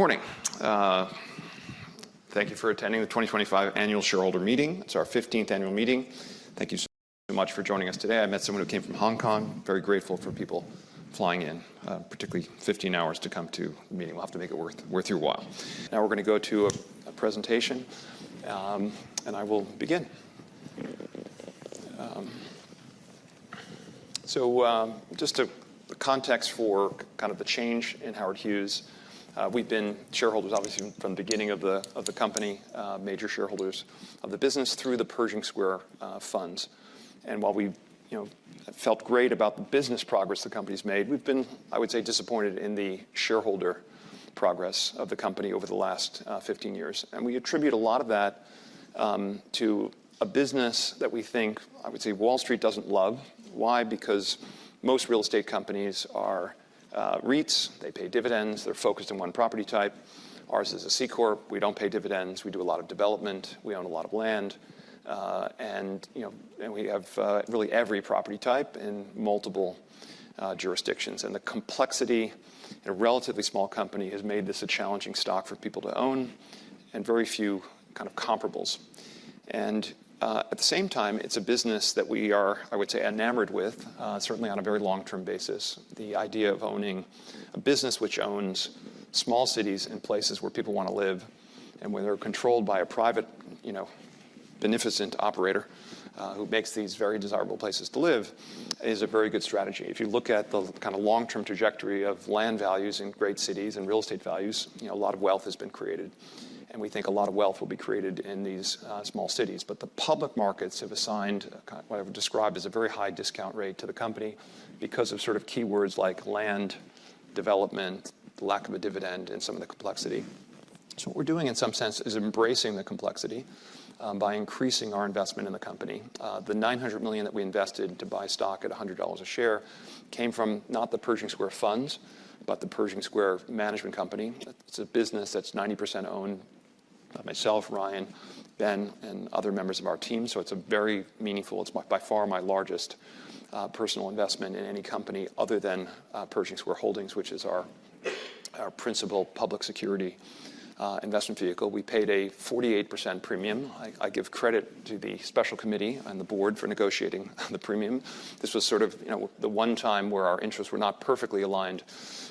Good morning. Thank you for attending the 2025 Annual Shareholder Meeting. It's our 15th annual meeting. Thank you so much for joining us today. I met someone who came from Hong Kong. Very grateful for people flying in, particularly 15 hours to come to the meeting. We'll have to make it worth your while. Now we're going to go to a presentation, and I will begin. So just the context for kind of the change in Howard Hughes. We've been shareholders, obviously, from the beginning of the company, major shareholders of the business through the Pershing Square funds. And while we felt great about the business progress the company's made, we've been, I would say, disappointed in the shareholder progress of the company over the last 15 years. And we attribute a lot of that to a business that we think, I would say, Wall Street doesn't love. Why? Because most real estate companies are REITs. They pay dividends. They're focused on one property type. Ours is a C Corp. We don't pay dividends. We do a lot of development. We own a lot of land. And we have really every property type in multiple jurisdictions. And the complexity in a relatively small company has made this a challenging stock for people to own, and very few kind of comparables. And at the same time, it's a business that we are, I would say, enamored with, certainly on a very long-term basis. The idea of owning a business which owns small cities and places where people want to live, and where they're controlled by a private beneficent operator who makes these very desirable places to live, is a very good strategy. If you look at the kind of long-term trajectory of land values in great cities and real estate values, a lot of wealth has been created. And we think a lot of wealth will be created in these small cities. But the public markets have assigned what I would describe as a very high discount rate to the company because of sort of keywords like land, development, lack of a dividend, and some of the complexity. So what we're doing, in some sense, is embracing the complexity by increasing our investment in the company. The $900 million that we invested to buy stock at $100 a share came from not the Pershing Square funds, but the Pershing Square Management Company. It's a business that's 90% owned by myself, Ryan, Ben, and other members of our team. So it's a very meaningful. It's by far my largest personal investment in any company other than Pershing Square Holdings, which is our principal public security investment vehicle. We paid a 48% premium. I give credit to the Special Committee and the board for negotiating the premium. This was sort of the one time where our interests were not perfectly aligned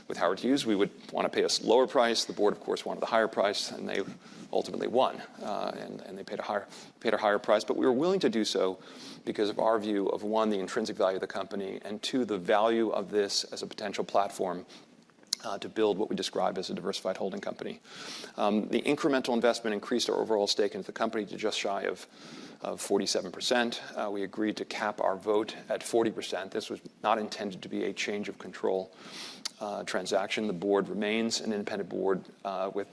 with Howard Hughes. We would want to pay a lower price. The board, of course, wanted a higher price, and they ultimately won. And they paid a higher price. But we were willing to do so because of our view of, one, the intrinsic value of the company, and, two, the value of this as a potential platform to build what we describe as a diversified holding company. The incremental investment increased our overall stake in the company to just shy of 47%. We agreed to cap our vote at 40%. This was not intended to be a change of control transaction. The board remains an independent board with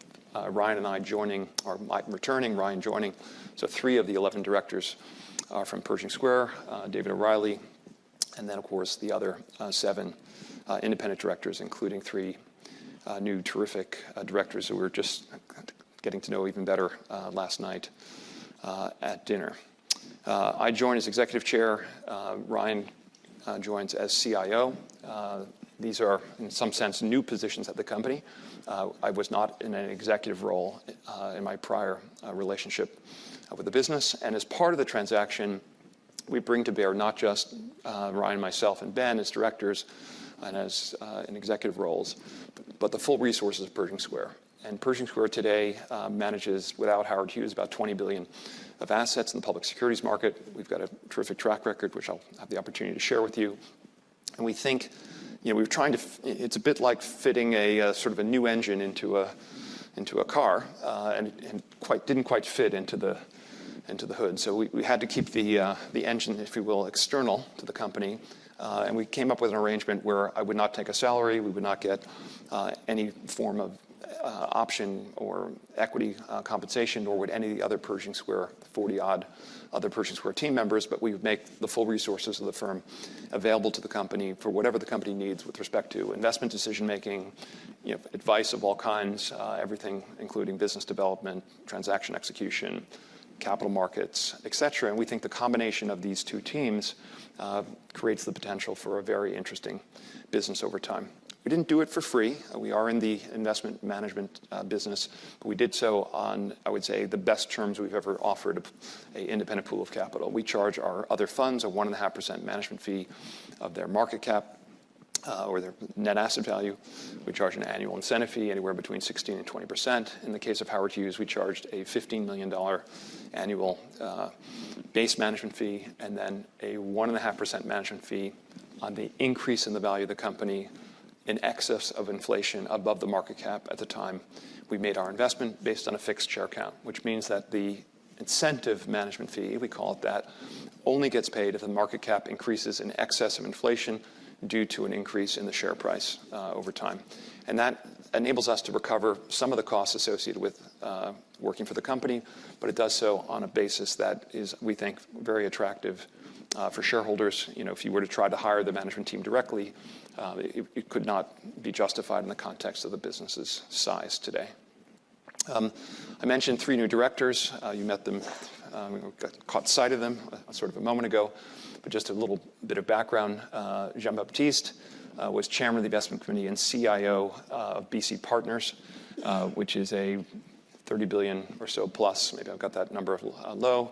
Ryan and I joining, or returning Ryan joining. So three of the 11 directors are from Pershing Square, David O'Reilly, and then, of course, the other seven independent directors, including three new terrific directors who we were just getting to know even better last night at dinner. I joined as Executive Chair. Ryan joins as CIO. These are, in some sense, new positions at the company. I was not in an executive role in my prior relationship with the business. And as part of the transaction, we bring to bear not just Ryan, myself, and Ben as directors and as in executive roles, but the full resources of Pershing Square. Pershing Square today manages, without Howard Hughes, about $20 billion of assets in the public securities market. We've got a terrific track record, which I'll have the opportunity to share with you. We think we were trying to. It's a bit like fitting sort of a new engine into a car and didn't quite fit into the hood. We had to keep the engine, if you will, external to the company. We came up with an arrangement where I would not take a salary. We would not get any form of option or equity compensation, nor would any of the other 40-odd Pershing Square team members. We would make the full resources of the firm available to the company for whatever the company needs with respect to investment decision-making, advice of all kinds, everything, including business development, transaction execution, capital markets, et cetera. We think the combination of these two teams creates the potential for a very interesting business over time. We didn't do it for free. We are in the investment management business. We did so on, I would say, the best terms we've ever offered an independent pool of capital. We charge our other funds a 1.5% management fee of their market cap or their net asset value. We charge an annual incentive fee anywhere between 16% and 20%. In the case of Howard Hughes, we charged a $15 million annual base management fee and then a 1.5% management fee on the increase in the value of the company in excess of inflation above the market cap at the time we made our investment based on a fixed share account, which means that the incentive management fee, we call it that, only gets paid if the market cap increases in excess of inflation due to an increase in the share price over time. And that enables us to recover some of the costs associated with working for the company, but it does so on a basis that is, we think, very attractive for shareholders. If you were to try to hire the management team directly, it could not be justified in the context of the business's size today. I mentioned three new directors. You met them. We caught sight of them sort of a moment ago. But just a little bit of background. Jean-Baptiste was Chairman of the Investment Committee and CIO of BC Partners, which is a $30 billion or so plus, maybe I've got that number low,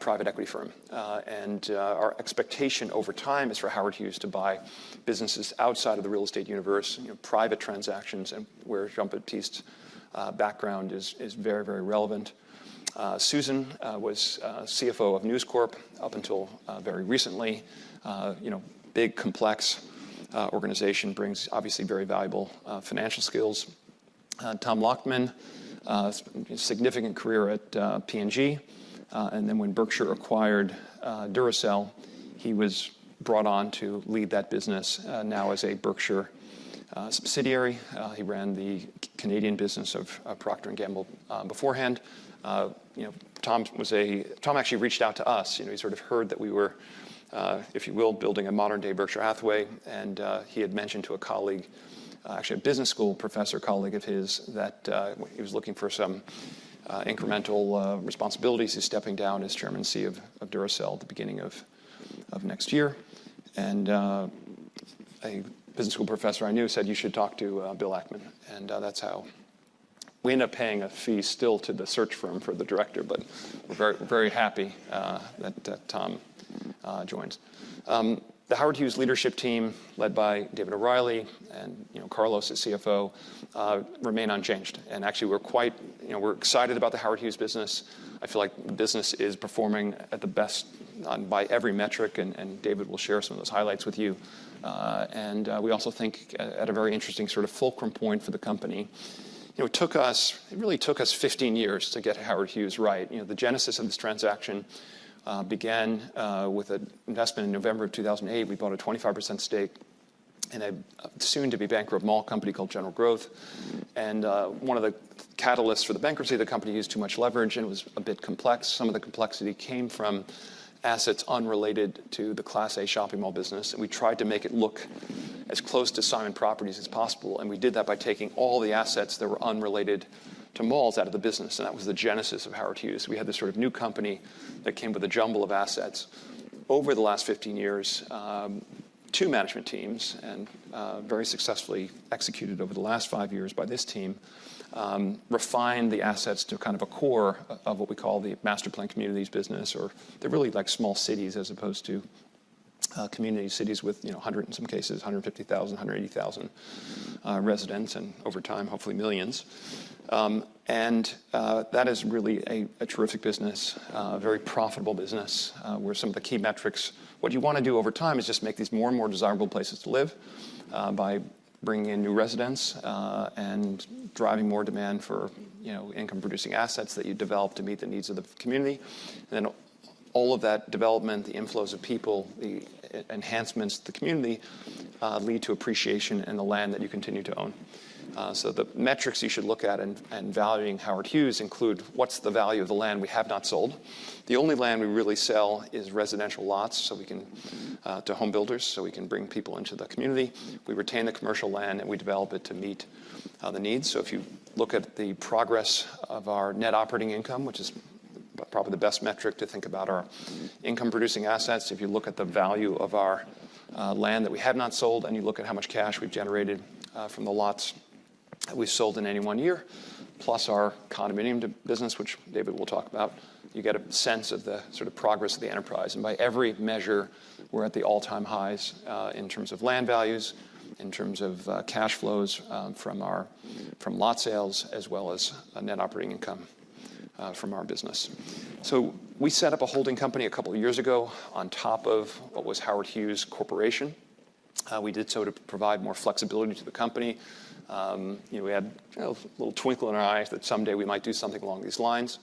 private equity firm. And our expectation over time is for Howard Hughes to buy businesses outside of the real estate universe, private transactions, where Jean-Baptiste's background is very, very relevant. Susan was CFO of News Corp up until very recently. Big, complex organization brings, obviously, very valuable financial skills. Thom Lachman, significant career at P&G. And then when Berkshire acquired Duracell, he was brought on to lead that business now as a Berkshire subsidiary. He ran the Canadian business of Procter & Gamble beforehand. Thom actually reached out to us. He sort of heard that we were, if you will, building a modern-day Berkshire Hathaway. He had mentioned to a colleague, actually a business school professor colleague of his, that he was looking for some incremental responsibilities. He's stepping down as Chairman and CEO of Duracell at the beginning of next year. A business school professor I knew said, you should talk to Bill Ackman. And that's how we ended up paying a fee still to the search firm for the director. But we're very happy that Thom joined. The Howard Hughes leadership team, led by David O'Reilly and Carlos as CFO, remain unchanged. And actually, we're quite excited about the Howard Hughes business. I feel like the business is performing at the best by every metric. And David will share some of those highlights with you. And we also think at a very interesting sort of fulcrum point for the company. It really took us 15 years to get Howard Hughes right. The genesis of this transaction began with an investment in November of 2008. We bought a 25% stake in a soon-to-be-bankrupt mall company called General Growth, and one of the catalysts for the bankruptcy of the company was too much leverage, and it was a bit complex. Some of the complexity came from assets unrelated to the Class A shopping mall business, and we tried to make it look as close to Simon Properties as possible, and we did that by taking all the assets that were unrelated to malls out of the business, and that was the genesis of Howard Hughes. We had this sort of new company that came with a jumble of assets. Over the last 15 years, two management teams and very successfully executed over the last five years by this team refined the assets to kind of a core of what we call the master-planned communities business, or they're really like small cities as opposed to community cities with 100,000 in some cases, 150,000, 180,000 residents, and over time, hopefully, millions. That is really a terrific business, a very profitable business, where some of the key metrics, what you want to do over time is just make these more and more desirable places to live by bringing in new residents and driving more demand for income-producing assets that you develop to meet the needs of the community. Then all of that development, the inflows of people, the enhancements to the community lead to appreciation in the land that you continue to own. The metrics you should look at in valuing Howard Hughes include what's the value of the land we have not sold. The only land we really sell is residential lots to home builders, so we can bring people into the community. We retain the commercial land, and we develop it to meet the needs. If you look at the progress of our net operating income, which is probably the best metric to think about our income-producing assets, if you look at the value of our land that we have not sold, and you look at how much cash we've generated from the lots that we've sold in any one year, plus our condominium business, which David will talk about, you get a sense of the sort of progress of the enterprise. And by every measure, we're at the all-time highs in terms of land values, in terms of cash flows from lot sales, as well as net operating income from our business. So we set up a holding company a couple of years ago on top of what was Howard Hughes Corporation. We did so to provide more flexibility to the company. We had a little twinkle in our eyes that someday we might do something along these lines.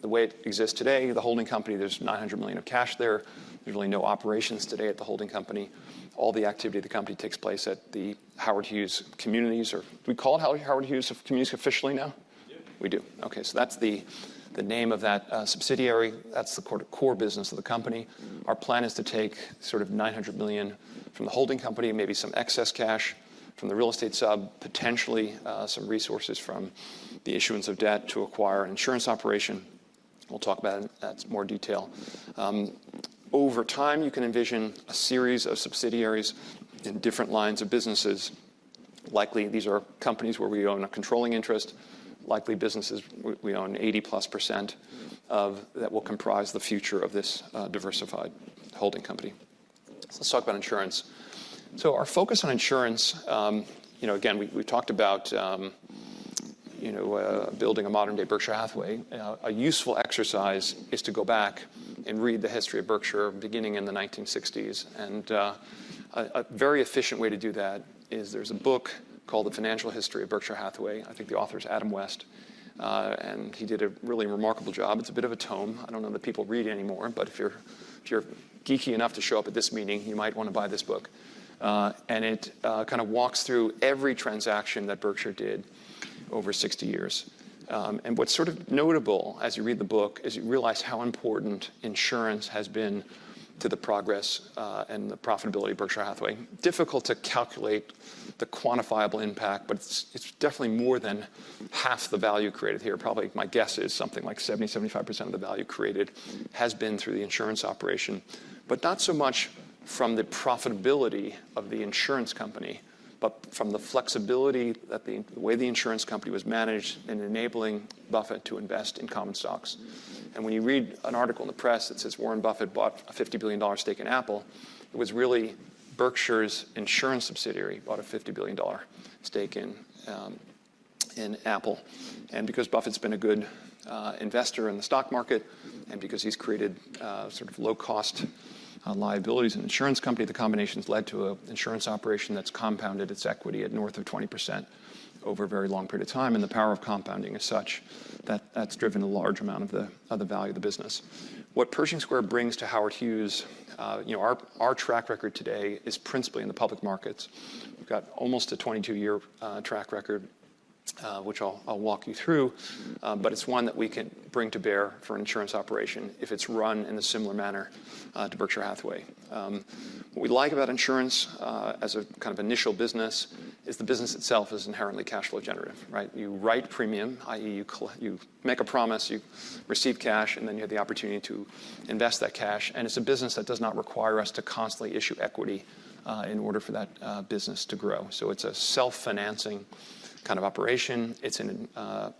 The way it exists today, the holding company, there's $900 million of cash there. There's really no operations today at the holding company. All the activity of the company takes place at the Howard Hughes Communities. We call it Howard Hughes Communities officially now? Yeah. We do. OK. So that's the name of that subsidiary. That's the core business of the company. Our plan is to take sort of $900 million from the holding company, maybe some excess cash from the real estate sub, potentially some resources from the issuance of debt to acquire an insurance operation. We'll talk about that in more detail. Over time, you can envision a series of subsidiaries in different lines of businesses. Likely, these are companies where we own a controlling interest. Likely, businesses we own 80% plus that will comprise the future of this diversified holding company. So let's talk about insurance. So our focus on insurance, again, we've talked about building a modern-day Berkshire Hathaway. A useful exercise is to go back and read the history of Berkshire, beginning in the 1960s. A very efficient way to do that is there's a book called The Financial History of Berkshire Hathaway. I think the author is Adam Mead. He did a really remarkable job. It's a bit of a tome. I don't know that people read anymore. But if you're geeky enough to show up at this meeting, you might want to buy this book. It kind of walks through every transaction that Berkshire did over 60 years. What's sort of notable as you read the book is you realize how important insurance has been to the progress and the profitability of Berkshire Hathaway. Difficult to calculate the quantifiable impact, but it's definitely more than half the value created here. Probably my guess is something like 70%, 75% of the value created has been through the insurance operation, but not so much from the profitability of the insurance company, but from the flexibility that the way the insurance company was managed in enabling Buffett to invest in common stocks. And when you read an article in the press that says Warren Buffett bought a $50 billion stake in Apple, it was really Berkshire's insurance subsidiary bought a $50 billion stake in Apple. And because Buffett's been a good investor in the stock market and because he's created sort of low-cost liabilities in insurance companies, the combination has led to an insurance operation that's compounded its equity at north of 20% over a very long period of time. And the power of compounding as such, that's driven a large amount of the value of the business. What Pershing Square brings to Howard Hughes, our track record today is principally in the public markets. We've got almost a 22-year track record, which I'll walk you through, but it's one that we can bring to bear for an insurance operation if it's run in a similar manner to Berkshire Hathaway. What we like about insurance as a kind of initial business is the business itself is inherently cash flow generative. You write premium, i.e., you make a promise, you receive cash, and then you have the opportunity to invest that cash, and it's a business that does not require us to constantly issue equity in order for that business to grow, so it's a self-financing kind of operation. The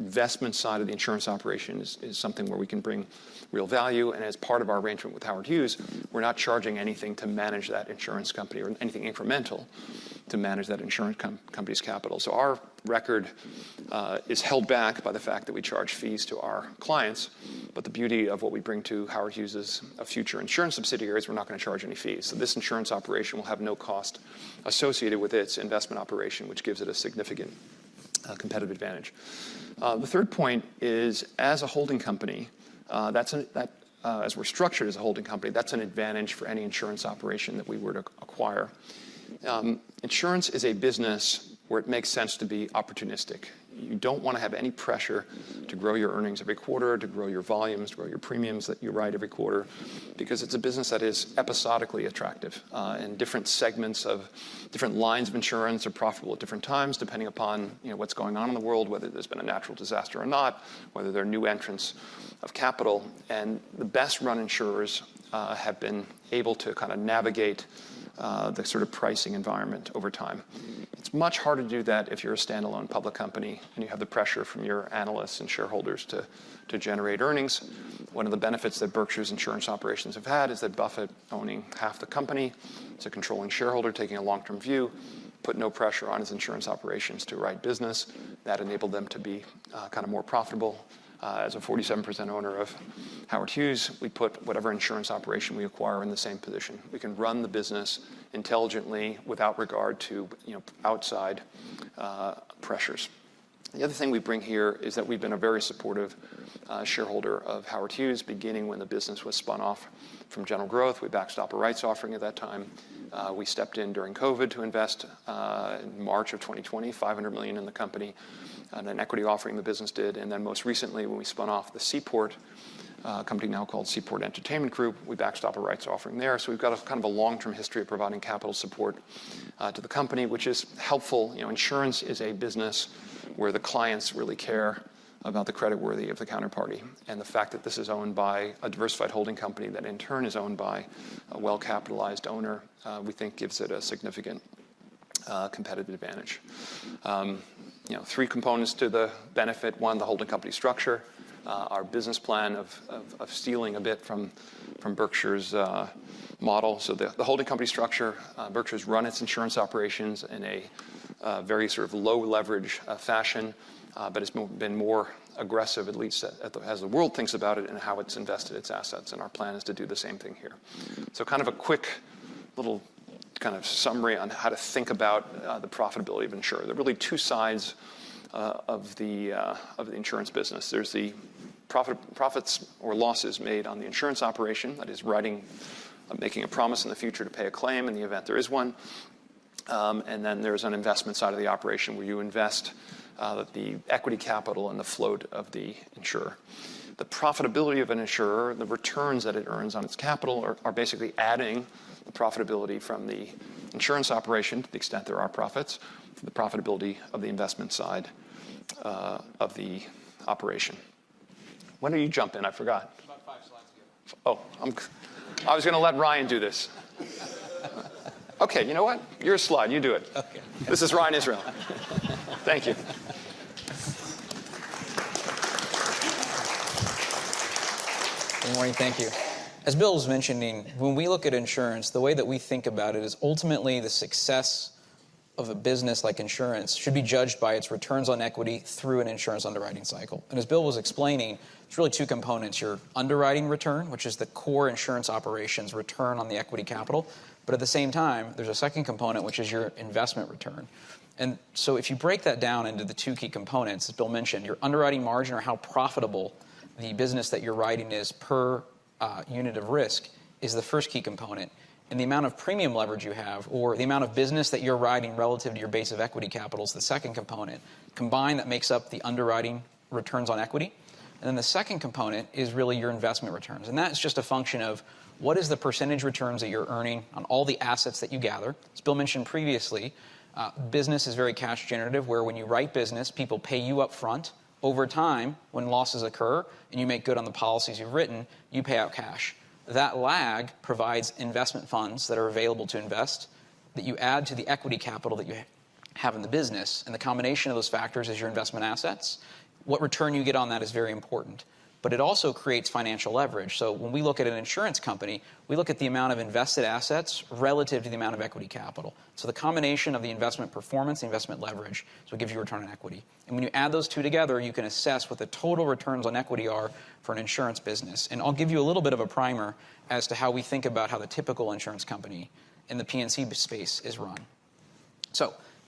investment side of the insurance operation is something where we can bring real value. And as part of our arrangement with Howard Hughes, we're not charging anything to manage that insurance company or anything incremental to manage that insurance company's capital. So our record is held back by the fact that we charge fees to our clients. But the beauty of what we bring to Howard Hughes' future insurance subsidiary is we're not going to charge any fees. So this insurance operation will have no cost associated with its investment operation, which gives it a significant competitive advantage. The third point is, as a holding company, as we're structured as a holding company, that's an advantage for any insurance operation that we were to acquire. Insurance is a business where it makes sense to be opportunistic. You don't want to have any pressure to grow your earnings every quarter, to grow your volumes, to grow your premiums that you write every quarter, because it's a business that is episodically attractive. And different segments of different lines of insurance are profitable at different times, depending upon what's going on in the world, whether there's been a natural disaster or not, whether there are new entrants of capital. And the best-run insurers have been able to kind of navigate the sort of pricing environment over time. It's much harder to do that if you're a standalone public company and you have the pressure from your analysts and shareholders to generate earnings. One of the benefits that Berkshire's insurance operations have had is that Buffett, owning half the company, is a controlling shareholder, taking a long-term view, put no pressure on his insurance operations to write business. That enabled them to be kind of more profitable. As a 47% owner of Howard Hughes, we put whatever insurance operation we acquire in the same position. We can run the business intelligently without regard to outside pressures. The other thing we bring here is that we've been a very supportive shareholder of Howard Hughes, beginning when the business was spun off from General Growth. We backstopped a rights offering at that time. We stepped in during COVID to invest in March of 2020, $500 million in the company, an equity offering the business did. And then most recently, when we spun off the Seaport, a company now called Seaport Entertainment Group, we backstopped a rights offering there. So we've got kind of a long-term history of providing capital support to the company, which is helpful. Insurance is a business where the clients really care about the creditworthiness of the counterparty, and the fact that this is owned by a diversified holding company that in turn is owned by a well-capitalized owner, we think, gives it a significant competitive advantage. There are three components to the benefit. One, the holding company structure, our business plan of stealing a bit from Berkshire's model, so the holding company structure, Berkshire has run its insurance operations in a very sort of low-leverage fashion, but it's been more aggressive, at least as the world thinks about it, in how it's invested its assets, and our plan is to do the same thing here, so kind of a quick little kind of summary on how to think about the profitability of insurance. There are really two sides of the insurance business. There's the profits or losses made on the insurance operation, that is, writing, making a promise in the future to pay a claim in the event there is one. And then there is an investment side of the operation where you invest the equity capital and the float of the insurer. The profitability of an insurer, the returns that it earns on its capital, are basically adding the profitability from the insurance operation to the extent there are profits to the profitability of the investment side of the operation. When are you jumping? I forgot. About five slides ago. Oh, I was going to let Ryan do this. OK. You know what? Your slide. You do it. This is Ryan Israel. Thank you. Good morning. Thank you. As Bill was mentioning, when we look at insurance, the way that we think about it is ultimately the success of a business like insurance should be judged by its returns on equity through an insurance underwriting cycle. And as Bill was explaining, there's really two components. Your underwriting return, which is the core insurance operation's return on the equity capital. But at the same time, there's a second component, which is your investment return. And so if you break that down into the two key components, as Bill mentioned, your underwriting margin or how profitable the business that you're writing is per unit of risk is the first key component. And the amount of premium leverage you have, or the amount of business that you're writing relative to your base of equity capital is the second component. Combined, that makes up the underwriting returns on equity, and then the second component is really your investment returns, and that's just a function of what is the percentage returns that you're earning on all the assets that you gather. As Bill mentioned previously, business is very cash generative, where when you write business, people pay you upfront. Over time, when losses occur and you make good on the policies you've written, you pay out cash. That lag provides investment funds that are available to invest that you add to the equity capital that you have in the business, and the combination of those factors is your investment assets. What return you get on that is very important, but it also creates financial leverage, so when we look at an insurance company, we look at the amount of invested assets relative to the amount of equity capital. The combination of the investment performance, the investment leverage, so it gives you return on equity. When you add those two together, you can assess what the total returns on equity are for an insurance business. I'll give you a little bit of a primer as to how we think about how the typical insurance company in the P&C space is run.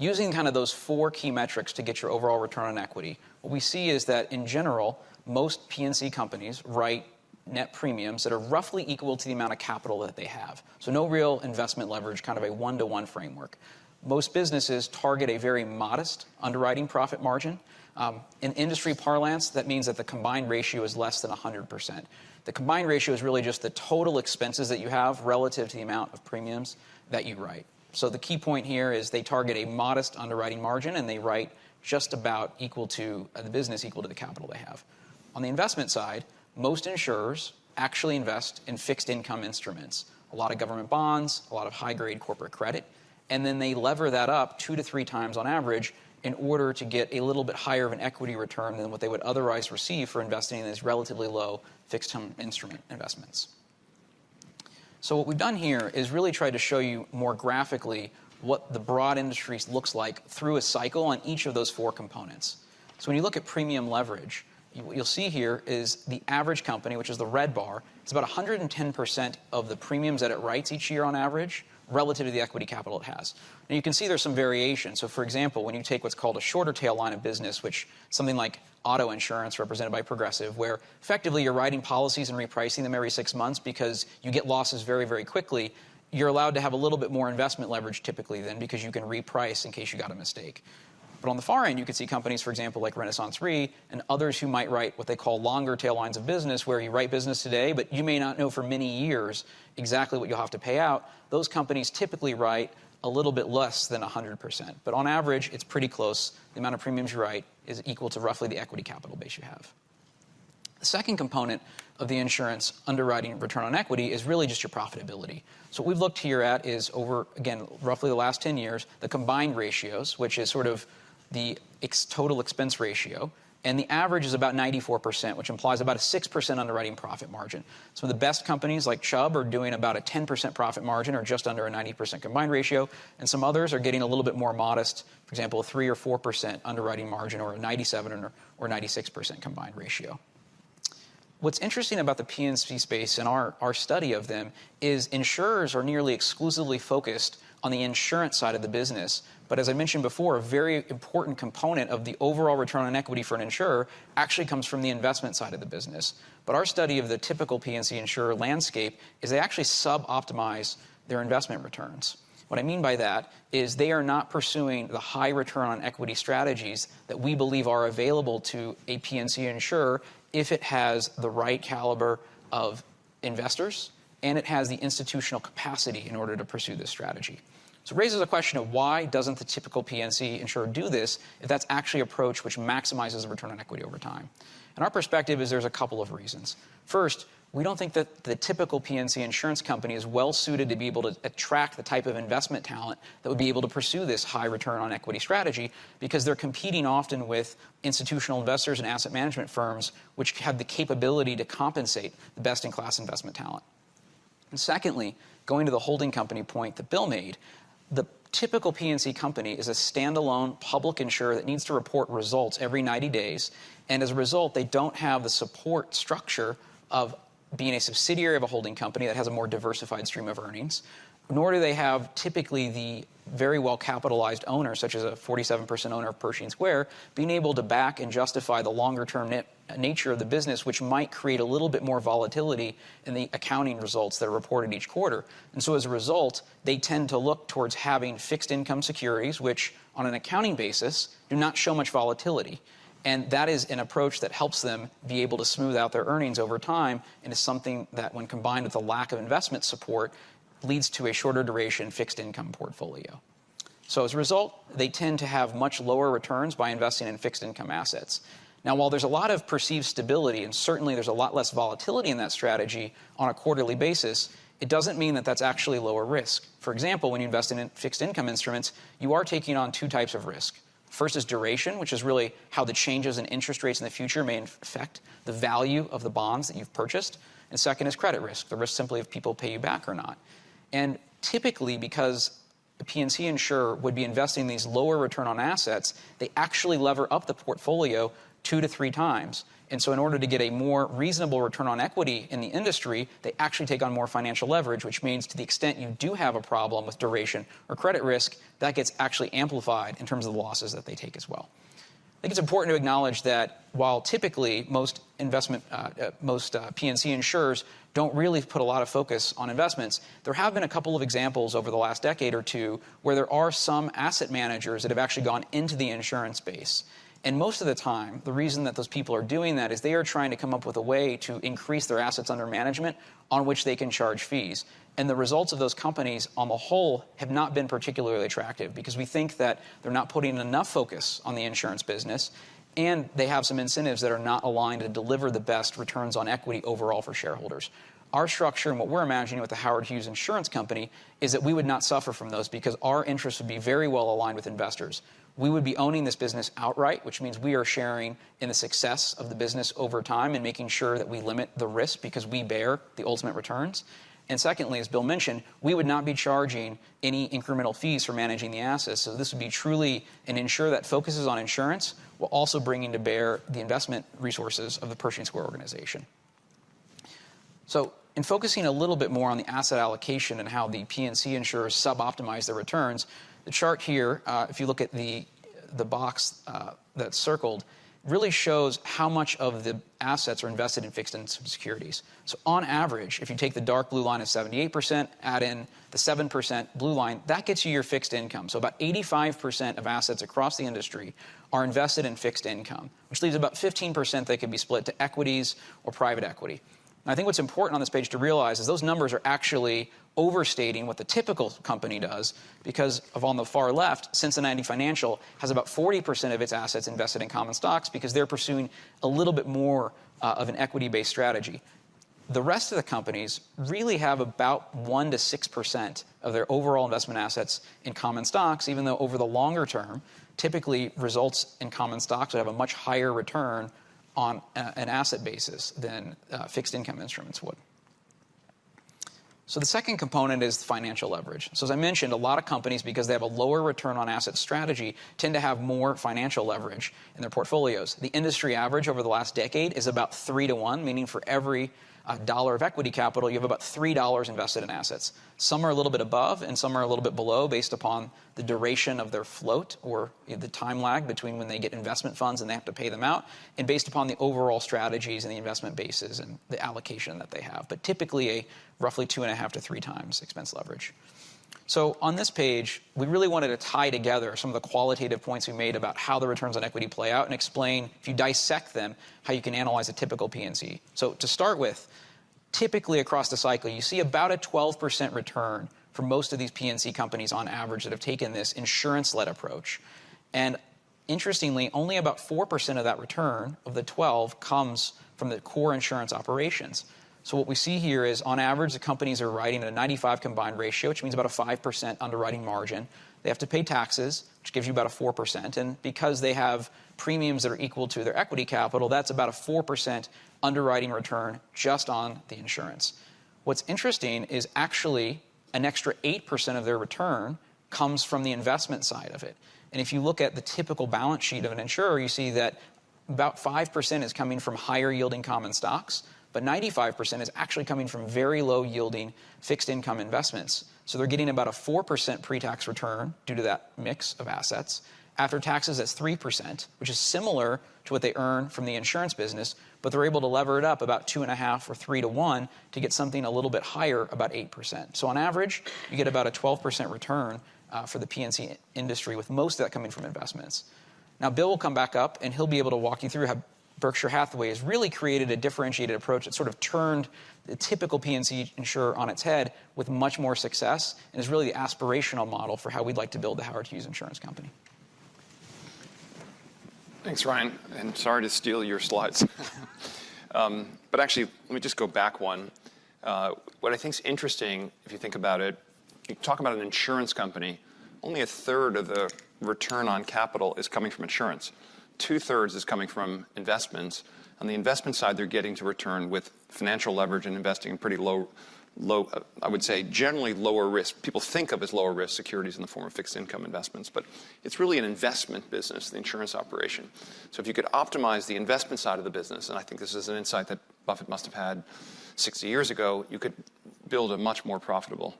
Using kind of those four key metrics to get your overall return on equity, what we see is that, in general, most P&C companies write net premiums that are roughly equal to the amount of capital that they have. No real investment leverage, kind of a one-to-one framework. Most businesses target a very modest underwriting profit margin. In industry parlance, that means that the combined ratio is less than 100%. The combined ratio is really just the total expenses that you have relative to the amount of premiums that you write. So the key point here is they target a modest underwriting margin, and they write just about equal to the business equal to the capital they have. On the investment side, most insurers actually invest in fixed-income instruments, a lot of government bonds, a lot of high-grade corporate credit. And then they leverage that up two to three times on average in order to get a little bit higher of an equity return than what they would otherwise receive for investing in these relatively low fixed-instrument investments. So what we've done here is really try to show you more graphically what the broad industry looks like through a cycle on each of those four components. When you look at premium leverage, what you'll see here is the average company, which is the red bar. It's about 110% of the premiums that it writes each year on average relative to the equity capital it has. You can see there's some variation. For example, when you take what's called a short-tail line of business, which is something like auto insurance represented by Progressive, where effectively you're writing policies and repricing them every six months because you get losses very, very quickly, you're allowed to have a little bit more investment leverage typically then because you can reprice in case you got a mistake. But on the far end, you could see companies, for example, like RenaissanceRe and others who might write what they call longer-tail lines of business, where you write business today, but you may not know for many years exactly what you'll have to pay out. Those companies typically write a little bit less than 100%. But on average, it's pretty close. The amount of premiums you write is equal to roughly the equity capital base you have. The second component of the insurance underwriting return on equity is really just your profitability. So what we've looked here at is over, again, roughly the last 10 years, the combined ratios, which is sort of the total expense ratio. And the average is about 94%, which implies about a 6% underwriting profit margin. Some of the best companies, like Chubb, are doing about a 10% profit margin or just under a 90% combined ratio. And some others are getting a little bit more modest, for example, a 3% or 4% underwriting margin or a 97% or 96% combined ratio. What's interesting about the P&C space and our study of them is insurers are nearly exclusively focused on the insurance side of the business. But as I mentioned before, a very important component of the overall return on equity for an insurer actually comes from the investment side of the business. But our study of the typical P&C insurer landscape is they actually sub-optimize their investment returns. What I mean by that is they are not pursuing the high return on equity strategies that we believe are available to a P&C insurer if it has the right caliber of investors and it has the institutional capacity in order to pursue this strategy. So it raises a question of why doesn't the typical P&C insurer do this if that's actually an approach which maximizes the return on equity over time? And our perspective is there's a couple of reasons. First, we don't think that the typical P&C insurance company is well-suited to be able to attract the type of investment talent that would be able to pursue this high return on equity strategy because they're competing often with institutional investors and asset management firms, which have the capability to compensate the best-in-class investment talent. And secondly, going to the holding company point that Bill made, the typical P&C company is a standalone public insurer that needs to report results every 90 days. And as a result, they don't have the support structure of being a subsidiary of a holding company that has a more diversified stream of earnings. Nor do they have typically the very well-capitalized owner, such as a 47% owner of Pershing Square, being able to back and justify the longer-term nature of the business, which might create a little bit more volatility in the accounting results that are reported each quarter. And so as a result, they tend to look towards having fixed-income securities, which on an accounting basis do not show much volatility. That is an approach that helps them be able to smooth out their earnings over time and is something that, when combined with a lack of investment support, leads to a shorter-duration fixed-income portfolio. As a result, they tend to have much lower returns by investing in fixed-income assets. Now, while there's a lot of perceived stability, and certainly there's a lot less volatility in that strategy on a quarterly basis, it doesn't mean that that's actually lower risk. For example, when you invest in fixed-income instruments, you are taking on two types of risk. First is duration, which is really how the changes in interest rates in the future may affect the value of the bonds that you've purchased. Second is credit risk, the risk simply of people paying you back or not. Typically, because a P&C insurer would be investing in these lower return on assets, they actually lever up the portfolio two to three times. So in order to get a more reasonable return on equity in the industry, they actually take on more financial leverage, which means to the extent you do have a problem with duration or credit risk, that gets actually amplified in terms of the losses that they take as well. I think it's important to acknowledge that while typically most P&C insurers don't really put a lot of focus on investments, there have been a couple of examples over the last decade or two where there are some asset managers that have actually gone into the insurance space. Most of the time, the reason that those people are doing that is they are trying to come up with a way to increase their assets under management on which they can charge fees. The results of those companies on the whole have not been particularly attractive because we think that they're not putting enough focus on the insurance business, and they have some incentives that are not aligned to deliver the best returns on equity overall for shareholders. Our structure and what we're imagining with the Howard Hughes Insurance Company is that we would not suffer from those because our interests would be very well aligned with investors. We would be owning this business outright, which means we are sharing in the success of the business over time and making sure that we limit the risk because we bear the ultimate returns. Secondly, as Bill mentioned, we would not be charging any incremental fees for managing the assets. This would be truly an insurer that focuses on insurance while also bringing to bear the investment resources of the Pershing Square organization. In focusing a little bit more on the asset allocation and how the P&C insurers sub-optimize their returns, the chart here, if you look at the box that's circled, really shows how much of the assets are invested in fixed-income securities. On average, if you take the dark blue line of 78%, add in the 7% blue line, that gets you your fixed income. About 85% of assets across the industry are invested in fixed income, which leaves about 15% that can be split to equities or private equity. I think what's important on this page to realize is those numbers are actually overstating what the typical company does because on the far left, Cincinnati Financial has about 40% of its assets invested in common stocks because they're pursuing a little bit more of an equity-based strategy. The rest of the companies really have about 1% to 6% of their overall investment assets in common stocks, even though over the longer term, typically results in common stocks that have a much higher return on an asset basis than fixed-income instruments would. The second component is financial leverage. As I mentioned, a lot of companies, because they have a lower return on asset strategy, tend to have more financial leverage in their portfolios. The industry average over the last decade is about 3:1, meaning for every dollar of equity capital, you have about $3 invested in assets. Some are a little bit above, and some are a little bit below based upon the duration of their float or the time lag between when they get investment funds and they have to pay them out and based upon the overall strategies and the investment bases and the allocation that they have. But typically, a roughly 2.5% to 3% expense leverage. So on this page, we really wanted to tie together some of the qualitative points we made about how the returns on equity play out and explain, if you dissect them, how you can analyze a typical P&C. So to start with, typically across the cycle, you see about a 12% return for most of these P&C companies on average that have taken this insurance-led approach. And interestingly, only about 4% of that return of the 12% comes from the core insurance operations. So what we see here is, on average, the companies are writing at a 95% combined ratio, which means about a 5% underwriting margin. They have to pay taxes, which gives you about a 4%. And because they have premiums that are equal to their equity capital, that's about a 4% underwriting return just on the insurance. What's interesting is actually an extra 8% of their return comes from the investment side of it. And if you look at the typical balance sheet of an insurer, you see that about 5% is coming from higher-yielding common stocks, but 95% is actually coming from very low-yielding fixed-income investments. So they're getting about a 4% pre-tax return due to that mix of assets after taxes at 3%, which is similar to what they earn from the insurance business, but they're able to lever it up about 2.5:1 or 3:1 to get something a little bit higher, about 8%. So on average, you get about a 12% return for the P&C industry, with most of that coming from investments. Now, Bill will come back up, and he'll be able to walk you through how Berkshire Hathaway has really created a differentiated approach that sort of turned the typical P&C insurer on its head with much more success and is really the aspirational model for how we'd like to build the Howard Hughes Insurance Company. Thanks, Ryan. And sorry to steal your slides. But actually, let me just go back one. What I think is interesting, if you think about it, you talk about an insurance company. Only a third of the return on capital is coming from insurance. Two-thirds is coming from investments. On the investment side, they're getting to return with financial leverage and investing in pretty low, I would say generally lower-risk, people think of as lower-risk securities in the form of fixed-income investments. But it's really an investment business, the insurance operation. So if you could optimize the investment side of the business, and I think this is an insight that Buffett must have had 60 years ago, you could build a much more profitable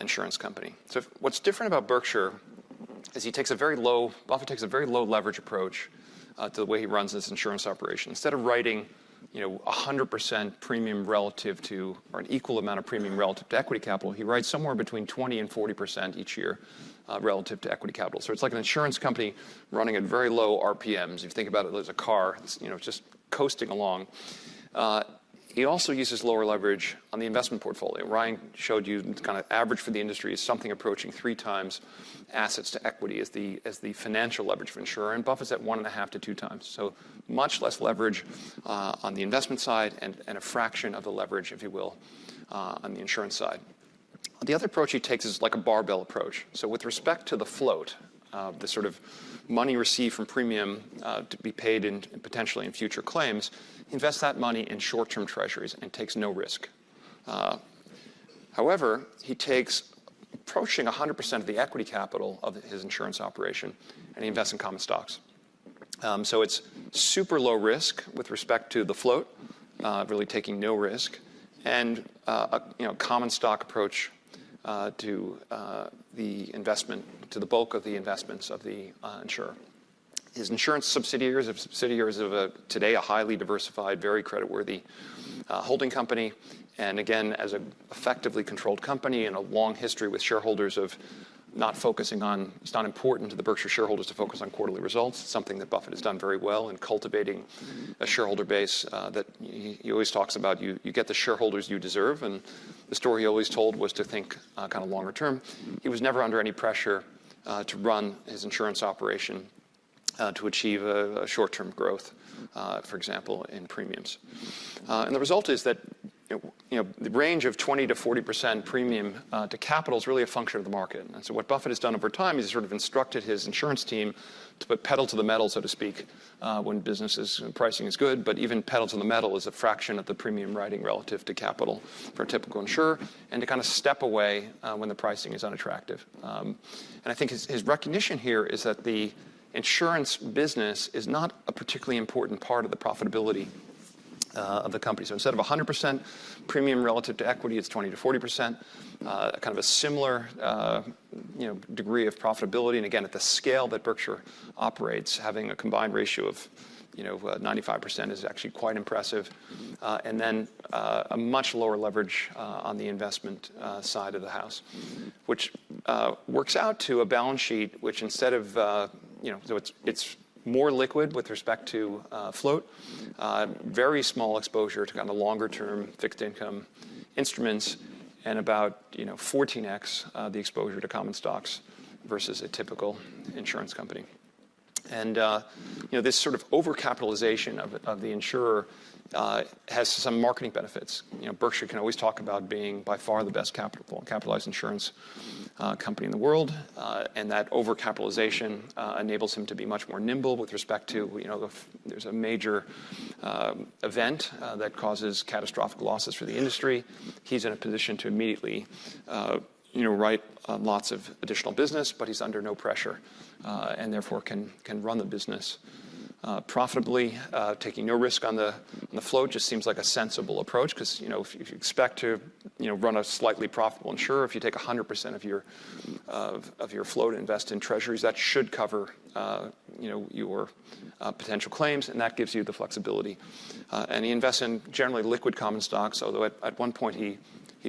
insurance company. What's different about Berkshire is he takes a very low, Buffett takes a very low leverage approach to the way he runs this insurance operation. Instead of writing 100% premium relative to or an equal amount of premium relative to equity capital, he writes somewhere between 20% and 40% each year relative to equity capital. It's like an insurance company running at very low RPMs. If you think about it as a car just coasting along. He also uses lower leverage on the investment portfolio. Ryan showed you kind of average for the industry is something approaching three times assets to equity as the financial leverage for insurers. And Buffett's at 1.5% to 2%. So much less leverage on the investment side and a fraction of the leverage, if you will, on the insurance side. The other approach he takes is like a barbell approach. So with respect to the float, the sort of money received from premium to be paid potentially in future claims, he invests that money in short-term Treasuries and takes no risk. However, he takes approaching 100% of the equity capital of his insurance operation, and he invests in common stocks. So it's super low risk with respect to the float, really taking no risk. And a common stock approach to the investment, to the bulk of the investments of the insurer. His insurance subsidiaries are subsidiaries of, today, a highly diversified, very creditworthy holding company. And again, as an effectively controlled company and a long history with shareholders of not focusing on, it's not important to the Berkshire shareholders to focus on quarterly results. It's something that Buffett has done very well in cultivating a shareholder base that he always talks about, you get the shareholders you deserve. The story he always told was to think kind of longer-term. He was never under any pressure to run his insurance operation to achieve a short-term growth, for example, in premiums. The result is that the range of 20% to 40% premium to capital is really a function of the market. What Buffett has done over time is he sort of instructed his insurance team to put pedal to the metal, so to speak, when businesses and pricing is good, but even pedal to the metal is a fraction of the premium writing relative to capital for a typical insurer and to kind of step away when the pricing is unattractive. I think his recognition here is that the insurance business is not a particularly important part of the profitability of the company. So instead of 100% premium relative to equity, it's 20% to 40%, kind of a similar degree of profitability. And again, at the scale that Berkshire operates, having a combined ratio of 95% is actually quite impressive. And then a much lower leverage on the investment side of the house, which works out to a balance sheet which instead of so it's more liquid with respect to float, very small exposure to kind of longer-term fixed-income instruments, and about 14X the exposure to common stocks versus a typical insurance company. And this sort of over-capitalization of the insurer has some marketing benefits. Berkshire can always talk about being by far the best capitalized insurance company in the world. And that over-capitalization enables him to be much more nimble with respect to there's a major event that causes catastrophic losses for the industry. He's in a position to immediately write lots of additional business, but he's under no pressure and therefore can run the business profitably, taking no risk on the float. It just seems like a sensible approach because if you expect to run a slightly profitable insurer, if you take 100% of your float and invest in treasuries, that should cover your potential claims. And that gives you the flexibility. And he invests in generally liquid common stocks, although at one point he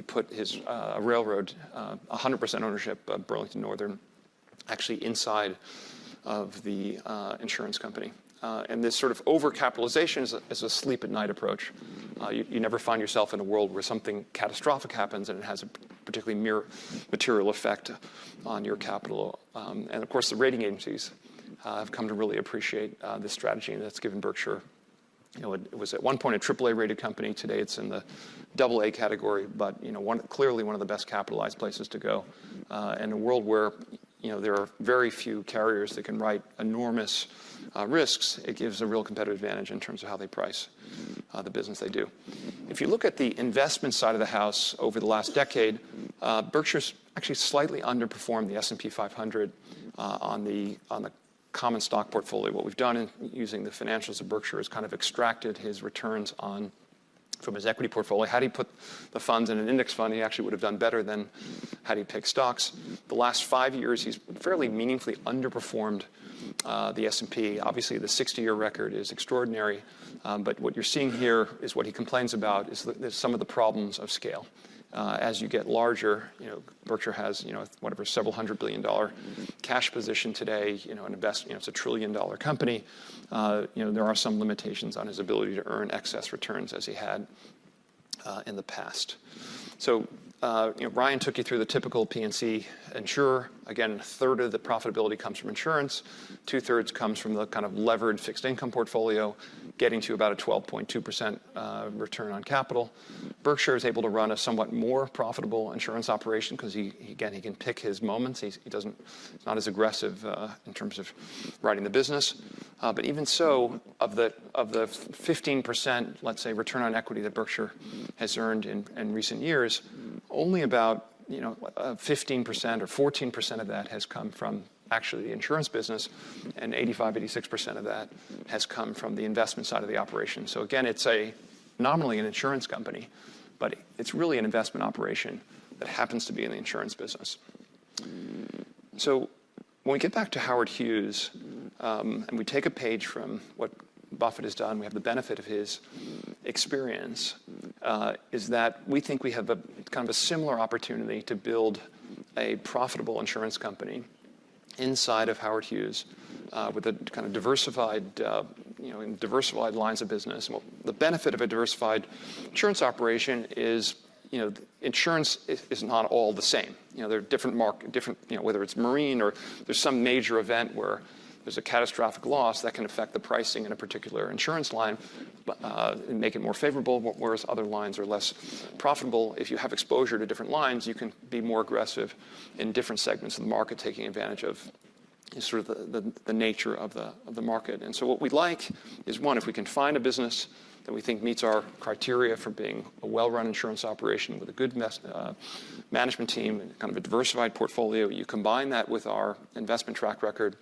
put his railroad 100% ownership of Burlington Northern actually inside of the insurance company. And this sort of over-capitalization is a sleep-at-night approach. You never find yourself in a world where something catastrophic happens and it has a particularly mere material effect on your capital. And of course, the rating agencies have come to really appreciate this strategy, and that's given Berkshire. It was at one point a AAA-rated company. Today, it's in the AA category, but clearly one of the best capitalized places to go. And in a world where there are very few carriers that can write enormous risks, it gives a real competitive advantage in terms of how they price the business they do. If you look at the investment side of the house over the last decade, Berkshire has actually slightly underperformed the S&P 500 on the common stock portfolio. What we've done using the financials of Berkshire is kind of extracted his returns from his equity portfolio. Had he put the funds in an index fund, he actually would have done better than had he picked stocks. The last five years, he's fairly meaningfully underperformed the S&P. Obviously, the 60-year record is extraordinary. But what you're seeing here is what he complains about is some of the problems of scale. As you get larger, Berkshire has whatever several hundred billion-dollar cash position today. It's a trillion-dollar company. There are some limitations on his ability to earn excess returns as he had in the past. So Ryan took you through the typical P&C insurer. Again, a third of the profitability comes from insurance. Two-thirds comes from the kind of levered fixed-income portfolio, getting to about a 12.2% return on capital. Berkshire is able to run a somewhat more profitable insurance operation because, again, he can pick his moments. He's not as aggressive in terms of writing the business. But even so, of the 15%, let's say, return on equity that Berkshire has earned in recent years, only about 15% or 14% of that has come from actually the insurance business, and 85%, 86% of that has come from the investment side of the operation. So again, it's nominally an insurance company, but it's really an investment operation that happens to be in the insurance business. So when we get back to Howard Hughes and we take a page from what Buffett has done, we have the benefit of his experience, is that we think we have kind of a similar opportunity to build a profitable insurance company inside of Howard Hughes with a kind of diversified lines of business. And the benefit of a diversified insurance operation is insurance is not all the same. There are different markets, whether it's marine or there's some major event where there's a catastrophic loss that can affect the pricing in a particular insurance line and make it more favorable, whereas other lines are less profitable. If you have exposure to different lines, you can be more aggressive in different segments of the market, taking advantage of sort of the nature of the market. And so what we'd like is, one, if we can find a business that we think meets our criteria for being a well-run insurance operation with a good management team and kind of a diversified portfolio, you combine that with our investment track record.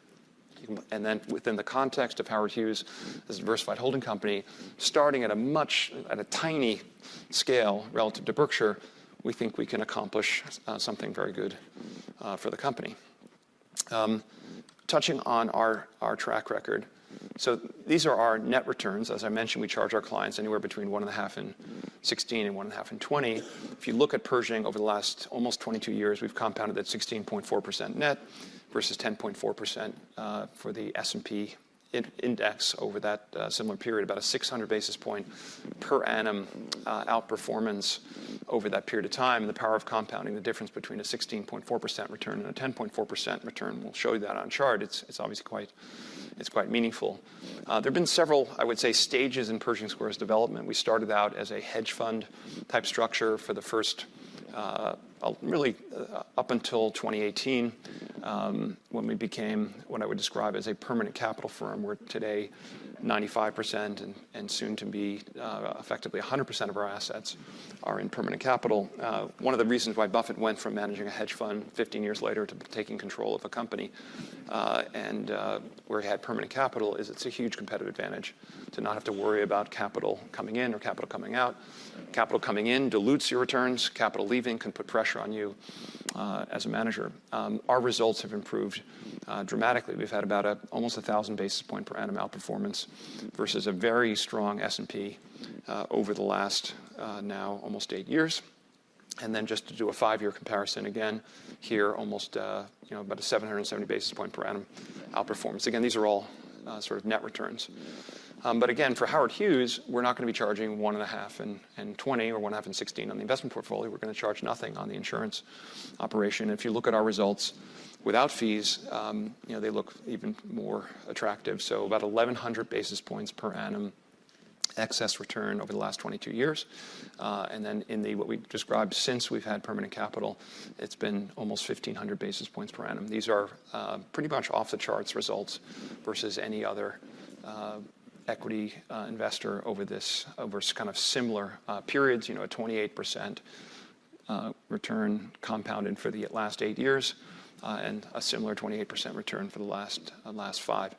And then within the context of Howard Hughes as a diversified holding company, starting at a tiny scale relative to Berkshire, we think we can accomplish something very good for the company. Touching on our track record, so these are our net returns. As I mentioned, we charge our clients anywhere between 1.5% and 16% and 1.5% and 20%. If you look at Pershing Square over the last almost 22 years, we've compounded at 16.4% net versus 10.4% for the S&P index over that similar period, about a 600 basis point per annum outperformance over that period of time, and the power of compounding, the difference between a 16.4% return and a 10.4% return, we'll show you that on chart. It's obviously quite meaningful. There have been several, I would say, stages in Pershing Square's development. We started out as a hedge fund type structure for the first, really up until 2018, when we became what I would describe as a permanent capital firm where today 95% and soon to be effectively 100% of our assets are in permanent capital. One of the reasons why Buffett went from managing a hedge fund 15 years later to taking control of a company and where he had permanent capital is it's a huge competitive advantage to not have to worry about capital coming in or capital coming out. Capital coming in dilutes your returns. Capital leaving can put pressure on you as a manager. Our results have improved dramatically. We've had about almost 1,000 basis point per annum outperformance versus a very strong S&P over the last now almost eight years. And then just to do a five-year comparison again here, almost about a 770 basis point per annum outperformance. Again, these are all sort of net returns. But again, for Howard Hughes, we're not going to be charging 1.5% and 20% or 1.5% and 16% on the investment portfolio. We're going to charge nothing on the insurance operation. If you look at our results without fees, they look even more attractive. So about 1,100 basis points per annum excess return over the last 22 years. And then in what we described since we've had permanent capital, it's been almost 1,500 basis points per annum. These are pretty much off-the-charts results versus any other equity investor over this kind of similar periods, a 28% return compounding for the last eight years and a similar 28% return for the last five.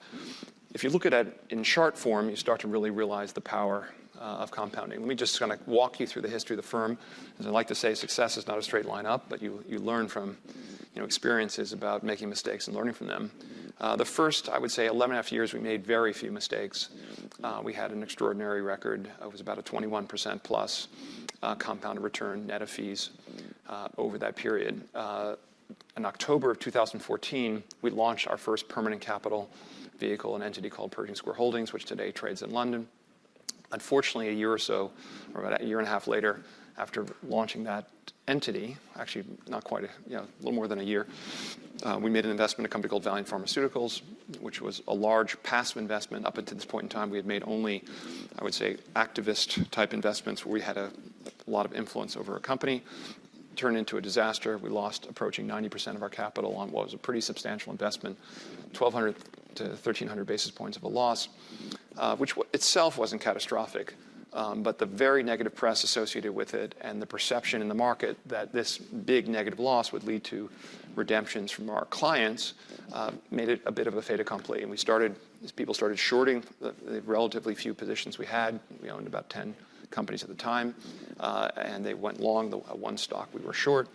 If you look at that in chart form, you start to really realize the power of compounding. Let me just kind of walk you through the history of the firm. As I like to say, success is not a straight line up, but you learn from experiences about making mistakes and learning from them. The first, I would say, 11.5 years, we made very few mistakes. We had an extraordinary record. It was about a 21% plus compound return net of fees over that period. In October of 2014, we launched our first permanent capital vehicle, an entity called Pershing Square Holdings, which today trades in London. Unfortunately, a year or so, or about a year and a half later after launching that entity, actually not quite a little more than a year, we made an investment in a company called Valeant Pharmaceuticals, which was a large passive investment. Up until this point in time, we had made only, I would say, activist-type investments where we had a lot of influence over a company. It turned into a disaster. We lost approaching 90% of our capital on what was a pretty substantial investment, 1,200-1,300 basis points of a loss, which itself wasn't catastrophic. But the very negative press associated with it and the perception in the market that this big negative loss would lead to redemptions from our clients made it a bit of a fatal complaint. And we started, people started shorting the relatively few positions we had. We owned about 10 companies at the time. And they went long the one stock we were short,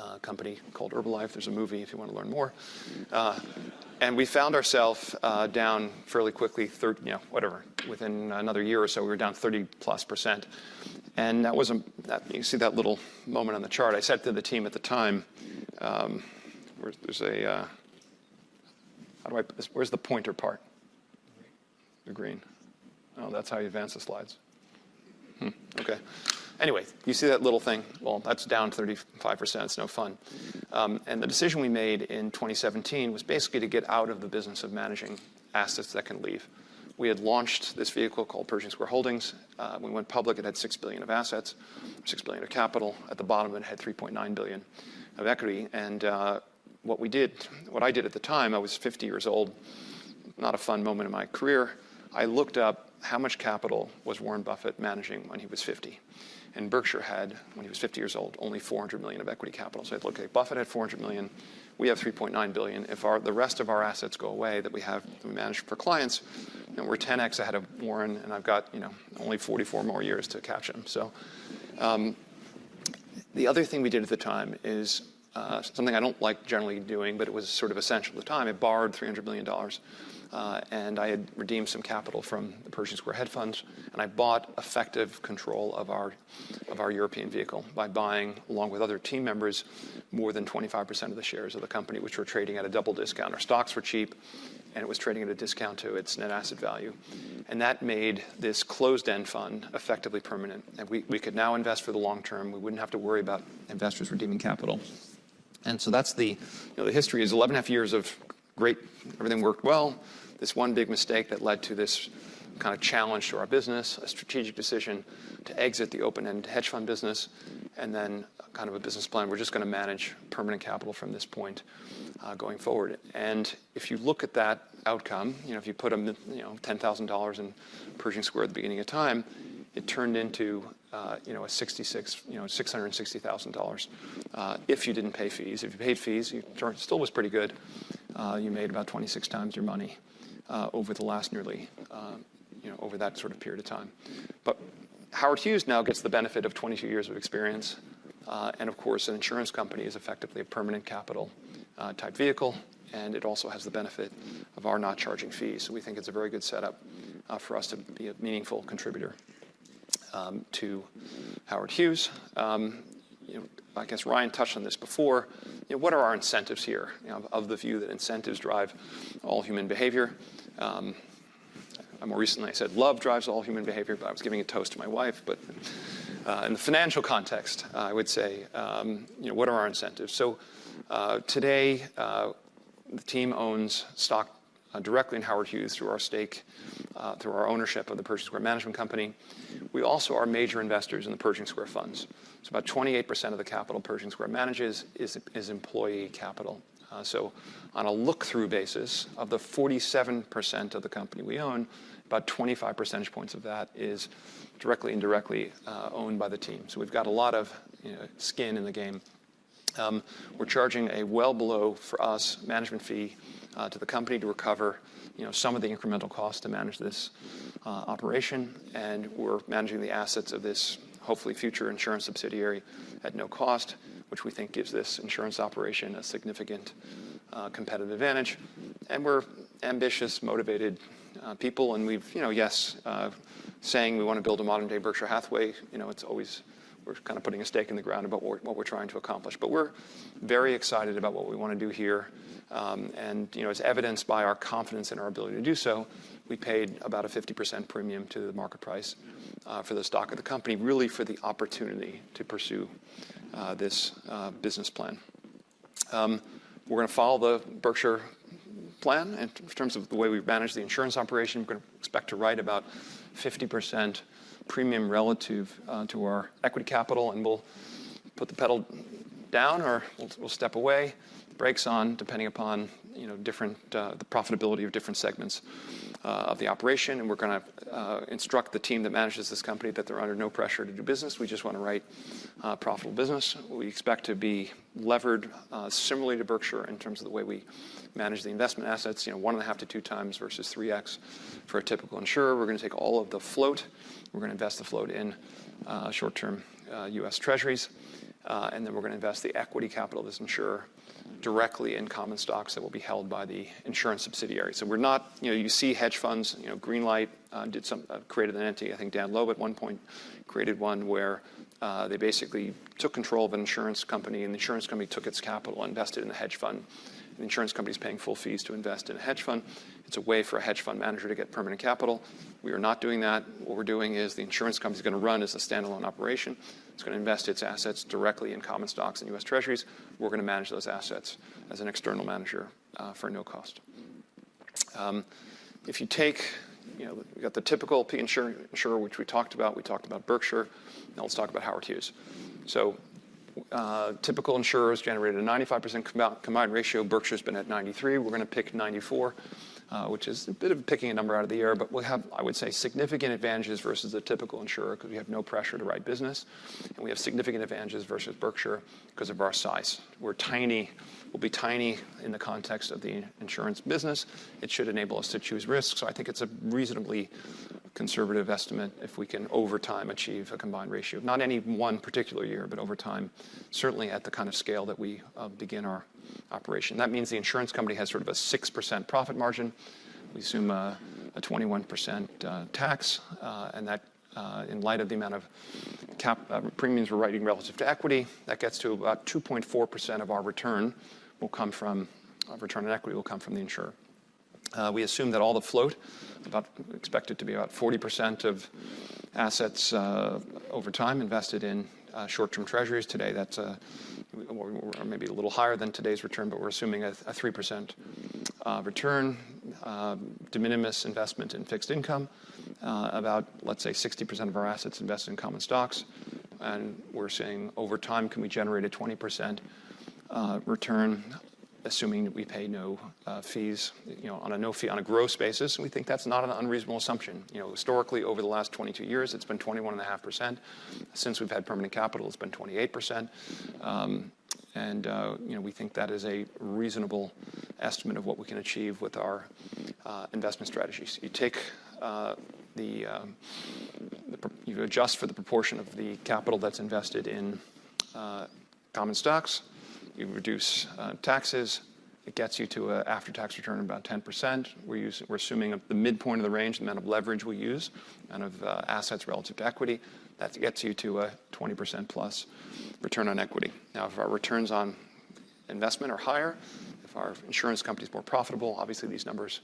a company called Herbalife. There's a movie if you want to learn more. And we found ourselves down fairly quickly, whatever, within another year or so, we were down 30% plus. And you see that little moment on the chart. I said to the team at the time, where's the pointer part? The green. Oh, that's how you advance the slides. Okay. Anyway, you see that little thing. Well, that's down 35%. It's no fun. The decision we made in 2017 was basically to get out of the business of managing assets that can leave. We had launched this vehicle called Pershing Square Holdings. We went public. It had $6 billion of assets, $6 billion of capital. At the bottom, it had $3.9 billion of equity. And what I did at the time, I was 50 years old, not a fun moment in my career. I looked up how much capital was Warren Buffett managing when he was 50. And Berkshire had, when he was 50 years old, only $400 million of equity capital. So I looked at Buffett had $400 million. We have $3.9 billion. If the rest of our assets go away that we manage for clients, then we're 10X ahead of Warren, and I've got only 44 more years to catch him. So the other thing we did at the time is something I don't like generally doing, but it was sort of essential at the time. It borrowed $300 million. And I had redeemed some capital from the Pershing Square Hedge Funds. And I bought effective control of our European vehicle by buying, along with other team members, more than 25% of the shares of the company, which were trading at a double discount. Our stocks were cheap, and it was trading at a discount to its net asset value. And that made this closed-end fund effectively permanent. And we could now invest for the long term. We wouldn't have to worry about investors redeeming capital. And so that's the history is 11.5 years of great, everything worked well. This one big mistake that led to this kind of challenge to our business, a strategic decision to exit the open-end hedge fund business, and then kind of a business plan. We're just going to manage permanent capital from this point going forward. If you look at that outcome, if you put $10,000 in Pershing Square at the beginning of time, it turned into a $660,000 if you didn't pay fees. If you paid fees, it still was pretty good. You made about 26 times your money over the last nearly over that sort of period of time. Howard Hughes now gets the benefit of 22 years of experience. Of course, an insurance company is effectively a permanent capital type vehicle. It also has the benefit of our not charging fees. So we think it's a very good setup for us to be a meaningful contributor to Howard Hughes. I guess Ryan touched on this before. What are our incentives here? I have the view that incentives drive all human behavior. More recently, I said love drives all human behavior, but I was giving a toast to my wife. But in the financial context, I would say, what are our incentives? So today, the team owns stock directly in Howard Hughes through our stake, through our ownership of the Pershing Square Management Company. We also are major investors in the Pershing Square funds. So about 28 of the capital Pershing Square manages is employee capital. So on a look-through basis, of the 47% of the company we own, about 25 percentage points of that is directly and indirectly owned by the team. We've got a lot of skin in the game. We're charging a well below, for us, management fee to the company to recover some of the incremental costs to manage this operation. We're managing the assets of this hopefully future insurance subsidiary at no cost, which we think gives this insurance operation a significant competitive advantage. We're ambitious, motivated people. Yes, saying we want to build a modern-day Berkshire Hathaway, it's always we're kind of putting a stake in the ground about what we're trying to accomplish. We're very excited about what we want to do here. As evidenced by our confidence in our ability to do so, we paid about a 50% premium to the market price for the stock of the company, really for the opportunity to pursue this business plan. We're going to follow the Berkshire plan. And in terms of the way we've managed the insurance operation, we're going to expect to write about 50% premium relative to our equity capital. And we'll put the pedal down or we'll step away, brakes on, depending upon the profitability of different segments of the operation. And we're going to instruct the team that manages this company that they're under no pressure to do business. We just want to write profitable business. We expect to be levered similarly to Berkshire in terms of the way we manage the investment assets, 1.5 to 2 times versus 3X for a typical insurer. We're going to take all of the float. We're going to invest the float in short-term US Treasuries. And then we're going to invest the equity capital of this insurer directly in common stocks that will be held by the insurance subsidiary. So you see hedge funds. Greenlight created an entity. I think Dan Loeb at one point created one where they basically took control of an insurance company. And the insurance company took its capital and invested in the hedge fund. And the insurance company is paying full fees to invest in a hedge fund. It's a way for a hedge fund manager to get permanent capital. We are not doing that. What we're doing is the insurance company is going to run as a standalone operation. It's going to invest its assets directly in common stocks and U.S. Treasuries. We're going to manage those assets as an external manager for no cost. If you take we've got the typical insurer, which we talked about. We talked about Berkshire. Now let's talk about Howard Hughes. So typical insurers generated a 95% combined ratio. Berkshire has been at 93%. We're going to pick 94%, which is a bit of picking a number out of the air. But we have, I would say, significant advantages versus a typical insurer because we have no pressure to write business. And we have significant advantages versus Berkshire because of our size. We'll be tiny in the context of the insurance business. It should enable us to choose risk. So I think it's a reasonably conservative estimate if we can over time achieve a combined ratio, not any one particular year, but over time, certainly at the kind of scale that we begin our operation. That means the insurance company has sort of a 6% profit margin. We assume a 21% tax. And that, in light of the amount of premiums we're writing relative to equity, that gets to about 2.4% of our return on equity will come from the insurer. We assume that all the float, expected to be about 40% of assets over time, invested in short-term Treasuries. Today, that's maybe a little higher than today's return, but we're assuming a 3% return, de minimis investment in fixed income, let's say 60% of our assets invested in common stocks. And we're saying over time, can we generate a 20% return, assuming that we pay no fees on a gross basis? We think that's not an unreasonable assumption. Historically, over the last 22 years, it's been 21.5%. Since we've had permanent capital, it's been 28%. And we think that is a reasonable estimate of what we can achieve with our investment strategies. You adjust for the proportion of the capital that's invested in common stocks. You reduce taxes. It gets you to an after-tax return of about 10%. We're assuming the midpoint of the range, the amount of leverage we use, the amount of assets relative to equity. That gets you to a 20% plus return on equity. Now, if our returns on investment are higher, if our insurance company is more profitable, obviously these numbers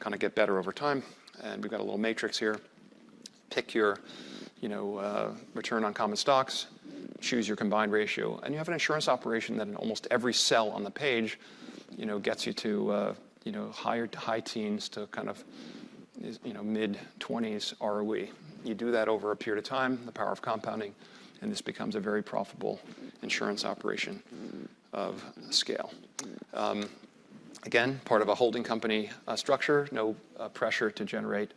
kind of get better over time, and we've got a little matrix here. Pick your return on common stocks. Choose your combined ratio, and you have an insurance operation that in almost every cell on the page gets you to high teens to kind of mid-20s ROE. You do that over a period of time, the power of compounding, and this becomes a very profitable insurance operation of scale. Again, part of a holding company structure, no pressure to generate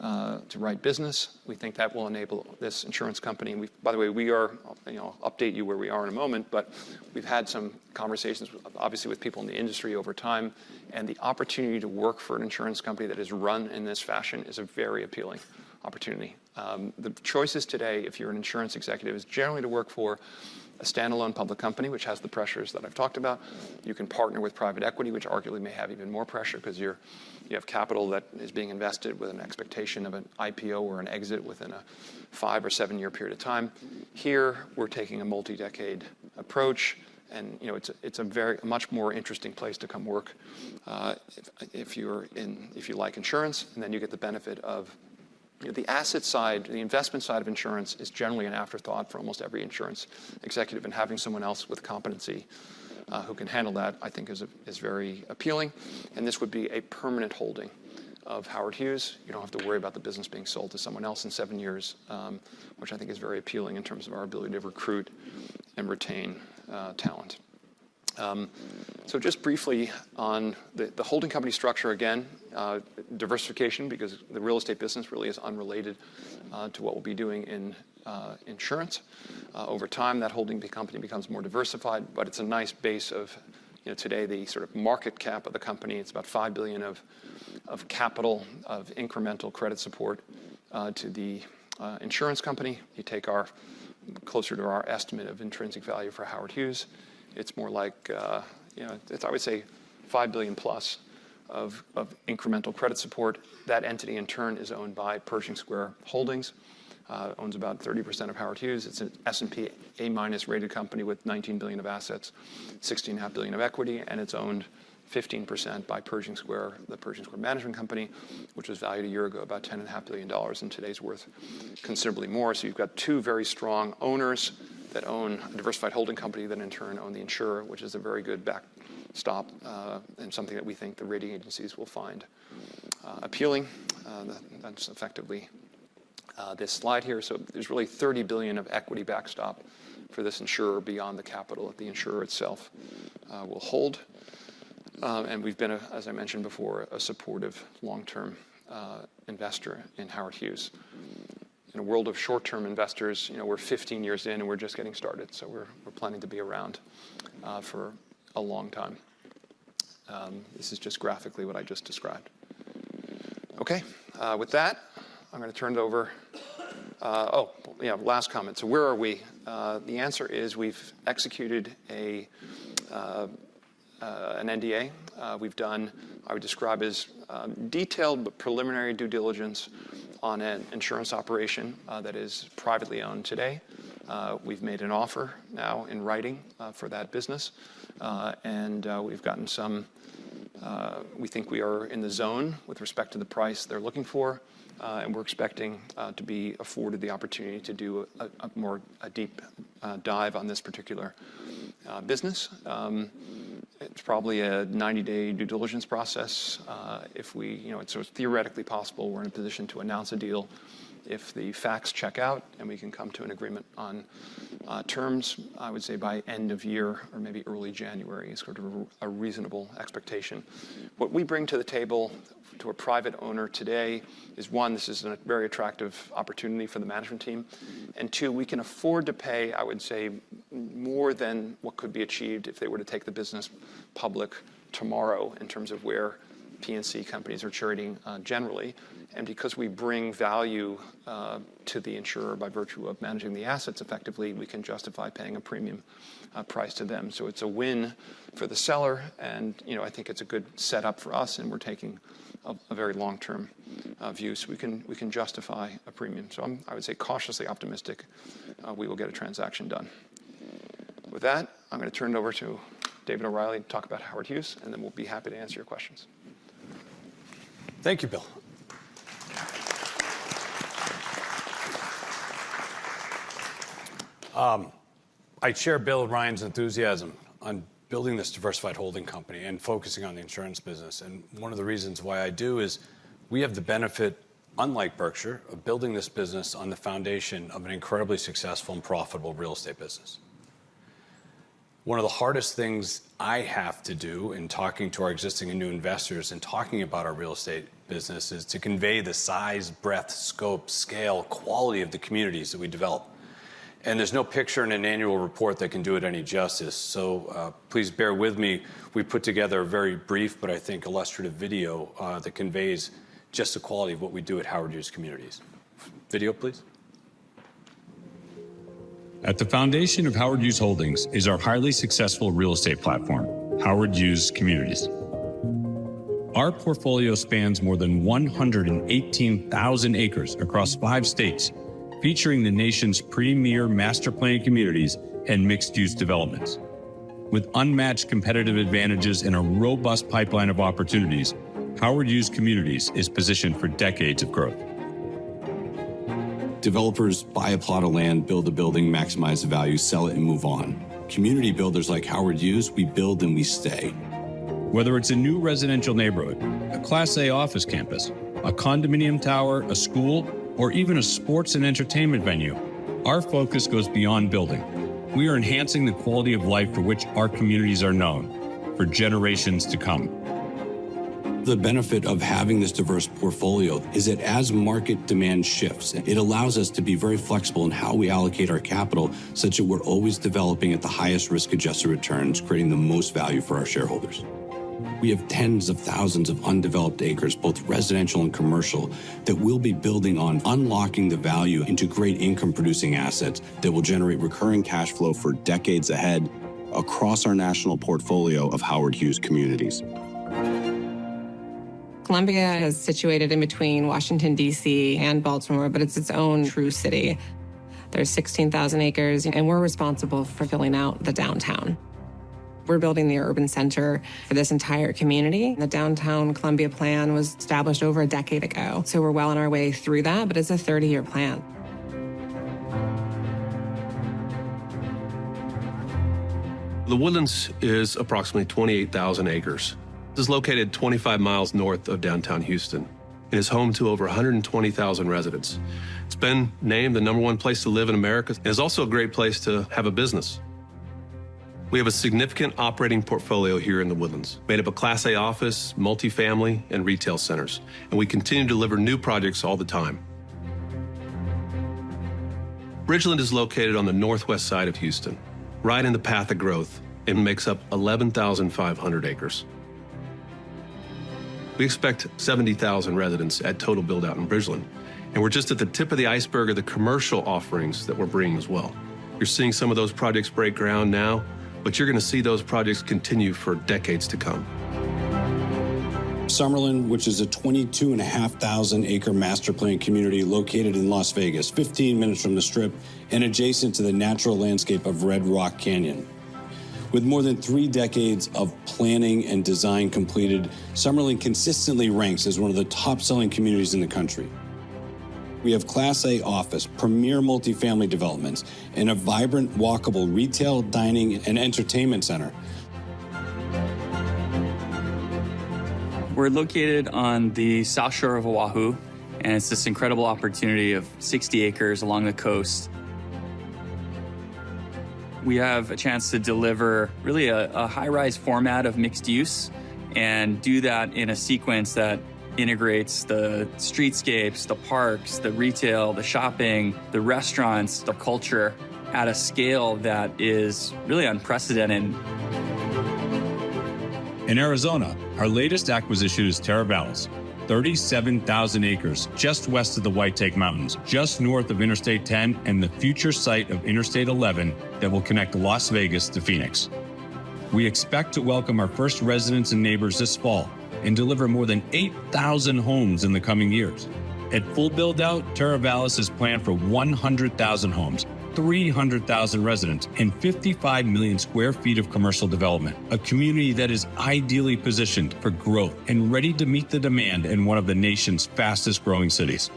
to write business. We think that will enable this insurance company. By the way, we are. I'll update you where we are in a moment. But we've had some conversations, obviously, with people in the industry over time. And the opportunity to work for an insurance company that is run in this fashion is a very appealing opportunity. The choices today, if you're an insurance executive, is generally to work for a standalone public company, which has the pressures that I've talked about. You can partner with private equity, which arguably may have even more pressure because you have capital that is being invested with an expectation of ancwithin a five- or seven-year period of time. Here, we're taking a multi-decade approach. And it's a much more interesting place to come work if you like insurance. And then you get the benefit of the asset side. The investment side of insurance is generally an afterthought for almost every insurance executive. And having someone else with competency who can handle that, I think, is very appealing. And this would be a permanent holding of Howard Hughes. You don't have to worry about the business being sold to someone else in seven years, which I think is very appealing in terms of our ability to recruit and retain talent. So just briefly on the holding company structure, again, diversification, because the real estate business really is unrelated to what we'll be doing in insurance. Over time, that holding company becomes more diversified. But it's a nice base of today, the sort of market cap of the company. It's about $5 billion of capital of incremental credit support to the insurance company. You take closer to our estimate of intrinsic value for Howard Hughes, it's more like it's, I would say, $5 billion plus of incremental credit support. That entity, in turn, is owned by Pershing Square Holdings. Owns about 30% of Howard Hughes. It's an S&P A- rated company with $19 billion of assets, $16.5 billion of equity. And it's owned 15% by Pershing Square, the Pershing Square Management Company, which was valued a year ago about $10.5 billion in today's worth, considerably more. So you've got two very strong owners that own a diversified holding company that, in turn, own the insurer, which is a very good backstop and something that we think the rating agencies will find appealing. That's effectively this slide here. There's really $30 billion of equity backstop for this insurer beyond the capital that the insurer itself will hold. And we've been, as I mentioned before, a supportive long-term investor in Howard Hughes. In a world of short-term investors, we're 15 years in, and we're just getting started. So we're planning to be around for a long time. This is just graphically what I just described. OK. With that, I'm going to turn it over. Oh, last comment. So where are we? The answer is we've executed an NDA. We've done what I would describe as detailed but preliminary due diligence on an insurance operation that is privately owned today. We've made an offer now in writing for that business. And we've gotten some we think we are in the zone with respect to the price they're looking for. We're expecting to be afforded the opportunity to do a more deep dive on this particular business. It's probably a 90-day due diligence process. If it's theoretically possible we're in a position to announce a deal if the facts check out and we can come to an agreement on terms. I would say by end of year or maybe early January is sort of a reasonable expectation. What we bring to the table to a private owner today is, one, this is a very attractive opportunity for the management team. And two, we can afford to pay, I would say, more than what could be achieved if they were to take the business public tomorrow in terms of where P&C companies are trading generally. And because we bring value to the insurer by virtue of managing the assets effectively, we can justify paying a premium price to them. So it's a win for the seller. And I think it's a good setup for us. And we're taking a very long-term view. So we can justify a premium. So I would say cautiously optimistic, we will get a transaction done. With that, I'm going to turn it over to David O'Reilly to talk about Howard Hughes. And then we'll be happy to answer your questions. Thank you, Bill. I share Bill and Ryan's enthusiasm on building this diversified holding company and focusing on the insurance business. And one of the reasons why I do is we have the benefit, unlike Berkshire, of building this business on the foundation of an incredibly successful and profitable real estate business. One of the hardest things I have to do in talking to our existing and new investors and talking about our real estate business is to convey the size, breadth, scope, scale, quality of the communities that we develop. And there's no picture in an annual report that can do it any justice. So please bear with me. We put together a very brief, but I think illustrative video that conveys just the quality of what we do at Howard Hughes Communities. Video, please. At the foundation of Howard Hughes Holdings is our highly successful real estate platform, Howard Hughes Communities. Our portfolio spans more than 118,000 acres across five states, featuring the nation's premier master plan communities and mixed-use developments. With unmatched competitive advantages and a robust pipeline of opportunities, Howard Hughes Communities is positioned for decades of growth. Developers buy a plot of land, build a building, maximize the value, sell it, and move on. Community builders like Howard Hughes, we build and we stay. Whether it's a new residential neighborhood, a Class A office campus, a condominium tower, a school, or even a sports and entertainment venue, our focus goes beyond building. We are enhancing the quality of life for which our communities are known for generations to come. The benefit of having this diverse portfolio is that as market demand shifts, it allows us to be very flexible in how we allocate our capital such that we're always developing at the highest risk-adjusted returns, creating the most value for our shareholders. We have tens of thousands of undeveloped acres, both residential and commercial, that we'll be building on, unlocking the value into great income-producing assets that will generate recurring cash flow for decades ahead across our national portfolio of Howard Hughes Communities. Columbia is situated in between Washington, D.C., and Baltimore, but it's its own true city. There's 16,000 acres, and we're responsible for filling out the downtown. We're building the urban center for this entire community. The downtown Columbia plan was established over a decade ago, so we're well on our way through that, but it's a 30-year plan. The Woodlands is approximately 28,000 acres. It's located 25 miles north of downtown Houston. It is home to over 120,000 residents. It's been named the number one place to live in America and is also a great place to have a business. We have a significant operating portfolio here in The Woodlands, made up of Class A office, multifamily, and retail centers. And we continue to deliver new projects all the time. Bridgeland is located on the northwest side of Houston, right in the path of growth. It makes up 11,500 acres. We expect 70,000 residents at total build-out in Bridgeland. And we're just at the tip of the iceberg of the commercial offerings that we're bringing as well. You're seeing some of those projects break ground now. But you're going to see those projects continue for decades to come. Summerlin, which is a 22,500-acre master plan community located in Las Vegas, 15 minutes from the Strip, and adjacent to the natural landscape of Red Rock Canyon. With more than three decades of planning and design completed, Summerlin consistently ranks as one of the top-selling communities in the country. We have Class A office, premier multifamily developments, and a vibrant, walkable retail, dining, and entertainment center. We're located on the south shore of Oahu, and it's this incredible opportunity of 60 acres along the coast. We have a chance to deliver really a high-rise format of mixed use and do that in a sequence that integrates the streetscapes, the parks, the retail, the shopping, the restaurants, the culture at a scale that is really unprecedented. In Arizona, our latest acquisition is Teravalis, 37,000 acres just west of the White Tank Mountains, just north of Interstate 10 and the future site of Interstate 11 that will connect Las Vegas to Phoenix. We expect to welcome our first residents and neighbors this fall and deliver more than 8,000 homes in the coming years. At full build-out, Teravalis is planned for 100,000 homes, 300,000 residents, and 55 million sq ft of commercial development, a community that is ideally positioned for growth and ready to meet the demand in one of the nation's fastest-growing cities.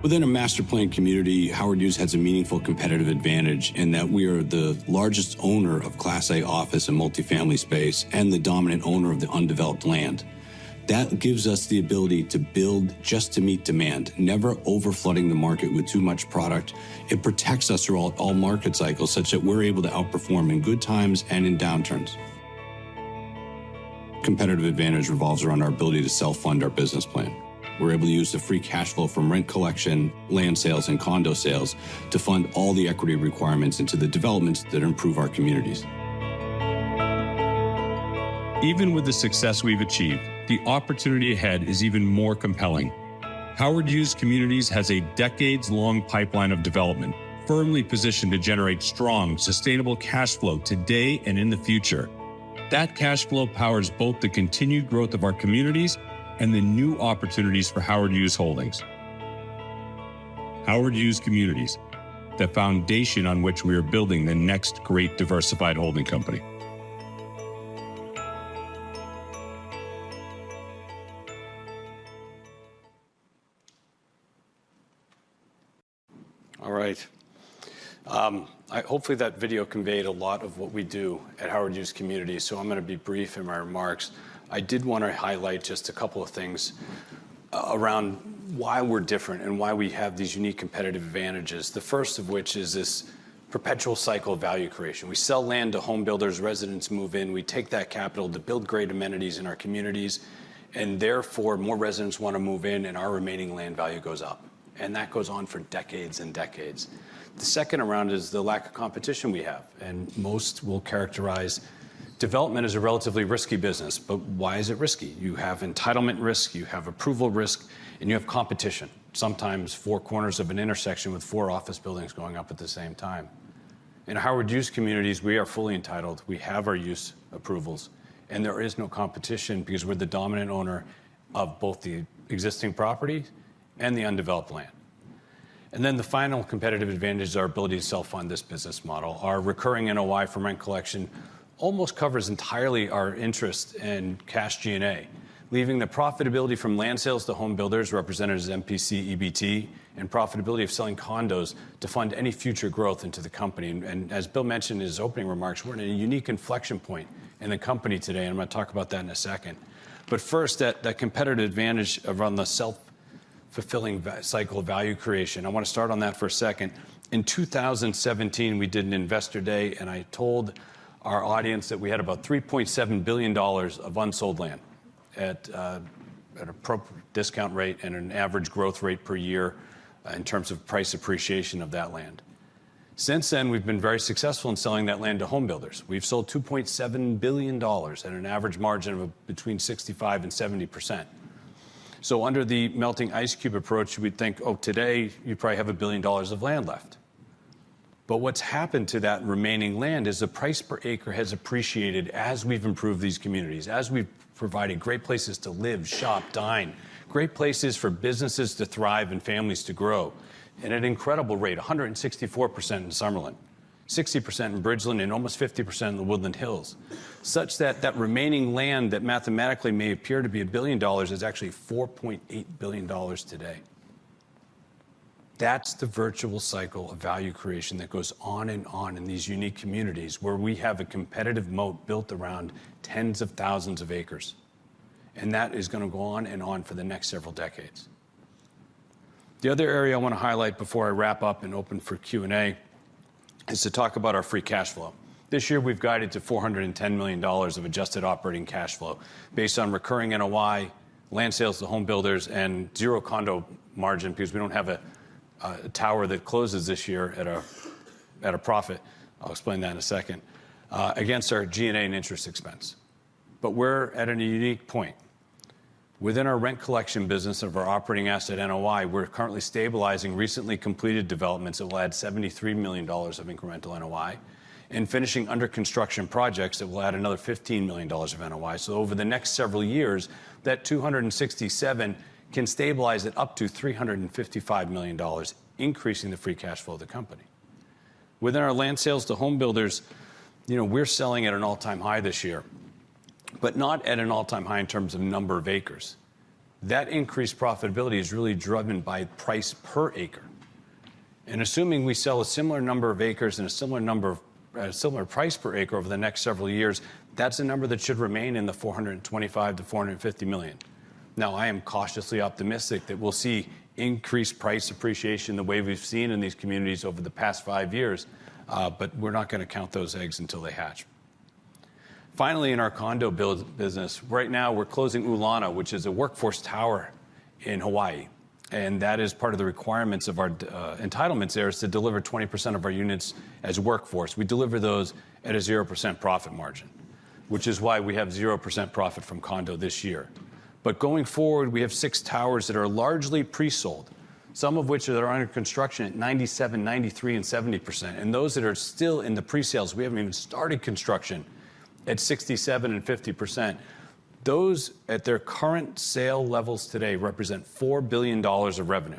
Within a master plan community, Howard Hughes has a meaningful competitive advantage in that we are the largest owner of Class A office and multifamily space and the dominant owner of the undeveloped land. That gives us the ability to build just to meet demand, never overflooding the market with too much product. It protects us throughout all market cycles such that we're able to outperform in good times and in downturns. Competitive advantage revolves around our ability to self-fund our business plan. We're able to use the free cash flow from rent collection, land sales, and condo sales to fund all the equity requirements into the developments that improve our communities. Even with the success we've achieved, the opportunity ahead is even more compelling. Howard Hughes Communities has a decades-long pipeline of development firmly positioned to generate strong, sustainable cash flow today and in the future. That cash flow powers both the continued growth of our communities and the new opportunities for Howard Hughes Holdings.Howard Hughes Communities, the foundation on which we are building the next great diversified holding company. All right. Hopefully, that video conveyed a lot of what we do at Howard Hughes Communities. So I'm going to be brief in my remarks. I did want to highlight just a couple of things around why we're different and why we have these unique competitive advantages, the first of which is this perpetual cycle of value creation. We sell land to home builders. Residents move in. We take that capital to build great amenities in our communities. And therefore, more residents want to move in, and our remaining land value goes up. And that goes on for decades and decades. The second around is the lack of competition we have. And most will characterize development as a relatively risky business. But why is it risky? You have entitlement risk. You have approval risk. You have competition, sometimes four corners of an intersection with four office buildings going up at the same time. In Howard Hughes Communities, we are fully entitled. We have our use approvals. And there is no competition because we're the dominant owner of both the existing property and the undeveloped land. And then the final competitive advantage is our ability to self-fund this business model. Our recurring NOI for rent collection almost covers entirely our interest in cash G&A, leaving the profitability from land sales to home builders, represented as MPC, EBT, and profitability of selling condos to fund any future growth into the company. And as Bill mentioned in his opening remarks, we're in a unique inflection point in the company today. And I'm going to talk about that in a second. But first, that competitive advantage around the self-fulfilling cycle of value creation, I want to start on that for a second. In 2017, we did an Investor Day. And I told our audience that we had about $3.7 billion of unsold land at an appropriate discount rate and an average growth rate per year in terms of price appreciation of that land. Since then, we've been very successful in selling that land to home builders. We've sold $2.7 billion at an average margin of between 65% and 70%. So under the melting ice cube approach, we'd think, oh, today, you probably have a billion dollars of land left. But what's happened to that remaining land is the price per acre has appreciated as we've improved these communities, as we've provided great places to live, shop, dine, great places for businesses to thrive and families to grow at an incredible rate, 164% in Summerlin, 60% in Bridgeland, and almost 50% in The Woodlands Hills, such that that remaining land that mathematically may appear to be a billion dollars is actually $4.8 billion today. That's the virtuous cycle of value creation that goes on and on in these unique communities where we have a competitive moat built around tens of thousands of acres. That is going to go on and on for the next several decades. The other area I want to highlight before I wrap up and open for Q&A is to talk about our free cash flow. This year, we've guided to $410 million of adjusted operating cash flow based on recurring NOI, land sales to home builders, and zero condo margin because we don't have a tower that closes this year at a profit. I'll explain that in a second, against our G&A and interest expense. But we're at a unique point. Within our rent collection business of our operating asset NOI, we're currently stabilizing recently completed developments that will add $73 million of incremental NOI and finishing under construction projects that will add another $15 million of NOI. So over the next several years, that $267 million can stabilize it up to $355 million, increasing the free cash flow of the company. Within our land sales to home builders, we're selling at an all-time high this year, b t not at an all-time high in terms of number of acres. That increased profitability is really driven by price per acre. And assuming we sell a similar number of acres and a similar price per acre over the next several years, that's a number that should remain in the $425 million-$450 million. Now, I am cautiously optimistic that we'll see increased price appreciation the way we've seen in these communities over the past five years. But we're not going to count those eggs until they hatch. Finally, in our condo business, right now, we're closing to. And that is part of the requirements of our entitlements there is to deliver 20% of our units as workforce. We deliver those at a 0% profit margin, which is why we have 0% profit from condo this year. Going forward, we have six towers that are largely pre-sold, some of which are under construction at 97%, 93%, and 70%. And those that are still in the pre-sales, we haven't even started construction, at 67% and 50%. Those, at their current sale levels today, represent $4 billion of revenue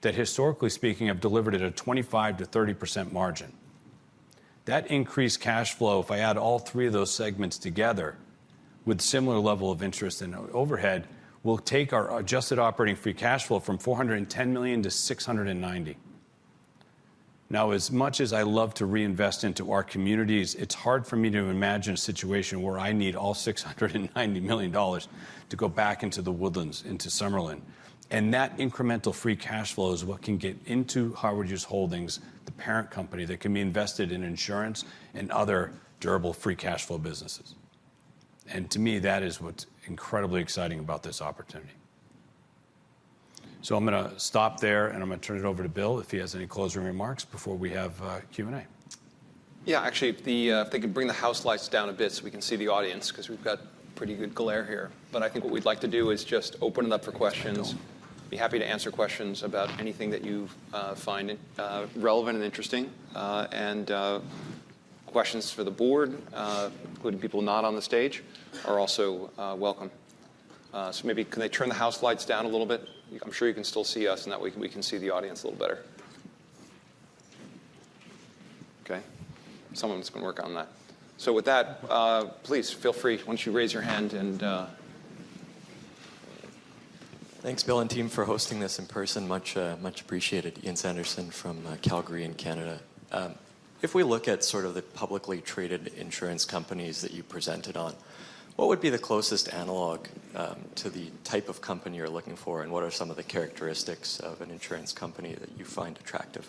that, historically speaking, have delivered at a 25% to 30% margin. That increased cash flow, if I add all three of those segments together with a similar level of interest and overhead, will take our adjusted operating free cash flow from $410 million to $690 million. Now, as much as I love to reinvest into our communities, it's hard for me to imagine a situation where I need all $690 million to go back into The Woodlands into Summerlin. That incremental free cash flow is what can get into Howard Hughes Holdings, the parent company, that can be invested in insurance and other durable free cash flow businesses. To me, that is what's incredibly exciting about this opportunity. I'm going to stop there. I'm going to turn it over to Bill if he has any closing remarks before we have Q&A. Yeah, actually, if they could bring the house lights down a bit so we can see the audience, because we've got pretty good glare here. But I think what we'd like to do is just open it up for questions. Be happy to answer questions about anything that you find relevant and interesting. And questions for the board, including people not on the stage, are also welcome. So maybe can they turn the house lights down a little bit? I'm sure you can still see us. And that way, we can see the audience a little better. OK, someone's going to work on that. So with that, please feel free, once you raise your hand and. Thanks, Bill and team, for hosting this in person. Much appreciated, Ian Sanderson from Calgary in Canada. If we look at sort of the publicly traded insurance companies that you presented on, what would be the closest analog to the type of company you're looking for? And what are some of the characteristics of an insurance company that you find attractive?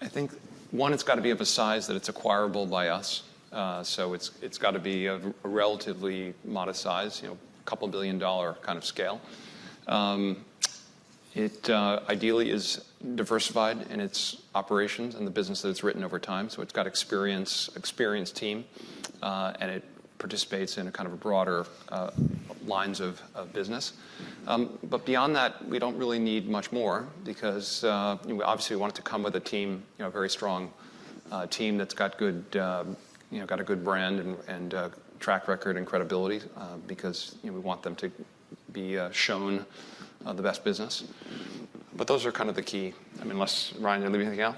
I think, one, it's got to be of a size that it's acquirable by us. So it's got to be a relatively modest size, a couple of billion dollar kind of scale. It ideally is diversified in its operations and the business that it's written over time. So it's got an experienced team. And it participates in kind of broader lines of business. But beyond that, we don't really need much more because we obviously want it to come with a very strong team that's got a good brand and track record and credibility because we want them to be shown the best business. But those are kind of the key. I mean, Ryan, are you leaving anything out?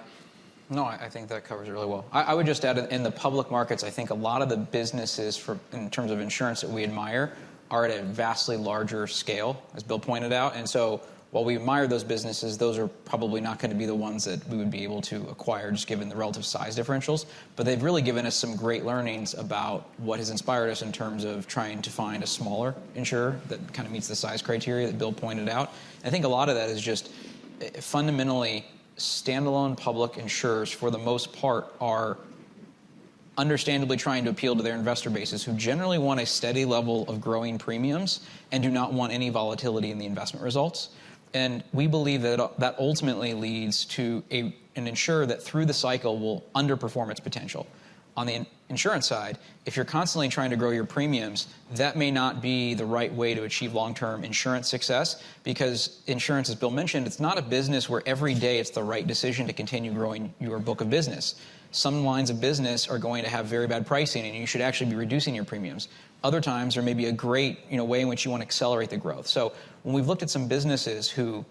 No, I think that covers it really well. I would just add, in the public markets, I think a lot of the businesses in terms of insurance that we admire are at a vastly larger scale, as Bill pointed out, and so while we admire those businesses, those are probably not going to be the ones that we would be able to acquire just given the relative size differentials, but they've really given us some great learnings about what has inspired us in terms of trying to find a smaller insurer that kind of meets the size criteria that Bill pointed out. I think a lot of that is just fundamentally standalone public insurers, for the most part, are understandably trying to appeal to their investor bases who generally want a steady level of growing premiums and do not want any volatility in the investment results. We believe that that ultimately leads to an insurer that, through the cycle, will underperform its potential. On the insurance side, if you're constantly trying to grow your premiums, that may not be the right way to achieve long-term insurance success because insurance, as Bill mentioned, it's not a business where every day it's the right decision to continue growing your book of business. Some lines of business are going to have very bad pricing. And you should actually be reducing your premiums. Other times, there may be a great way in which you want to accelerate the growth. So when we've looked at some businesses who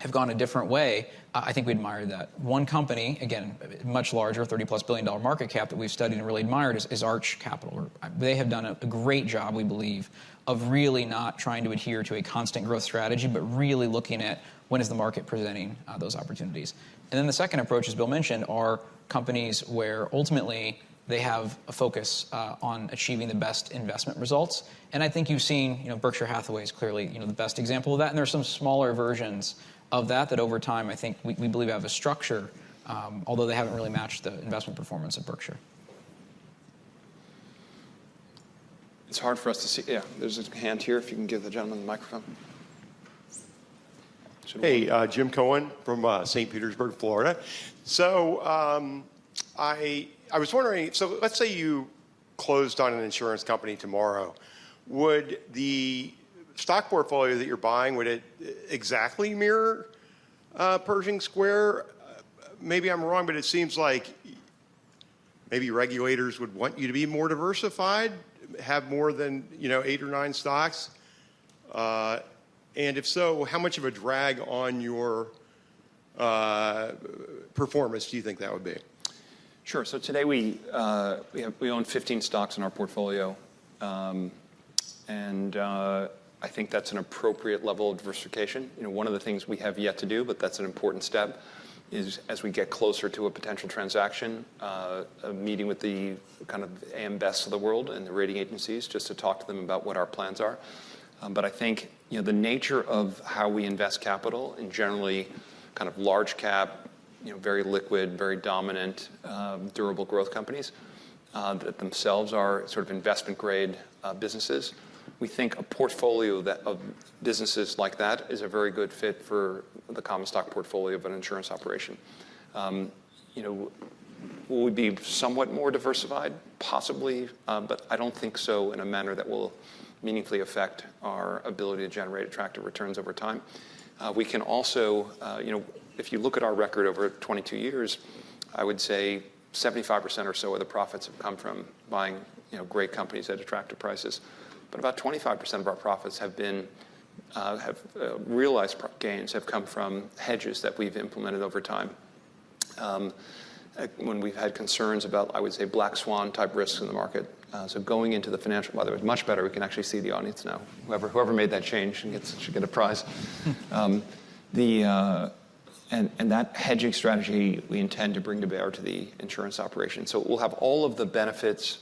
have gone a different way, I think we admire that. One company, again, much larger, $30+ billion market cap that we've studied and really admired is Arch Capital. They have done a great job, we believe, of really not trying to adhere to a constant growth strategy but really looking at when is the market presenting those opportunities. And then the second approach, as Bill mentioned, are companies where ultimately they have a focus on achieving the best investment results. And I think you've seen Berkshire Hathaway is clearly the best example of that. And there are some smaller versions of that that, over time, I think we believe have a structure, although they haven't really matched the investment performance of Berkshire. It's hard for us to see. Yeah, there's a hand here if you can give the gentleman the microphone. Hey, Jim Cohen from St. Petersburg, Florida. So I was wondering, so let's say you closed on an insurance company tomorrow. Would the stock portfolio that you're buying, would it exactly mirror Pershing Square? Maybe I'm wrong, but it seems like maybe regulators would want you to be more diversified, have more than eight or nine stocks. And if so, how much of a drag on your performance do you think that would be? Sure. So today, we own 15 stocks in our portfolio. And I think that's an appropriate level of diversification. One of the things we have yet to do, but that's an important step, is as we get closer to a potential transaction, meeting with the kind of ambassadors of the world and the rating agencies just to talk to them about what our plans are. But I think the nature of how we invest capital in generally kind of large-cap, very liquid, very dominant, durable growth companies that themselves are sort of investment-grade businesses. We think a portfolio of businesses like that is a very good fit for the common stock portfolio of an insurance operation. We would be somewhat more diversified, possibly, but I don't think so in a manner that will meaningfully affect our ability to generate attractive returns over time. We can also, if you look at our record over 22 years, I would say 75% or so of the profits have come from buying great companies at attractive prices. But about 25% of our profits have been realized gains from hedges that we've implemented over time when we've had concerns about, I would say, black swan-type risks in the market. So going into the financial, by the way, much better, we can actually see the audience now. Whoever made that change should get a prize. And that hedging strategy, we intend to bring to bear to the insurance operation. So we'll have all of the benefits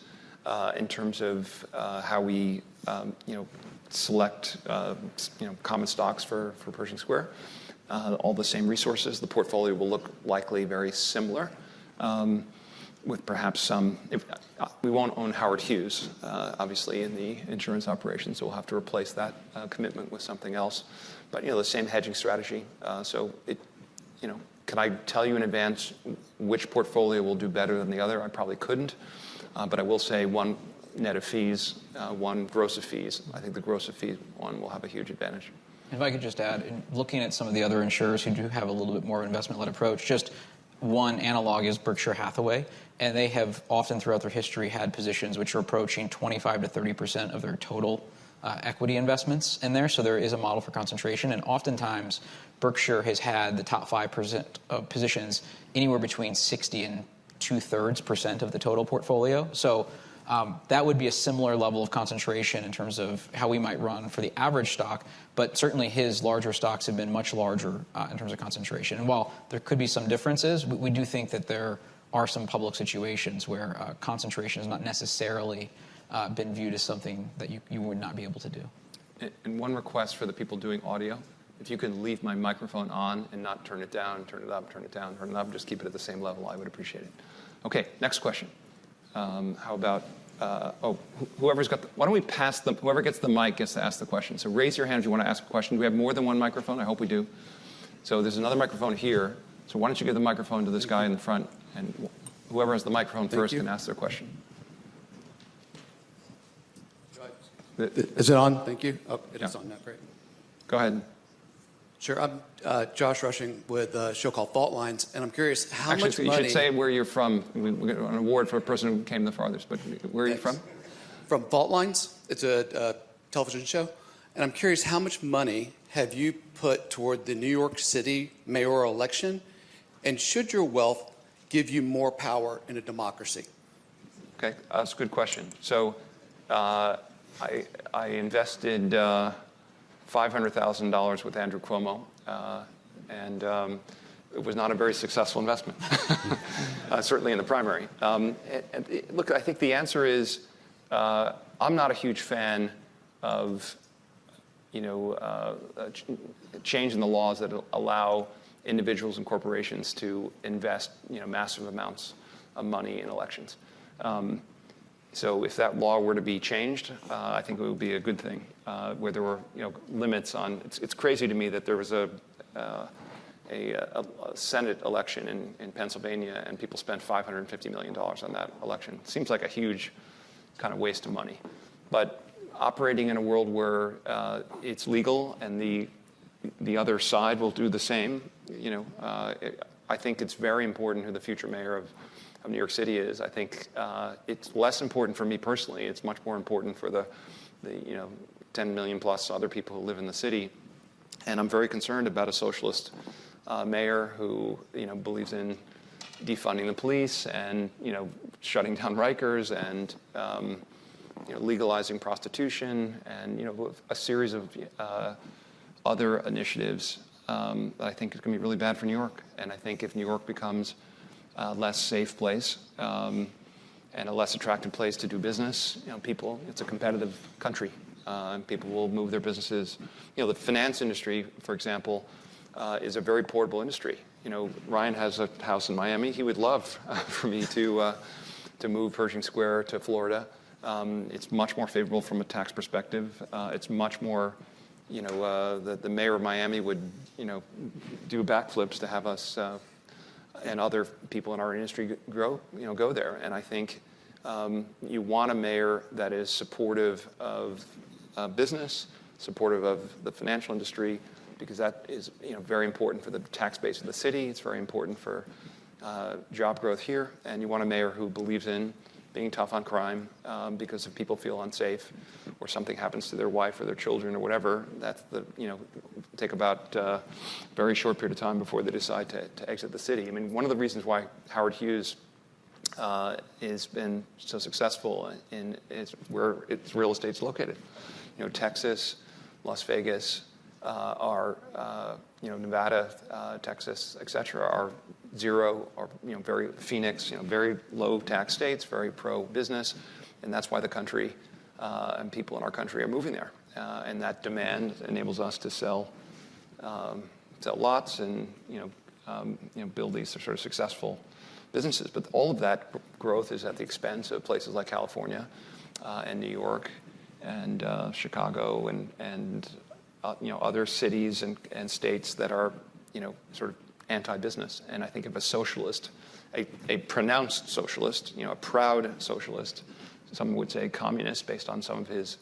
in terms of how we select common stocks for Pershing Square, all the same resources. The portfolio will look likely very similar with perhaps some we won't own Howard Hughes, obviously, in the insurance operation. We'll have to replace that commitment with something else. The same hedging strategy. Can I tell you in advance which portfolio will do better than the other? I probably couldn't. I will say one net of fees, one gross of fees. I think the gross of fees one will have a huge advantage. If I could just add, looking at some of the other insurers who do have a little bit more investment-led approach, just one analog is Berkshire Hathaway. And they have often, throughout their history, had positions which are approaching 25% to 30% of their total equity investments in there. So there is a model for concentration. And oftentimes, Berkshire has had the top 5% of positions anywhere between 60% and 2/3% of the total portfolio. So that would be a similar level of concentration in terms of how we might run for the average stock. But certainly, his larger stocks have been much larger in terms of concentration. And while there could be some differences, we do think that there are some public situations where concentration has not necessarily been viewed as something that you would not be able to do. One request for the people doing audio. If you could leave my microphone on and not turn it down, turn it up, turn it down, turn it up, just keep it at the same level, I would appreciate it. OK, next question. How about whoever's got the mic gets to ask the question. Raise your hand if you want to ask a question. Do we have more than one microphone? I hope we do. There's another microphone here. Why don't you give the microphone to this guy in the front? Whoever has the microphone first can ask their question. Is it on? Thank you. Oh, it is on now. Great. Go ahead. Sure. I'm Josh Rushing with a show called Fault Lines, and I'm curious, how much money-. I should say where you're from. We're going to award for a person who came the farthest. But where are you from? From Fault Lines. It's a television show. And I'm curious, how much money have you put toward the New York City mayoral election? And should your wealth give you more power in a democracy? OK, that's a good question. So I invested $500,000 with Andrew Cuomo. And it was not a very successful investment, certainly in the primary. Look, I think the answer is I'm not a huge fan of changing the laws that allow individuals and corporations to invest massive amounts of money in elections. So if that law were to be changed, I think it would be a good thing where there were limits on it. It's crazy to me that there was a Senate election in Pennsylvania. And people spent $550 million on that election. Seems like a huge kind of waste of money. But operating in a world where it's legal and the other side will do the same, I think it's very important who the future mayor of New York City is. I think it's less important for me personally. It's much more important for the 10 million-plus other people who live in the city. And I'm very concerned about a socialist mayor who believes in defunding the police and shutting down Rikers and legalizing prostitution and a series of other initiatives that I think are going to be really bad for New York. And I think if New York becomes a less safe place and a less attractive place to do business, people. It's a competitive country. People will move their businesses. The finance industry, for example, is a very portable industry. Ryan has a house in Miami. He would love for me to move Pershing Square to Florida. It's much more favorable from a tax perspective. It's much more the mayor of Miami would do backflips to have us and other people in our industry go there, and I think you want a mayor that is supportive of business, supportive of the financial industry because that is very important for the tax base of the city. It's very important for job growth here, and you want a mayor who believes in being tough on crime because if people feel unsafe or something happens to their wife or their children or whatever, that's going to take about a very short period of time before they decide to exit the city. I mean, one of the reasons why Howard Hughes has been so successful is where its real estate is located. Texas, Las Vegas, Nevada, et cetera, are zero or very Phoenix, very low-tax states, very pro-business. That's why the country and people in our country are moving there. That demand enables us to sell lots and build these sort of successful businesses. But all of that growth is at the expense of places like California and New York and Chicago and other cities and states that are sort of anti-business. I think if a socialist, a pronounced socialist, a proud socialist, some would say communist based on some of his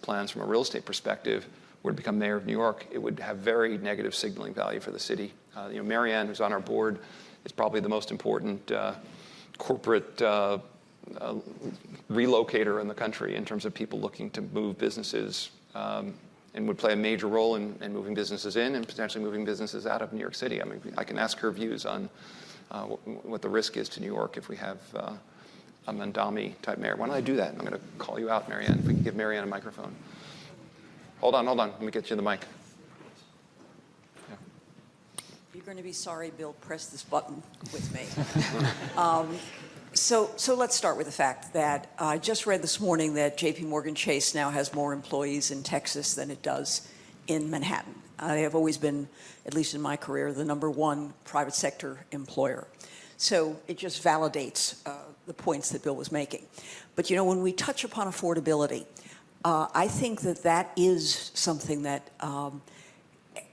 plans from a real estate perspective, were to become mayor of New York, it would have very negative signaling value for the city. Mary Ann, who's on our board, is probably the most important corporate relocator in the country in terms of people looking to move businesses and would play a major role in moving businesses in and potentially moving businesses out of New York City. I mean, I can ask her views on what the risk is to New York if we have a Mamdani-type mayor. Why don't I do that? I'm going to call you out, Mary Ann. We can give Mary Ann a microphone. Hold on, hold on. Let me get you the mic. You're going to be sorry Bill pressed this button with me. So let's start with the fact that I just read this morning that JPMorgan Chase now has more employees in Texas than it does in Manhattan. They have always been, at least in my career, the number one private sector employer. So it just validates the points that Bill was making. But you know when we touch upon affordability, I think that that is something that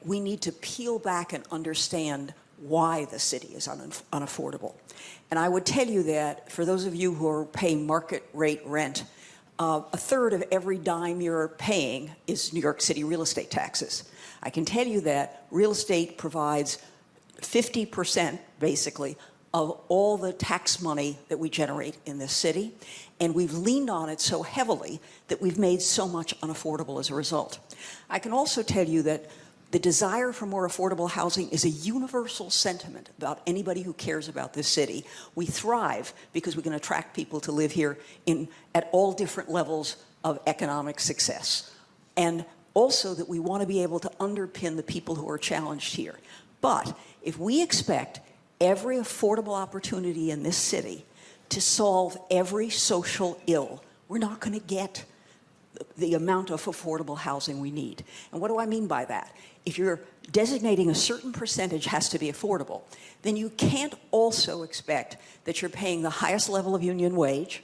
we need to peel back and understand why the city is unaffordable. And I would tell you that for those of you who are paying market-rate rent, a third of every dime you're paying is New York City real estate taxes. I can tell you that real estate provides 50%, basically, of all the tax money that we generate in this city. We've leaned on it so heavily that we've made so much unaffordable as a result. I can also tell you that the desire for more affordable housing is a universal sentiment about anybody who cares about this city. We thrive because we can attract people to live here at all different levels of economic success and also that we want to be able to underpin the people who are challenged here. If we expect every affordable opportunity in this city to solve every social ill, we're not going to get the amount of affordable housing we need. What do I mean by that? If you're designating a certain percentage has to be affordable, then you can't also expect that you're paying the highest level of union wage.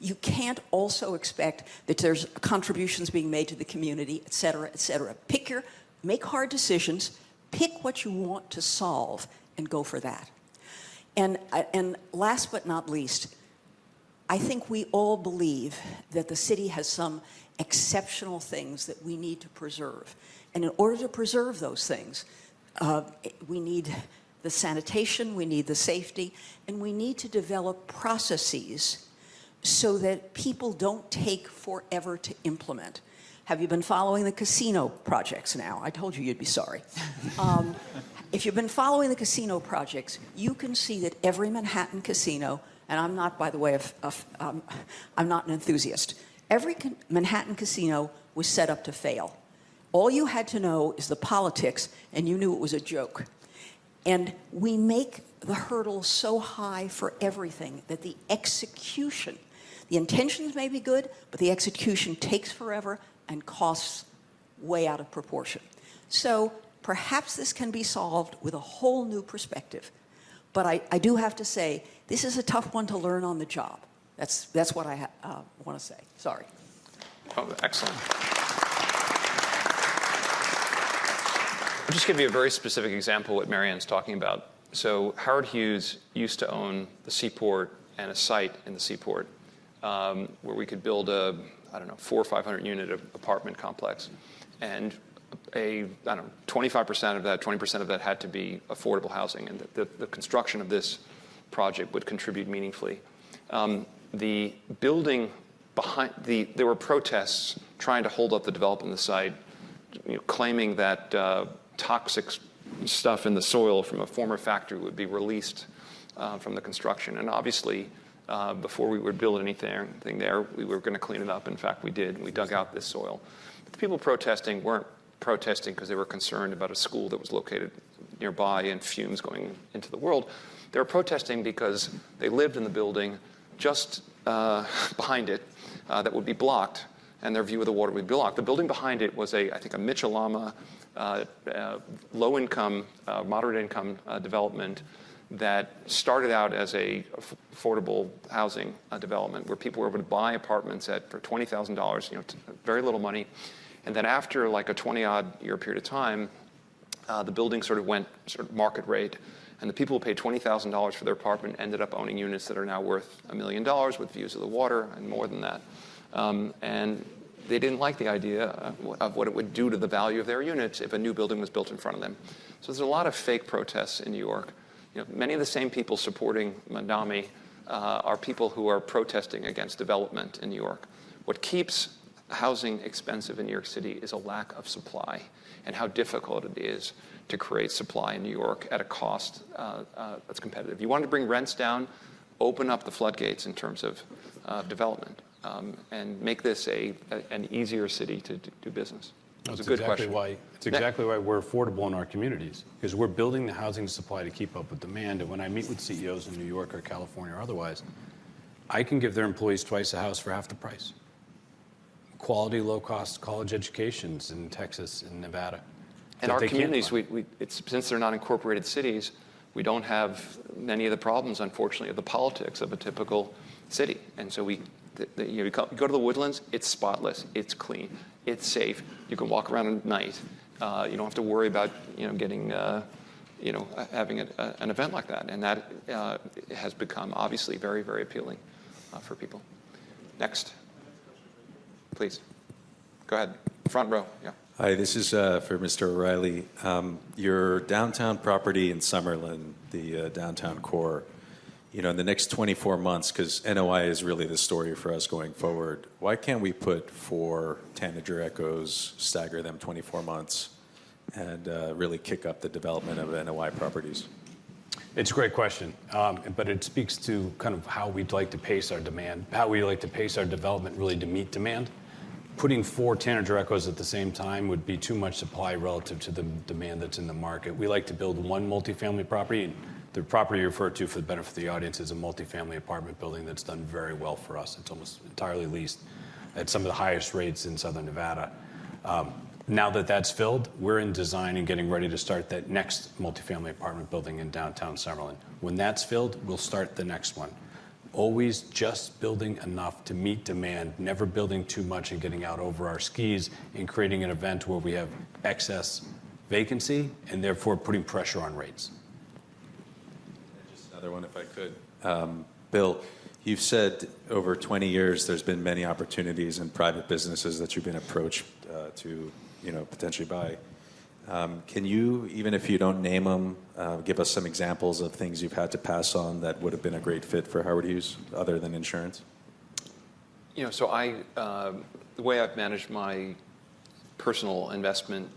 You can't also expect that there's contributions being made to the community, et cetera, et cetera. Pick your battles. Make hard decisions. Pick what you want to solve and go for that, and last but not least, I think we all believe that the city has some exceptional things that we need to preserve. In order to preserve those things, we need the sanitation. We need the safety. We need to develop processes so that people don't take forever to implement. Have you been following the casino projects now? I told you you'd be sorry. If you've been following the casino projects, you can see that every Manhattan casino, and I'm not, by the way, an enthusiast. Every Manhattan casino was set up to fail. All you had to know is the politics, and you knew it was a joke. And we make the hurdle so high for everything that the execution, the intentions may be good, but the execution takes forever and costs way out of proportion. So perhaps this can be solved with a whole new perspective. But I do have to say, this is a tough one to learn on the job. That's what I want to say. Sorry. Excellent. I'm just going to be a very specific example of what Mary Ann's talking about. So Howard Hughes used to own the Seaport and a site in the Seaport where we could build a, I don't know, 400 or 500 unit of apartment complex. And I don't know, 25% of that, 20% of that had to be affordable housing. And the construction of this project would contribute meaningfully. There were protests trying to hold up the development of the site, claiming that toxic stuff in the soil from a former factory would be released from the construction. And obviously, before we would build anything there, we were going to clean it up. In fact, we did. We dug out this soil. The people protesting weren't protesting because they were concerned about a school that was located nearby and fumes going into the world. They were protesting because they lived in the building just behind it that would be blocked, and their view of the water would be blocked. The building behind it was, I think, a Mitchell-Lama low-income, moderate-income development that started out as an affordable housing development where people were able to buy apartments for $20,000, very little money. And then after like a 20-odd year period of time, the building sort of went market rate. And the people who paid $20,000 for their apartment ended up owning units that are now worth $1 million with views of the water and more than that. And they didn't like the idea of what it would do to the value of their units if a new building was built in front of them. So there's a lot of fake protests in New York. Many of the same people supporting Mamdani are people who are protesting against development in New York. What keeps housing expensive in New York City is a lack of supply and how difficult it is to create supply in New York at a cost that's competitive. You want to bring rents down, open up the floodgates in terms of development, and make this an easier city to do business. That's a good question. That's exactly why. It's exactly why we're affordable in our communities because we're building the housing supply to keep up with demand. And when I meet with CEOs in New York or California or otherwise, I can give their employees twice a house for half the price. Quality, low-cost college educations in Texas and Nevada. And our communities, since they're not incorporated cities, we don't have many of the problems, unfortunately, of the politics of a typical city. And so you go to The Woodlands. It's spotless. It's clean. It's safe. You can walk around at night. You don't have to worry about having an event like that. And that has become, obviously, very, very appealing for people. Next. Please. Go ahead. Front row. Yeah. Hi. This is for Mr. O'Reilly. Your downtown property in Summerlin, the downtown core, in the next 24 months, because NOI is really the story for us going forward, why can't we put four Tanager Echoes, stagger them 24 months, and really kick up the development of NOI properties? It's a great question. But it speaks to kind of how we'd like to pace our demand, how we like to pace our development really to meet demand. Putting four Tanager Echoes at the same time would be too much supply relative to the demand that's in the market. We like to build one multifamily property. The property you referred to for the benefit of the audience is a multifamily apartment building that's done very well for us. It's almost entirely leased at some of the highest rates in Southern Nevada. Now that that's filled, we're in design and getting ready to start that next multifamily apartment building in Downtown Summerlin. When that's filled, we'll start the next one. Always just building enough to meet demand, never building too much and getting out over our skis and creating an event where we have excess vacancy and therefore putting pressure on rates. Just another one, if I could. Bill, you've said over 20 years there's been many opportunities in private businesses that you've been approached to potentially buy. Can you, even if you don't name them, give us some examples of things you've had to pass on that would have been a great fit for Howard Hughes other than insurance? You know. The way I've managed my personal investment,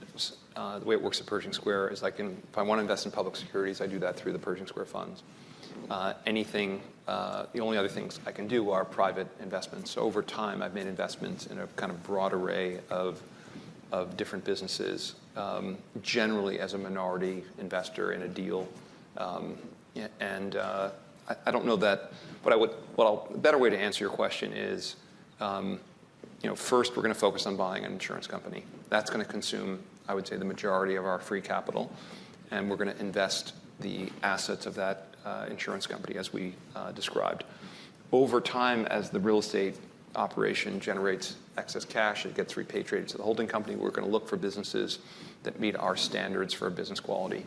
the way it works at Pershing Square is if I want to invest in public securities, I do that through the Pershing Square funds. The only other things I can do are private investments. So over time, I've made investments in a kind of broad array of different businesses, generally as a minority investor in a deal. And I don't know that, but a better way to answer your question is, first, we're going to focus on buying an insurance company. That's going to consume, I would say, the majority of our free capital. And we're going to invest the assets of that insurance company, as we described. Over time, as the real estate operation generates excess cash, it gets repatriated to the holding company. We're going to look for businesses that meet our standards for business quality.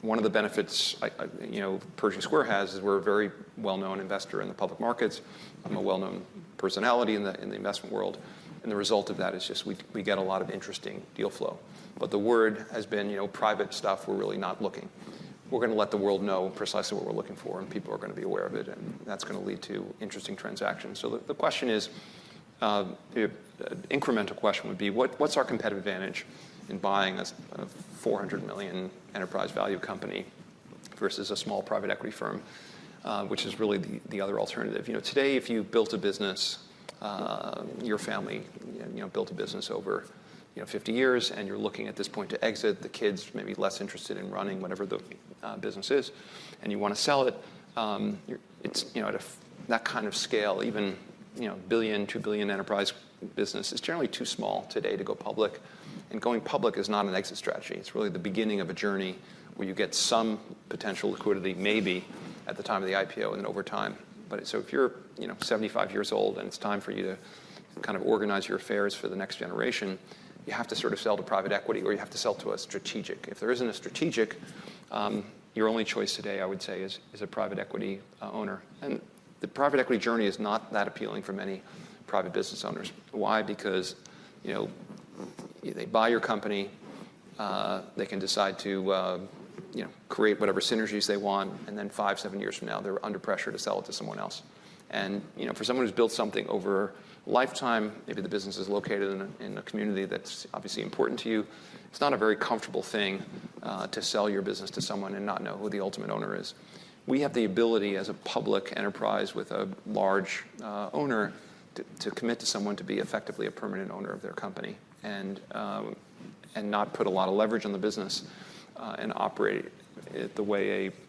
One of the benefits Pershing Square has is we're a very well-known investor in the public markets. I'm a well-known personality in the investment world. And the result of that is just we get a lot of interesting deal flow. But the word has been private stuff we're really not looking. We're going to let the world know precisely what we're looking for, and people are going to be aware of it. And that's going to lead to interesting transactions. So the incremental question would be, what's our competitive advantage in buying a $400 million enterprise value company versus a small private equity firm, which is really the other alternative? Today, if you built a business, your family built a business over 50 years, and you're looking at this point to exit, the kids may be less interested in running whatever the business is, and you want to sell it. That kind of scale, even a $1 billion, $2 billion enterprise business, is generally too small today to go public. And going public is not an exit strategy. It's really the beginning of a journey where you get some potential liquidity, maybe at the time of the IPO and then over time. So if you're 75 years old and it's time for you to kind of organize your affairs for the next generation, you have to sort of sell to private equity or you have to sell to a strategic. If there isn't a strategic, your only choice today, I would say, is a private equity owner. The private equity journey is not that appealing for many private business owners. Why? Because they buy your company. They can decide to create whatever synergies they want. And then five, seven years from now, they're under pressure to sell it to someone else. And for someone who's built something over a lifetime, maybe the business is located in a community that's obviously important to you, it's not a very comfortable thing to sell your business to someone and not know who the ultimate owner is. We have the ability, as a public enterprise with a large owner, to commit to someone to be effectively a permanent owner of their company and not put a lot of leverage on the business and operate it the way a kind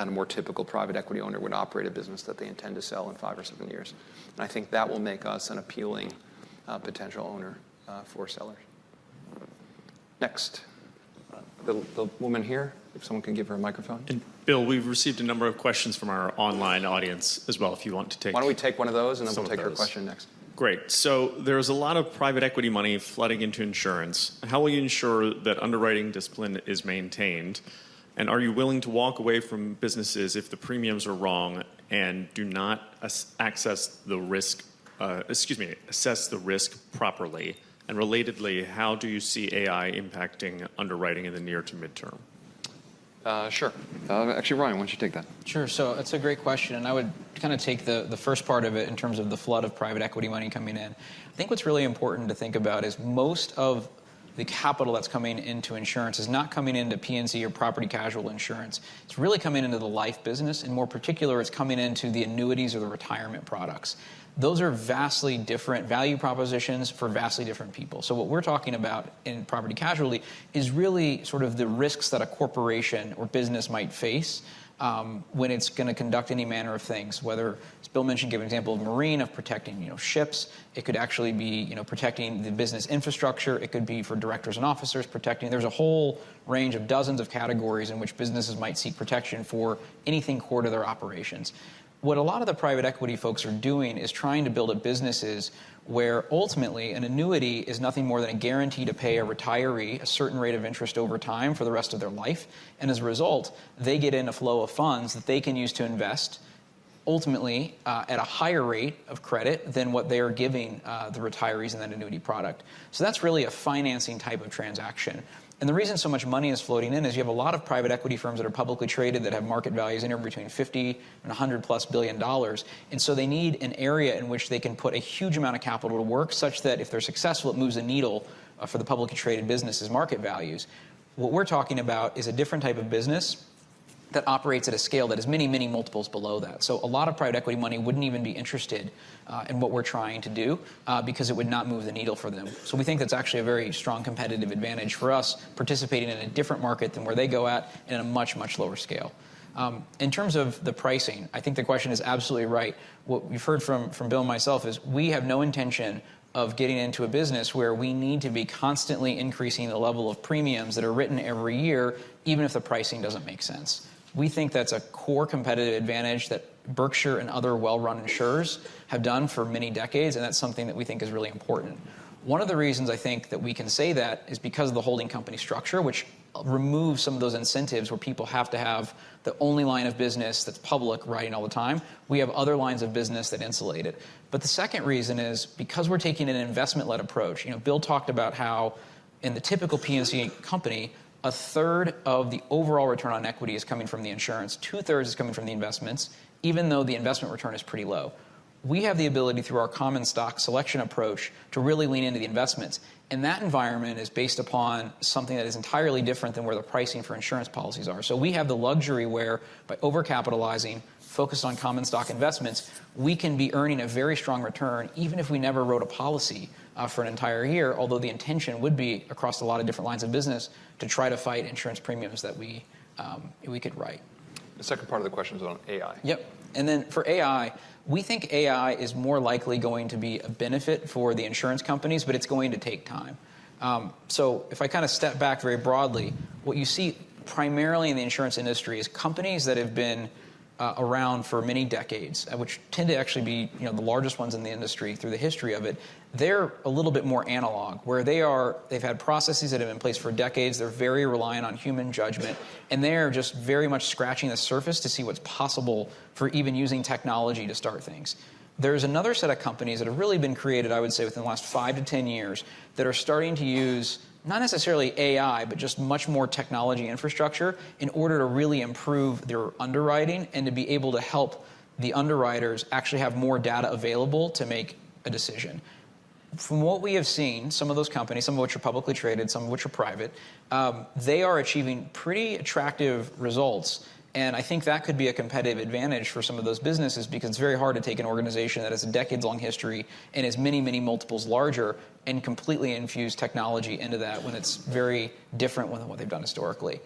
of more typical private equity owner would operate a business that they intend to sell in five or seven years. And I think that will make us an appealing potential owner for sellers. Next. The woman here, if someone can give her a microphone. Bill, we've received a number of questions from our online audience as well. If you want to take them. Why don't we take one of those, and then we'll take your question next. Great. So there is a lot of private equity money flooding into insurance. How will you ensure that underwriting discipline is maintained? And are you willing to walk away from businesses if the premiums are wrong and do not assess the risk properly? And relatedly, how do you see AI impacting underwriting in the near to midterm? Sure. Actually, Ryan, why don't you take that? Sure. So it's a great question. And I would kind of take the first part of it in terms of the flood of private equity money coming in. I think what's really important to think about is most of the capital that's coming into insurance is not coming into P&C or property casualty insurance. It's really coming into the life business. In particular, it's coming into the annuities or the retirement products. Those are vastly different value propositions for vastly different people. So what we're talking about in property casualty is really sort of the risks that a corporation or business might face when it's going to conduct any manner of things, whether it's Bill mentioned, gave an example of marine of protecting ships. It could actually be protecting the business infrastructure. It could be for directors and officers protecting. There's a whole range of dozens of categories in which businesses might seek protection for anything core to their operations. What a lot of the private equity folks are doing is trying to build up businesses where ultimately an annuity is nothing more than a guarantee to pay a retiree a certain rate of interest over time for the rest of their life. And as a result, they get in a flow of funds that they can use to invest, ultimately at a higher rate of credit than what they are giving the retirees in that annuity product. So that's really a financing type of transaction. And the reason so much money is floating in is you have a lot of private equity firms that are publicly traded that have market values anywhere between $50 and $100 plus billion. And so they need an area in which they can put a huge amount of capital to work such that if they're successful, it moves the needle for the publicly traded businesses' market values. What we're talking about is a different type of business that operates at a scale that is many, many multiples below that. So a lot of private equity money wouldn't even be interested in what we're trying to do because it would not move the needle for them. So we think that's actually a very strong competitive advantage for us participating in a different market than where they go at and at a much, much lower scale. In terms of the pricing, I think the question is absolutely right. What we've heard from Bill and myself is we have no intention of getting into a business where we need to be constantly increasing the level of premiums that are written every year, even if the pricing doesn't make sense. We think that's a core competitive advantage that Berkshire and other well-run insurers have done for many decades. And that's something that we think is really important. One of the reasons I think that we can say that is because of the holding company structure, which removes some of those incentives where people have to have the only line of business that's public writing all the time. We have other lines of business that insulate it. But the second reason is because we're taking an investment-led approach. Bill talked about how in the typical P&C company, a third of the overall return on equity is coming from the insurance. Two-thirds is coming from the investments, even though the investment return is pretty low. We have the ability, through our common stock selection approach, to really lean into the investments. And that environment is based upon something that is entirely different than where the pricing for insurance policies are. So we have the luxury where, by over-capitalizing, focused on common stock investments, we can be earning a very strong return, even if we never wrote a policy for an entire year, although the intention would be, across a lot of different lines of business, to try to write insurance premiums that we could write. The second part of the question is on AI. Yep, and then for AI, we think AI is more likely going to be a benefit for the insurance companies, but it's going to take time, so if I kind of step back very broadly, what you see primarily in the insurance industry is companies that have been around for many decades, which tend to actually be the largest ones in the industry through the history of it. They're a little bit more analog, where they've had processes that have been in place for decades. They're very reliant on human judgment. And they're just very much scratching the surface to see what's possible for even using technology to start things. There's another set of companies that have really been created, I would say, within the last five to 10 years that are starting to use not necessarily AI, but just much more technology infrastructure in order to really improve their underwriting and to be able to help the underwriters actually have more data available to make a decision. From what we have seen, some of those companies, some of which are publicly traded, some of which are private, they are achieving pretty attractive results, and I think that could be a competitive advantage for some of those businesses because it's very hard to take an organization that has a decades-long history and is many, many multiples larger and completely infuse technology into that when it's very different than what they've done historically.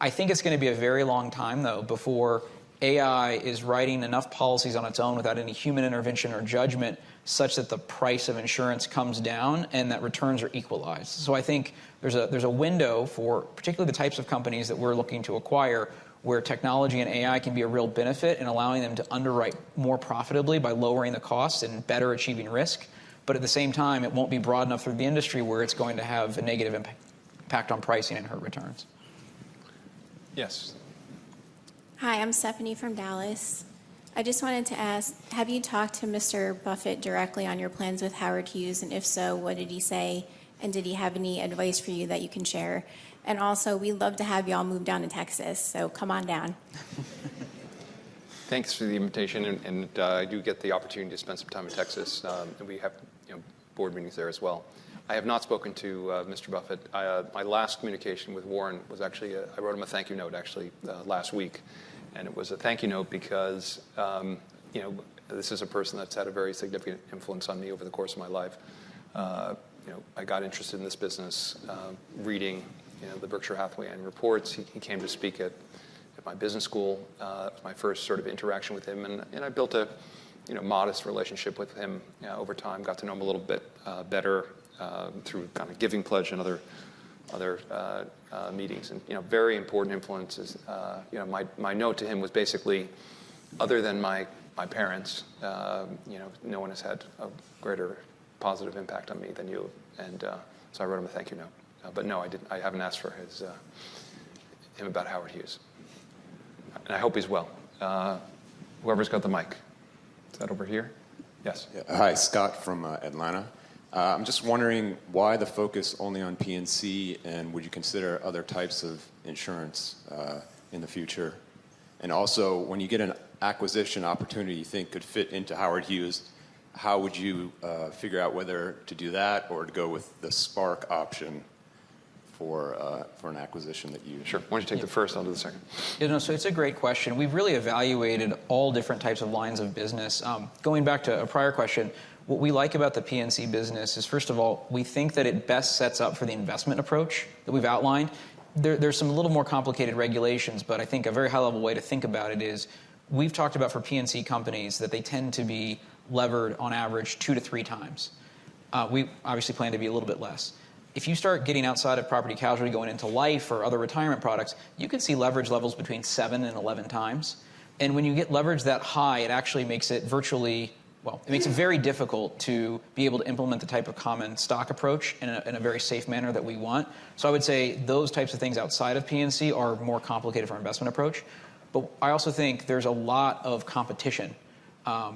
I think it's going to be a very long time, though, before AI is writing enough policies on its own without any human intervention or judgment such that the price of insurance comes down and that returns are equalized. So I think there's a window for particularly the types of companies that we're looking to acquire where technology and AI can be a real benefit in allowing them to underwrite more profitably by lowering the cost and better achieving risk. But at the same time, it won't be broad enough through the industry where it's going to have a negative impact on pricing and hurt returns. Yes. Hi, I'm Stephanie from Dallas. I just wanted to ask, have you talked to Mr. Buffett directly on your plans with Howard Hughes? And if so, what did he say? And did he have any advice for you that you can share? And also, we'd love to have you all move down to Texas. So come on down. Thanks for the invitation, and I do get the opportunity to spend some time in Texas, and we have board meetings there as well. I have not spoken to Mr. Buffett. My last communication with Warren was actually, I wrote him a thank-you note, actually, last week, and it was a thank-you note because this is a person that's had a very significant influence on me over the course of my life. I got interested in this business reading the Berkshire Hathaway and reports. He came to speak at my business school. It was my first sort of interaction with him, and I built a modest relationship with him over time, got to know him a little bit better through kind of Giving Pledge and other meetings, and very important influences. My note to him was basically, other than my parents, no one has had a greater positive impact on me than you, and so I wrote him a thank-you note, but no, I haven't asked him about Howard Hughes, and I hope he's well. Whoever's got the mic. Is that over here? Yes. Hi, Scott from Atlanta. I'm just wondering why the focus only on P&C, and would you consider other types of insurance in the future? And also, when you get an acquisition opportunity you think could fit into Howard Hughes, how would you figure out whether to do that or to go with the SPARC option for an acquisition that you? Sure. Why don't you take the first, I'll do the second. So it's a great question. We've really evaluated all different types of lines of business. Going back to a prior question, what we like about the P&C business is, first of all, we think that it best sets up for the investment approach that we've outlined. There's some a little more complicated regulations, but I think a very high-level way to think about it is we've talked about for P&C companies that they tend to be levered on average two to three times. We obviously plan to be a little bit less. If you start getting outside of property and casualty going into life or other retirement products, you can see leverage levels between seven and 11x. When you get leverage that high, it actually makes it virtually, well, it makes it very difficult to be able to implement the type of common stock approach in a very safe manner that we want. So I would say those types of things outside of P&C are more complicated for an investment approach. But I also think there's a lot of competition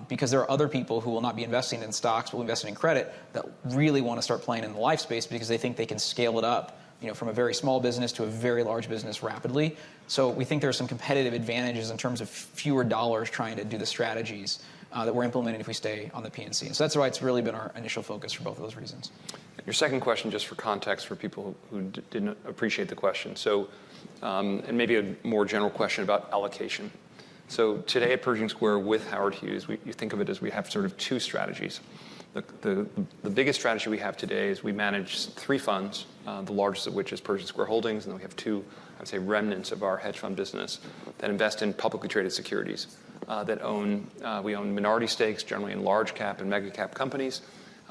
because there are other people who will not be investing in stocks, will invest in credit that really want to start playing in the life space because they think they can scale it up from a very small business to a very large business rapidly. So we think there are some competitive advantages in terms of fewer dollars trying to do the strategies that we're implementing if we stay on the P&C. And so that's why it's really been our initial focus for both of those reasons. Your second question, just for context for people who didn't appreciate the question, and maybe a more general question about allocation, so today at Pershing Square with Howard Hughes, you think of it as we have sort of two strategies. The biggest strategy we have today is we manage three funds, the largest of which is Pershing Square Holdings. And then we have two, I would say, remnants of our hedge fund business that invest in publicly traded securities. We own minority stakes, generally in large-cap and mega-cap companies.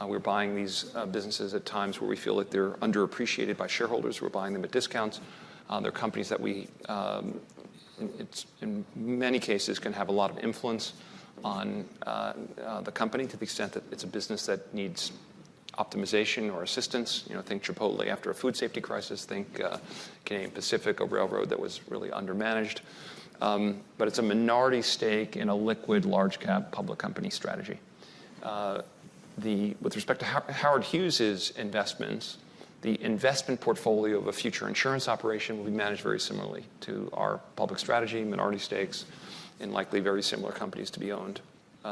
We're buying these businesses at times where we feel that they're underappreciated by shareholders. We're buying them at discounts. They're companies that we, in many cases, can have a lot of influence on the company to the extent that it's a business that needs optimization or assistance. Think Chipotle after a food safety crisis. Think Canadian Pacific, a railroad that was really undermanaged. But it's a minority stake in a liquid large-cap public company strategy. With respect to Howard Hughes's investments, the investment portfolio of a future insurance operation will be managed very similarly to our public strategy, minority stakes, and likely very similar companies to be owned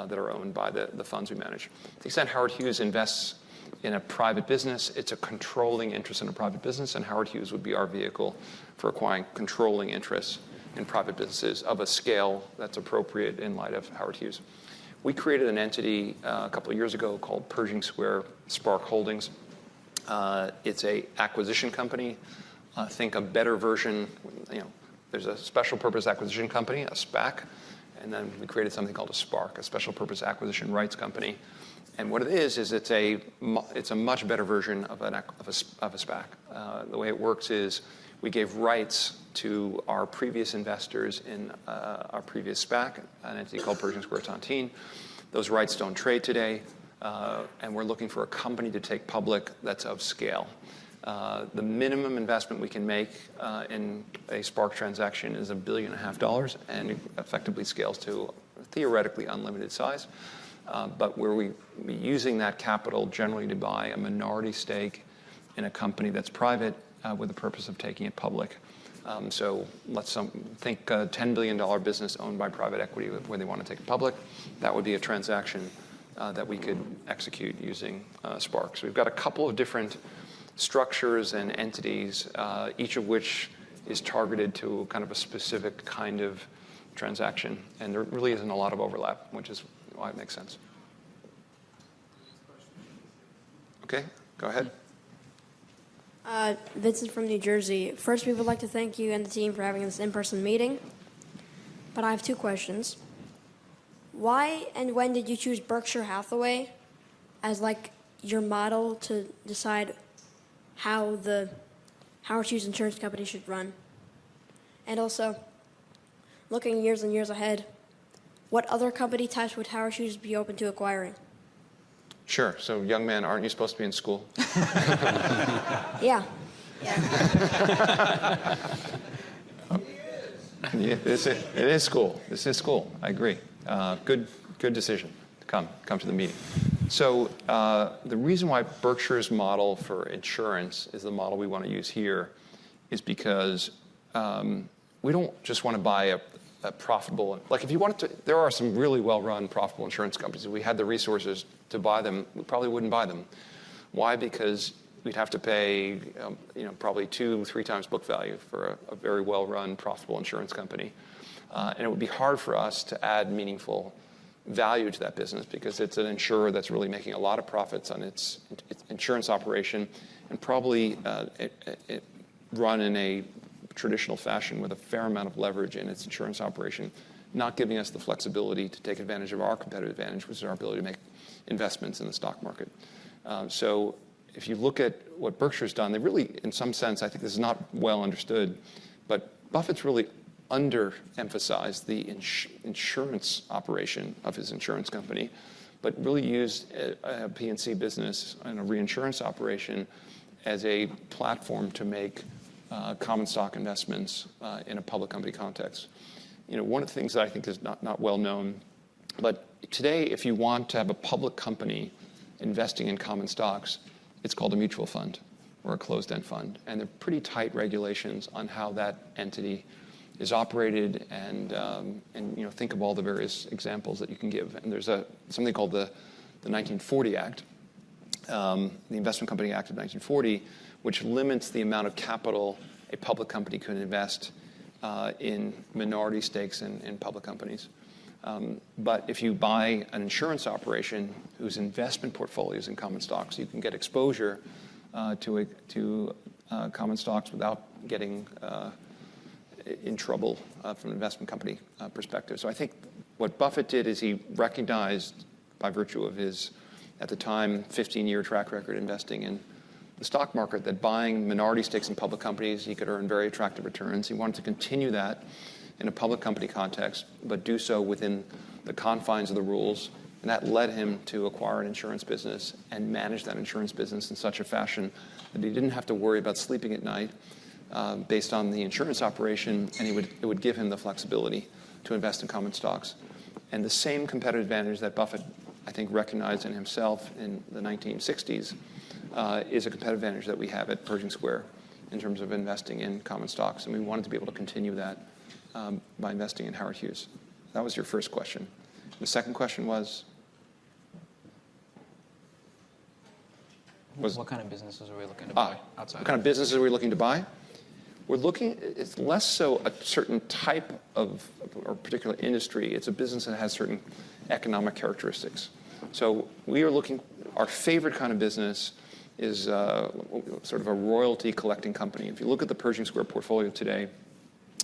that are owned by the funds we manage. To the extent Howard Hughes invests in a private business, it's a controlling interest in a private business. And Howard Hughes would be our vehicle for acquiring controlling interests in private businesses of a scale that's appropriate in light of Howard Hughes. We created an entity a couple of years ago called Pershing Square SPARC Holdings. It's an acquisition company. Think a better version. There's a special purpose acquisition company, a SPAC. And then we created something called a SPARC, a Special Purpose Acquisition Rights Company. And what it is, is it's a much better version of a SPAC. The way it works is we gave rights to our previous investors in our previous SPAC, an entity called Pershing Square Tontine. Those rights don't trade today. And we're looking for a company to take public that's of scale. The minimum investment we can make in a SPARC transaction is $1.5 billion and effectively scales to a theoretically unlimited size. But we'll be using that capital generally to buy a minority stake in a company that's private with the purpose of taking it public. So let's think a $10 billion business owned by private equity where they want to take it public. That would be a transaction that we could execute using SPARC. So we've got a couple of different structures and entities, each of which is targeted to kind of a specific kind of transaction. And there really isn't a lot of overlap, which is why it makes sense. Okay, go ahead. This is from New Jersey. First, we would like to thank you and the team for having this in-person meeting. But I have two questions. Why and when did you choose Berkshire Hathaway as your model to decide how the Howard Hughes insurance company should run? And also, looking years and years ahead, what other company types would Howard Hughes be open to acquiring? Sure, so young man, aren't you supposed to be in school? Yeah. It is school. This is school. I agree. Good decision to come to the meeting. So the reason why Berkshire's model for insurance is the model we want to use here is because we don't just want to buy a profitable. There are some really well-run profitable insurance companies. If we had the resources to buy them, we probably wouldn't buy them. Why? Because we'd have to pay probably two, three times book value for a very well-run profitable insurance company. And it would be hard for us to add meaningful value to that business because it's an insurer that's really making a lot of profits on its insurance operation and probably run in a traditional fashion with a fair amount of leverage in its insurance operation, not giving us the flexibility to take advantage of our competitive advantage, which is our ability to make investments in the stock market. If you look at what Berkshire's done, they really, in some sense, I think this is not well understood, but Buffett's really underemphasized the insurance operation of his insurance company, but really used a P&C business and a reinsurance operation as a platform to make common stock investments in a public company context. One of the things that I think is not well known, but today, if you want to have a public company investing in common stocks, it's called a mutual fund or a closed-end fund. And there are pretty tight regulations on how that entity is operated. And think of all the various examples that you can give. And there's something called the 1940 Act, the Investment Company Act of 1940, which limits the amount of capital a public company could invest in minority stakes in public companies. But if you buy an insurance operation whose investment portfolio is in common stocks, you can get exposure to common stocks without getting in trouble from an investment company perspective. So I think what Buffett did is he recognized, by virtue of his, at the time, 15-year track record investing in the stock market, that buying minority stakes in public companies, he could earn very attractive returns. He wanted to continue that in a public company context, but do so within the confines of the rules. And that led him to acquire an insurance business and manage that insurance business in such a fashion that he didn't have to worry about sleeping at night based on the insurance operation. And it would give him the flexibility to invest in common stocks. The same competitive advantage that Buffett, I think, recognized in himself in the 1960s is a competitive advantage that we have at Pershing Square in terms of investing in common stocks. We wanted to be able to continue that by investing in Howard Hughes. That was your first question. The second question was. What kind of businesses are we looking to buy outside of? What kind of businesses are we looking to buy? We're looking. It's less so a certain type of or particular industry. It's a business that has certain economic characteristics. So we are looking. Our favorite kind of business is sort of a royalty-collecting company. If you look at the Pershing Square portfolio today,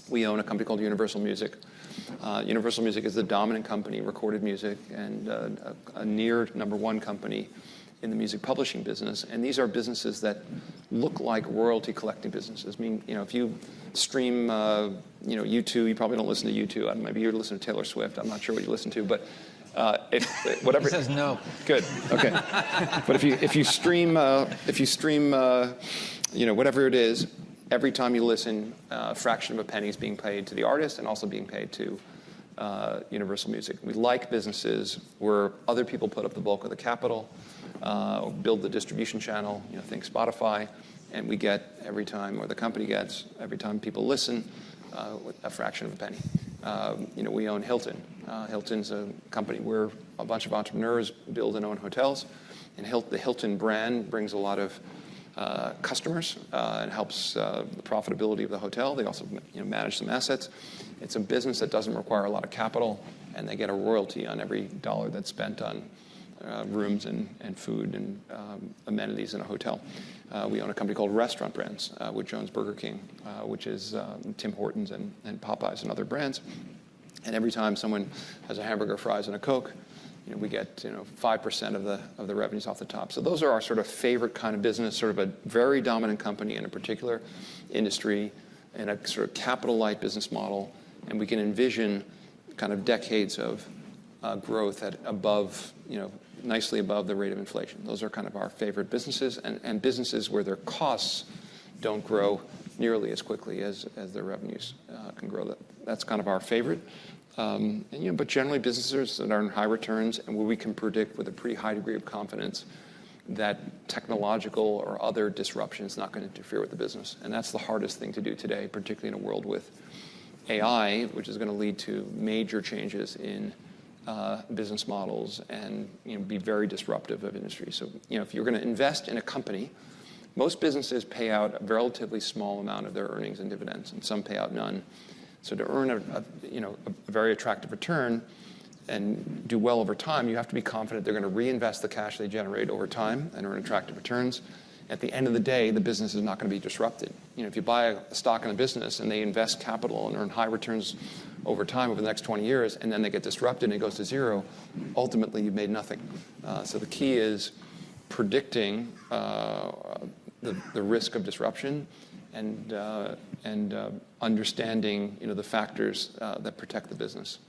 we own a company called Universal Music. Universal Music is the dominant company, recorded music, and a near number one company in the music publishing business. And these are businesses that look like royalty-collecting businesses. If you stream YouTube, you probably don't listen to YouTube. I might be here to listen to Taylor Swift. I'm not sure what you listen to, but. He says no. Good. Okay. But if you stream whatever it is, every time you listen, a fraction of a penny is being paid to the artist and also being paid to Universal Music. We like businesses where other people put up the bulk of the capital, build the distribution channel, think Spotify. And we get every time, or the company gets, every time people listen, a fraction of a penny. We own Hilton. Hilton's a company where a bunch of entrepreneurs build and own hotels. And the Hilton brand brings a lot of customers and helps the profitability of the hotel. They also manage some assets. It's a business that doesn't require a lot of capital. And they get a royalty on every dollar that's spent on rooms and food and amenities in a hotel. We own a company called Restaurant Brands with which owns Burger King, which is Tim Hortons and Popeyes and other brands, and every time someone has a hamburger, fries, and a Coke, we get 5% of the revenues off the top, so those are our sort of favorite kind of business, sort of a very dominant company in a particular industry in a sort of capital-like business model, and we can envision kind of decades of growth nicely above the rate of inflation. Those are kind of our favorite businesses and businesses where their costs don't grow nearly as quickly as their revenues can grow. That's kind of our favorite, but generally, businesses that earn high returns and where we can predict with a pretty high degree of confidence that technological or other disruption is not going to interfere with the business. And that's the hardest thing to do today, particularly in a world with AI, which is going to lead to major changes in business models and be very disruptive of industry. So if you're going to invest in a company, most businesses pay out a relatively small amount of their earnings and dividends, and some pay out none. So to earn a very attractive return and do well over time, you have to be confident they're going to reinvest the cash they generate over time and earn attractive returns. At the end of the day, the business is not going to be disrupted. If you buy a stock in a business and they invest capital and earn high returns over time over the next 20 years, and then they get disrupted and it goes to zero, ultimately, you've made nothing. So the key is predicting the risk of disruption and understanding the factors that protect the business.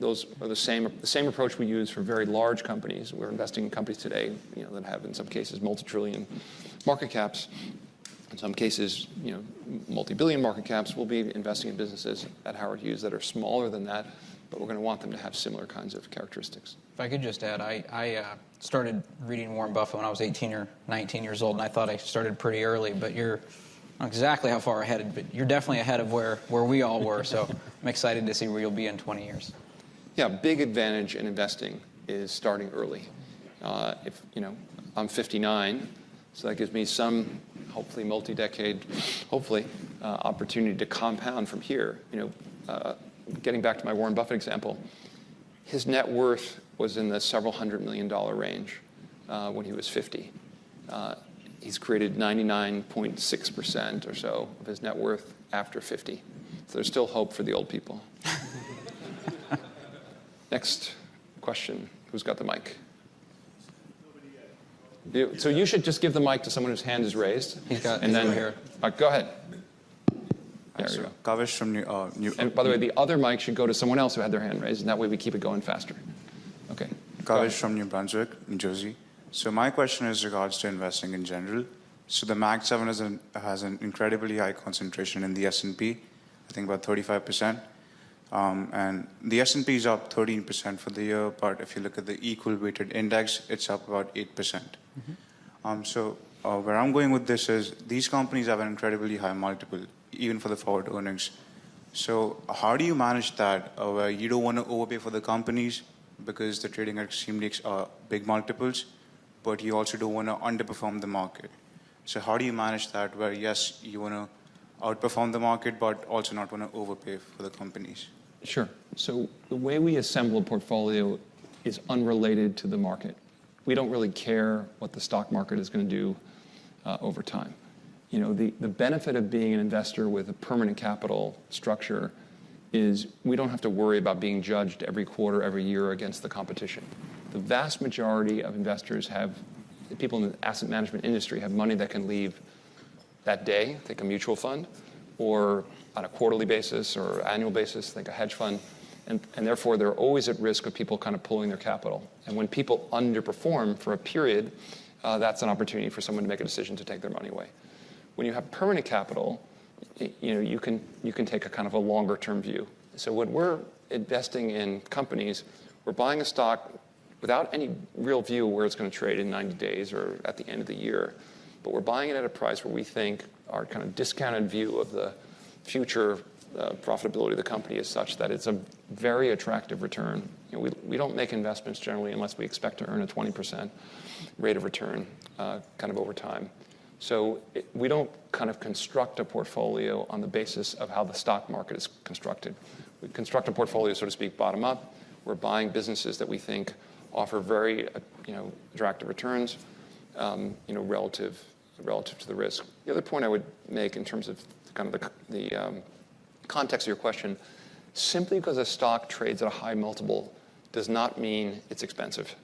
The same approach we use for very large companies. We're investing in companies today that have, in some cases, multi-trillion market caps. In some cases, multi-billion market caps. We'll be investing in businesses at Howard Hughes that are smaller than that, but we're going to want them to have similar kinds of characteristics. If I could just add, I started reading Warren Buffett when I was 18 or 19 years old. And I thought I started pretty early. But you're not exactly how far ahead. But you're definitely ahead of where we all were. So I'm excited to see where you'll be in 20 years. Yeah, a big advantage in investing is starting early. I'm 59. So that gives me some hopefully multi-decade, hopefully, opportunity to compound from here. Getting back to my Warren Buffett example, his net worth was in the several hundred million dollar range when he was 50. He's created 99.6% or so of his net worth after 50. So there's still hope for the old people. Next question. Who's got the mic? So you should just give the mic to someone whose hand is raised. And then go ahead. Gavish from New Brunswick. By the way, the other mic should go to someone else who had their hand raised, and that way, we keep it going faster. Okay. Gavish from New Brunswick, New Jersey. So my question is in regards to investing in general. So the Mag 7 has an incredibly high concentration in the S&P, I think about 35%. And the S&P is up 13% for the year. But if you look at the equal-weighted index, it's up about 8%. So where I'm going with this is these companies have an incredibly high multiple, even for the forward earnings. So how do you manage that where you don't want to overpay for the companies because they're trading at extremely big multiples, but you also don't want to underperform the market? So how do you manage that where, yes, you want to outperform the market, but also not want to overpay for the companies? Sure, so the way we assemble a portfolio is unrelated to the market. We don't really care what the stock market is going to do over time. The benefit of being an investor with a permanent capital structure is we don't have to worry about being judged every quarter, every year against the competition. The vast majority of investors, people in the asset management industry, have money that can leave that day, like a mutual fund, or on a quarterly basis or annual basis, like a hedge fund. And therefore, they're always at risk of people kind of pulling their capital. And when people underperform for a period, that's an opportunity for someone to make a decision to take their money away. When you have permanent capital, you can take a kind of a longer-term view. So, when we're investing in companies, we're buying a stock without any real view where it's going to trade in 90 days or at the end of the year. But we're buying it at a price where we think our kind of discounted view of the future profitability of the company is such that it's a very attractive return. We don't make investments, generally, unless we expect to earn a 20% rate of return kind of over time. So we don't kind of construct a portfolio on the basis of how the stock market is constructed. We construct a portfolio, so to speak, bottom up. We're buying businesses that we think offer very attractive returns relative to the risk. The other point I would make in terms of kind of the context of your question, simply because a stock trades at a high multiple does not mean it's expensive.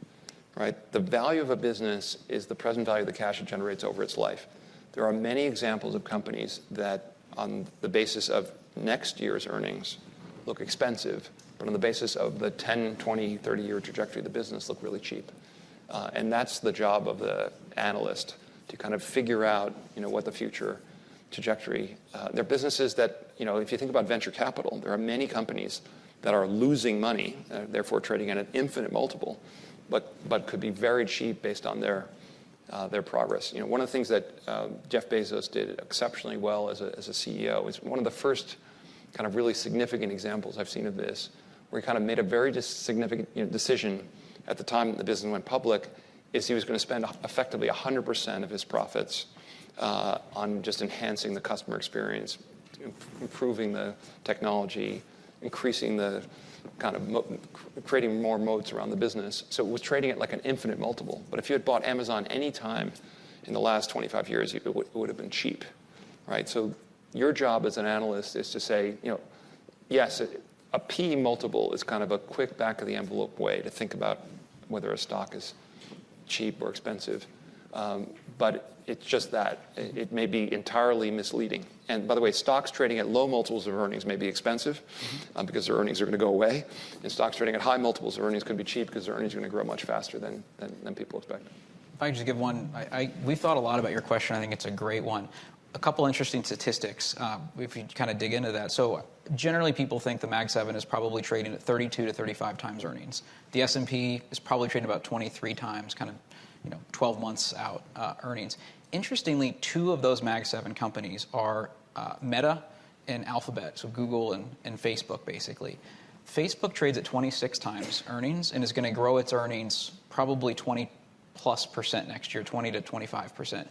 The value of a business is the present value of the cash it generates over its life. There are many examples of companies that, on the basis of next year's earnings, look expensive. But on the basis of the 10, 20, 30-year trajectory, the business look really cheap. And that's the job of the analyst to kind of figure out what the future trajectory. There are businesses that, if you think about venture capital, there are many companies that are losing money, therefore trading at an infinite multiple, but could be very cheap based on their progress. One of the things that Jeff Bezos did exceptionally well as a CEO is one of the first kind of really significant examples I've seen of this, where he kind of made a very significant decision at the time that the business went public is he was going to spend effectively 100% of his profits on just enhancing the customer experience, improving the technology, creating more modes around the business. So it was trading at like an infinite multiple. But if you had bought Amazon any time in the last 25 years, it would have been cheap. So your job as an analyst is to say, yes, a P multiple is kind of a quick back-of-the-envelope way to think about whether a stock is cheap or expensive. But it's just that. It may be entirely misleading. By the way, stocks trading at low multiples of earnings may be expensive because their earnings are going to go away. Stocks trading at high multiples of earnings could be cheap because their earnings are going to grow much faster than people expect. If I could just give one. We thought a lot about your question. I think it's a great one. A couple of interesting statistics, if you kind of dig into that. So generally, people think the Mag 7 is probably trading at 32 to 35x earnings. The S&P is probably trading about 23x, kind of 12 months out earnings. Interestingly, two of those Mag 7 companies are Meta and Alphabet, so Google and Facebook, basically. Facebook trades at 26x earnings and is going to grow its earnings probably 20+ percent next year, 20% to 25%.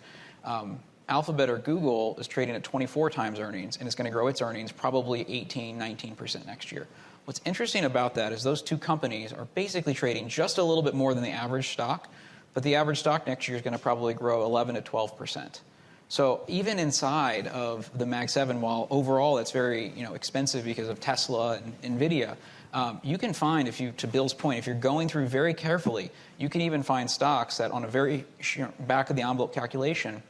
Alphabet or Google is trading at 24x earnings, and it's going to grow its earnings probably 18%, 19% next year. What's interesting about that is those two companies are basically trading just a little bit more than the average stock. But the average stock next year is going to probably grow 11% to 12%. So even inside of the Mag 7, while overall it's very expensive because of Tesla and Nvidia, you can find, to Bill's point, if you're going through very carefully, you can even find stocks that, on a very back-of-the-envelope calculation,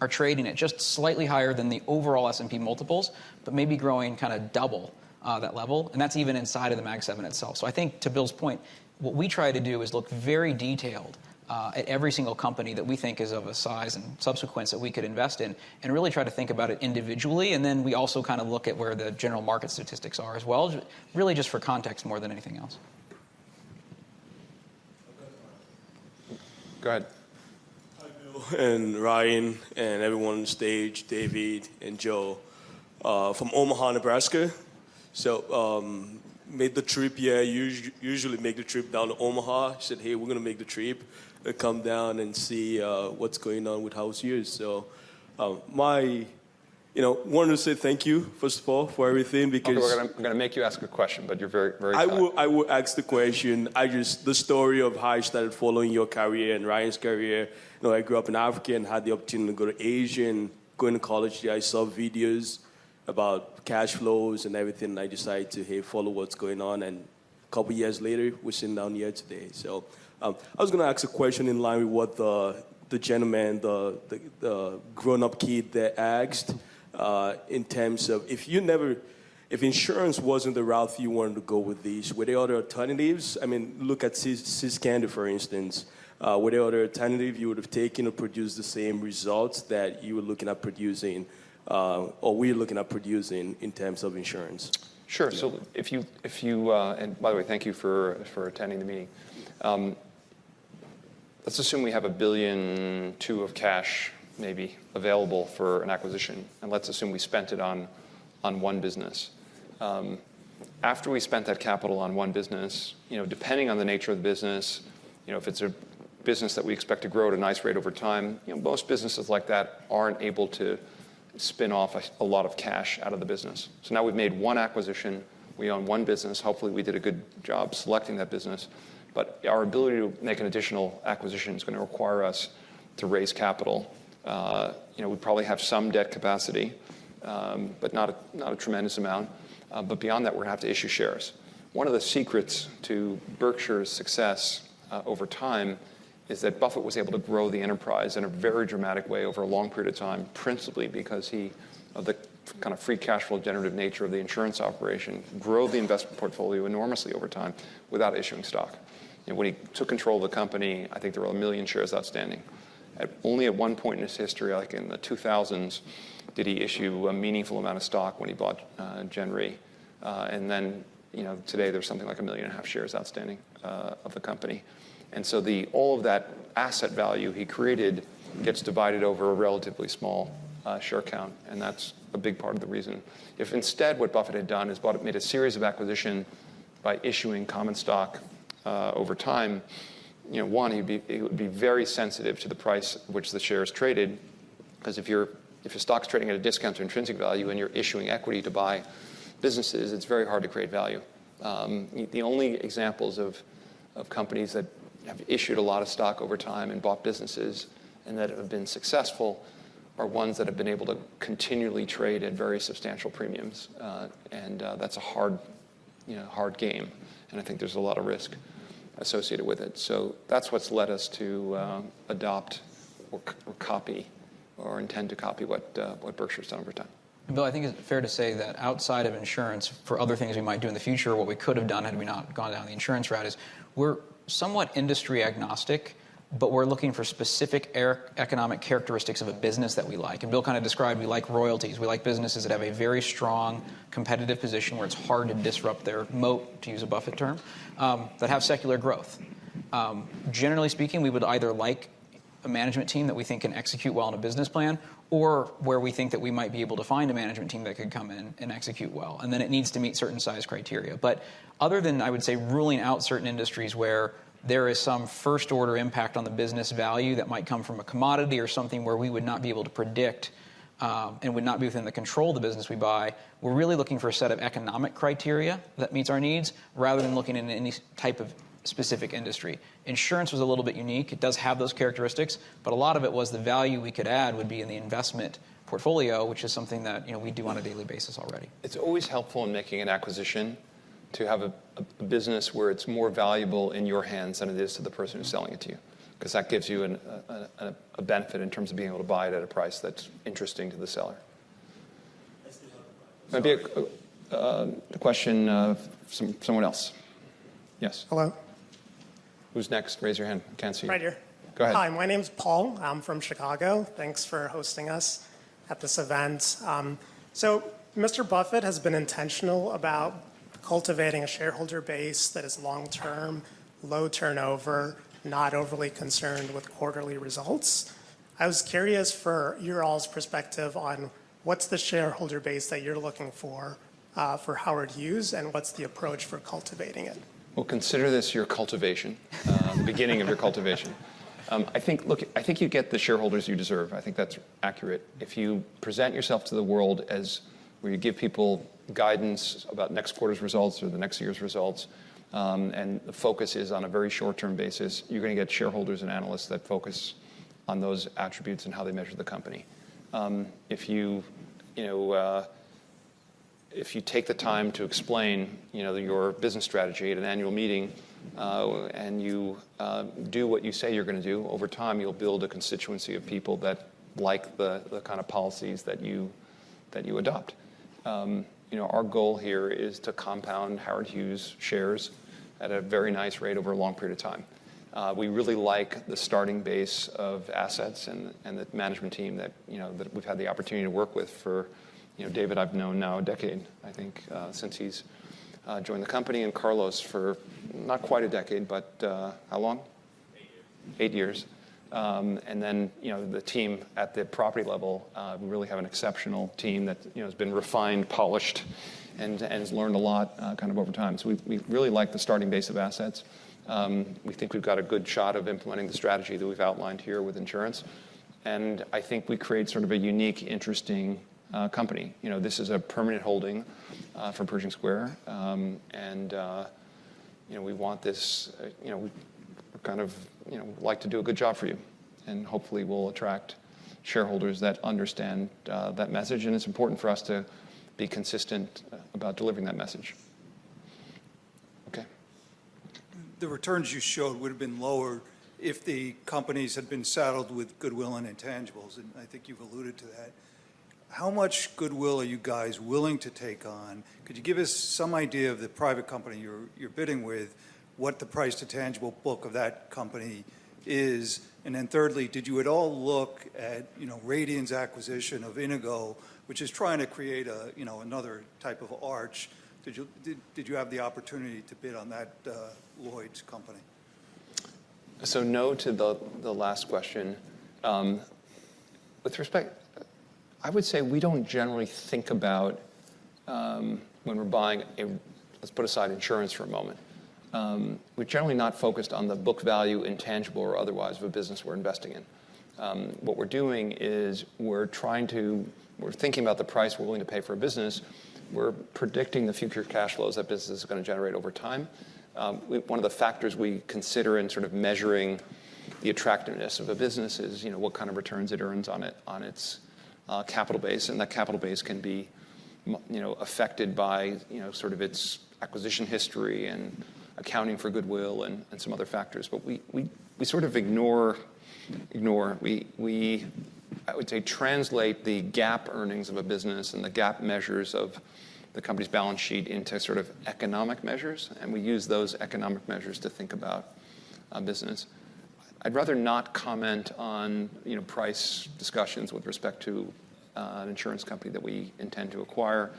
are trading at just slightly higher than the overall S&P multiples, but maybe growing kind of double that level. And that's even inside of the Mag 7 itself. So I think, to Bill's point, what we try to do is look very detailed at every single company that we think is of a size and substance that we could invest in and really try to think about it individually. And then we also kind of look at where the general market statistics are as well, really just for context more than anything else. Go ahead. Hi, Bill and Ryan and everyone on the stage, David and Joel from Omaha, Nebraska. So I made the trip here. I usually make the trip down to Omaha. I said, hey, we're going to make the trip and come down and see what's going on with Howard Hughes. So I wanted to say thank you, first of all, for everything because. I'm going to make you ask a question, but you're very good. I will ask the question. The story of how I started following your career and Ryan's career. I grew up in Africa and had the opportunity to go to Asia, and going to college, I saw videos about cash flows and everything, and I decided to, hey, follow what's going on, and a couple of years later, we're sitting down here today. So I was going to ask a question in line with what the gentleman, the grown-up kid, there asked in terms of if insurance wasn't the route you wanted to go with these, were there other alternatives? I mean, look at See's Candies, for instance. Were there other alternatives you would have taken to produce the same results that you were looking at producing or we were looking at producing in terms of insurance? Sure. And by the way, thank you for attending the meeting. Let's assume we have a billion or two of cash maybe available for an acquisition. And let's assume we spent it on one business. After we spent that capital on one business, depending on the nature of the business, if it's a business that we expect to grow at a nice rate over time, most businesses like that aren't able to spin off a lot of cash out of the business. So now we've made one acquisition. We own one business. Hopefully, we did a good job selecting that business. But our ability to make an additional acquisition is going to require us to raise capital. We probably have some debt capacity, but not a tremendous amount. But beyond that, we're going to have to issue shares. One of the secrets to Berkshire's success over time is that Buffett was able to grow the enterprise in a very dramatic way over a long period of time, principally because he, of the kind of free cash flow generative nature of the insurance operation, grew the investment portfolio enormously over time without issuing stock. When he took control of the company, I think there were 1 million shares outstanding. Only at one point in his history, like in the 2000s, did he issue a meaningful amount of stock when he bought Gen Re. And then today, there's something like 1.5 million shares outstanding of the company. And so all of that asset value he created gets divided over a relatively small share count. And that's a big part of the reason. If instead what Buffett had done is made a series of acquisitions by issuing common stock over time, one, he would be very sensitive to the price at which the shares traded. Because if your stock's trading at a discount to intrinsic value and you're issuing equity to buy businesses, it's very hard to create value. The only examples of companies that have issued a lot of stock over time and bought businesses and that have been successful are ones that have been able to continually trade at very substantial premiums. And that's a hard game. And I think there's a lot of risk associated with it. So that's what's led us to adopt or copy or intend to copy what Berkshire has done over time. Bill, I think it's fair to say that outside of insurance, for other things we might do in the future, what we could have done had we not gone down the insurance route is we're somewhat industry agnostic, but we're looking for specific economic characteristics of a business that we like. And Bill kind of described we like royalties. We like businesses that have a very strong competitive position where it's hard to disrupt their moat, to use a Buffett term, that have secular growth. Generally speaking, we would either like a management team that we think can execute well on a business plan, or where we think that we might be able to find a management team that could come in and execute well. And then it needs to meet certain size criteria. But other than, I would say, ruling out certain industries where there is some first-order impact on the business value that might come from a commodity or something where we would not be able to predict and would not be within the control of the business we buy, we're really looking for a set of economic criteria that meets our needs rather than looking in any type of specific industry. Insurance was a little bit unique. It does have those characteristics. But a lot of it was the value we could add would be in the investment portfolio, which is something that we do on a daily basis already. It's always helpful in making an acquisition to have a business where it's more valuable in your hands than it is to the person who's selling it to you because that gives you a benefit in terms of being able to buy it at a price that's interesting to the seller. That'd be a question from someone else. Yes. Hello. Who's next? Raise your hand. I can't see you. Right here. Go ahead. Hi. My name is Paul. I'm from Chicago. Thanks for hosting us at this event. So Mr. Buffett has been intentional about cultivating a shareholder base that is long-term, low turnover, not overly concerned with quarterly results. I was curious for your all's perspective on what's the shareholder base that you're looking for for Howard Hughes and what's the approach for cultivating it. Consider this your cultivation, beginning of your cultivation. I think you get the shareholders you deserve. I think that's accurate. If you present yourself to the world as where you give people guidance about next quarter's results or the next year's results and the focus is on a very short-term basis, you're going to get shareholders and analysts that focus on those attributes and how they measure the company. If you take the time to explain your business strategy at an annual meeting and you do what you say you're going to do, over time you'll build a constituency of people that like the kind of policies that you adopt. Our goal here is to compound Howard Hughes shares at a very nice rate over a long period of time. We really like the starting base of assets and the management team that we've had the opportunity to work with, for David I've known now a decade, I think, since he's joined the company, and Carlos for not quite a decade, but how long? Eight years. Eight years. And then the team at the property level, we really have an exceptional team that has been refined, polished, and has learned a lot kind of over time. So we really like the starting base of assets. We think we've got a good shot of implementing the strategy that we've outlined here with insurance. And I think we create sort of a unique, interesting company. This is a permanent holding for Pershing Square. And we want this. We kind of like to do a good job for you. And hopefully, we'll attract shareholders that understand that message. And it's important for us to be consistent about delivering that message. OK. The returns you showed would have been lower if the companies had been saddled with goodwill and intangibles. And I think you've alluded to that. How much goodwill are you guys willing to take on? Could you give us some idea of the private company you're bidding with, what the price-to-tangible book of that company is? And then thirdly, did you at all look at Radian's acquisition of Inigo, which is trying to create another type of Arch? Did you have the opportunity to bid on that Lloyd's company? So no to the last question. With respect, I would say we don't generally think about when we're buying a business. Let's put aside insurance for a moment. We're generally not focused on the book value, intangible, or otherwise of a business we're investing in. What we're doing is we're thinking about the price we're willing to pay for a business. We're predicting the future cash flows that business is going to generate over time. One of the factors we consider in sort of measuring the attractiveness of a business is what kind of returns it earns on its capital base. And that capital base can be affected by sort of its acquisition history and accounting for goodwill and some other factors. But we sort of ignore. I would say translate the GAAP earnings of a business and the GAAP measures of the company's balance sheet into sort of economic measures. We use those economic measures to think about a business. I'd rather not comment on price discussions with respect to an insurance company that we intend to acquire.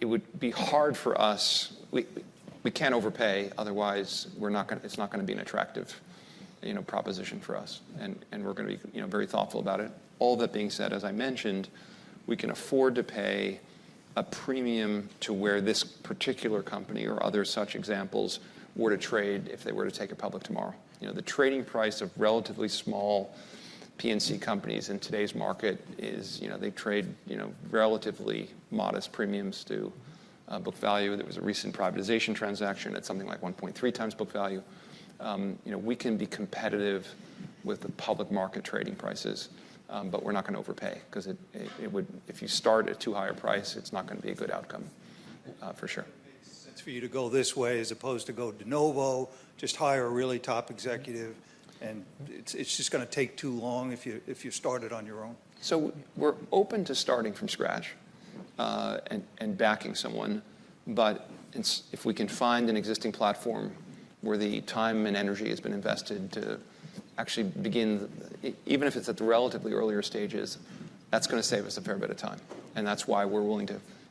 It would be hard for us. We can't overpay. Otherwise, it's not going to be an attractive proposition for us. We're going to be very thoughtful about it. All that being said, as I mentioned, we can afford to pay a premium to where this particular company or other such examples were to trade if they were to take a public tomorrow. The trading price of relatively small P&C companies in today's market is they trade relatively modest premiums to book value. There was a recent privatization transaction. It's something like 1.3 times book value. We can be competitive with the public market trading prices. But we're not going to overpay because if you start at a too high a price, it's not going to be a good outcome for sure. It's for you to go this way as opposed to go de novo, just hire a really top executive. And it's just going to take too long if you start it on your own. So we're open to starting from scratch and backing someone. But if we can find an existing platform where the time and energy has been invested to actually begin, even if it's at the relatively earlier stages, that's going to save us a fair bit of time. And that's why we're willing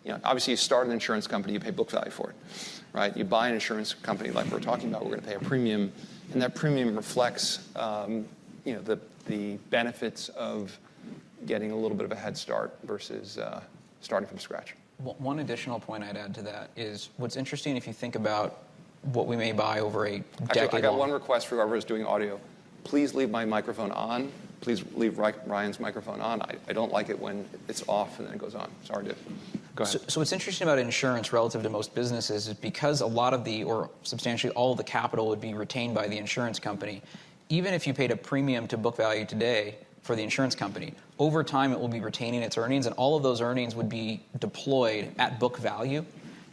to, obviously, you start an insurance company. You pay book value for it. You buy an insurance company like we're talking about. We're going to pay a premium. And that premium reflects the benefits of getting a little bit of a head start versus starting from scratch. One additional point I'd add to that is what's interesting if you think about what we may buy over a decade. I got one request from whoever is doing audio. Please leave my microphone on. Please leave Ryan's microphone on. I don't like it when it's off and then it goes on. Sorry to. So what's interesting about insurance relative to most businesses is because a lot of the, or substantially all of the capital would be retained by the insurance company. Even if you paid a premium to book value today for the insurance company, over time it will be retaining its earnings. And all of those earnings would be deployed at book value.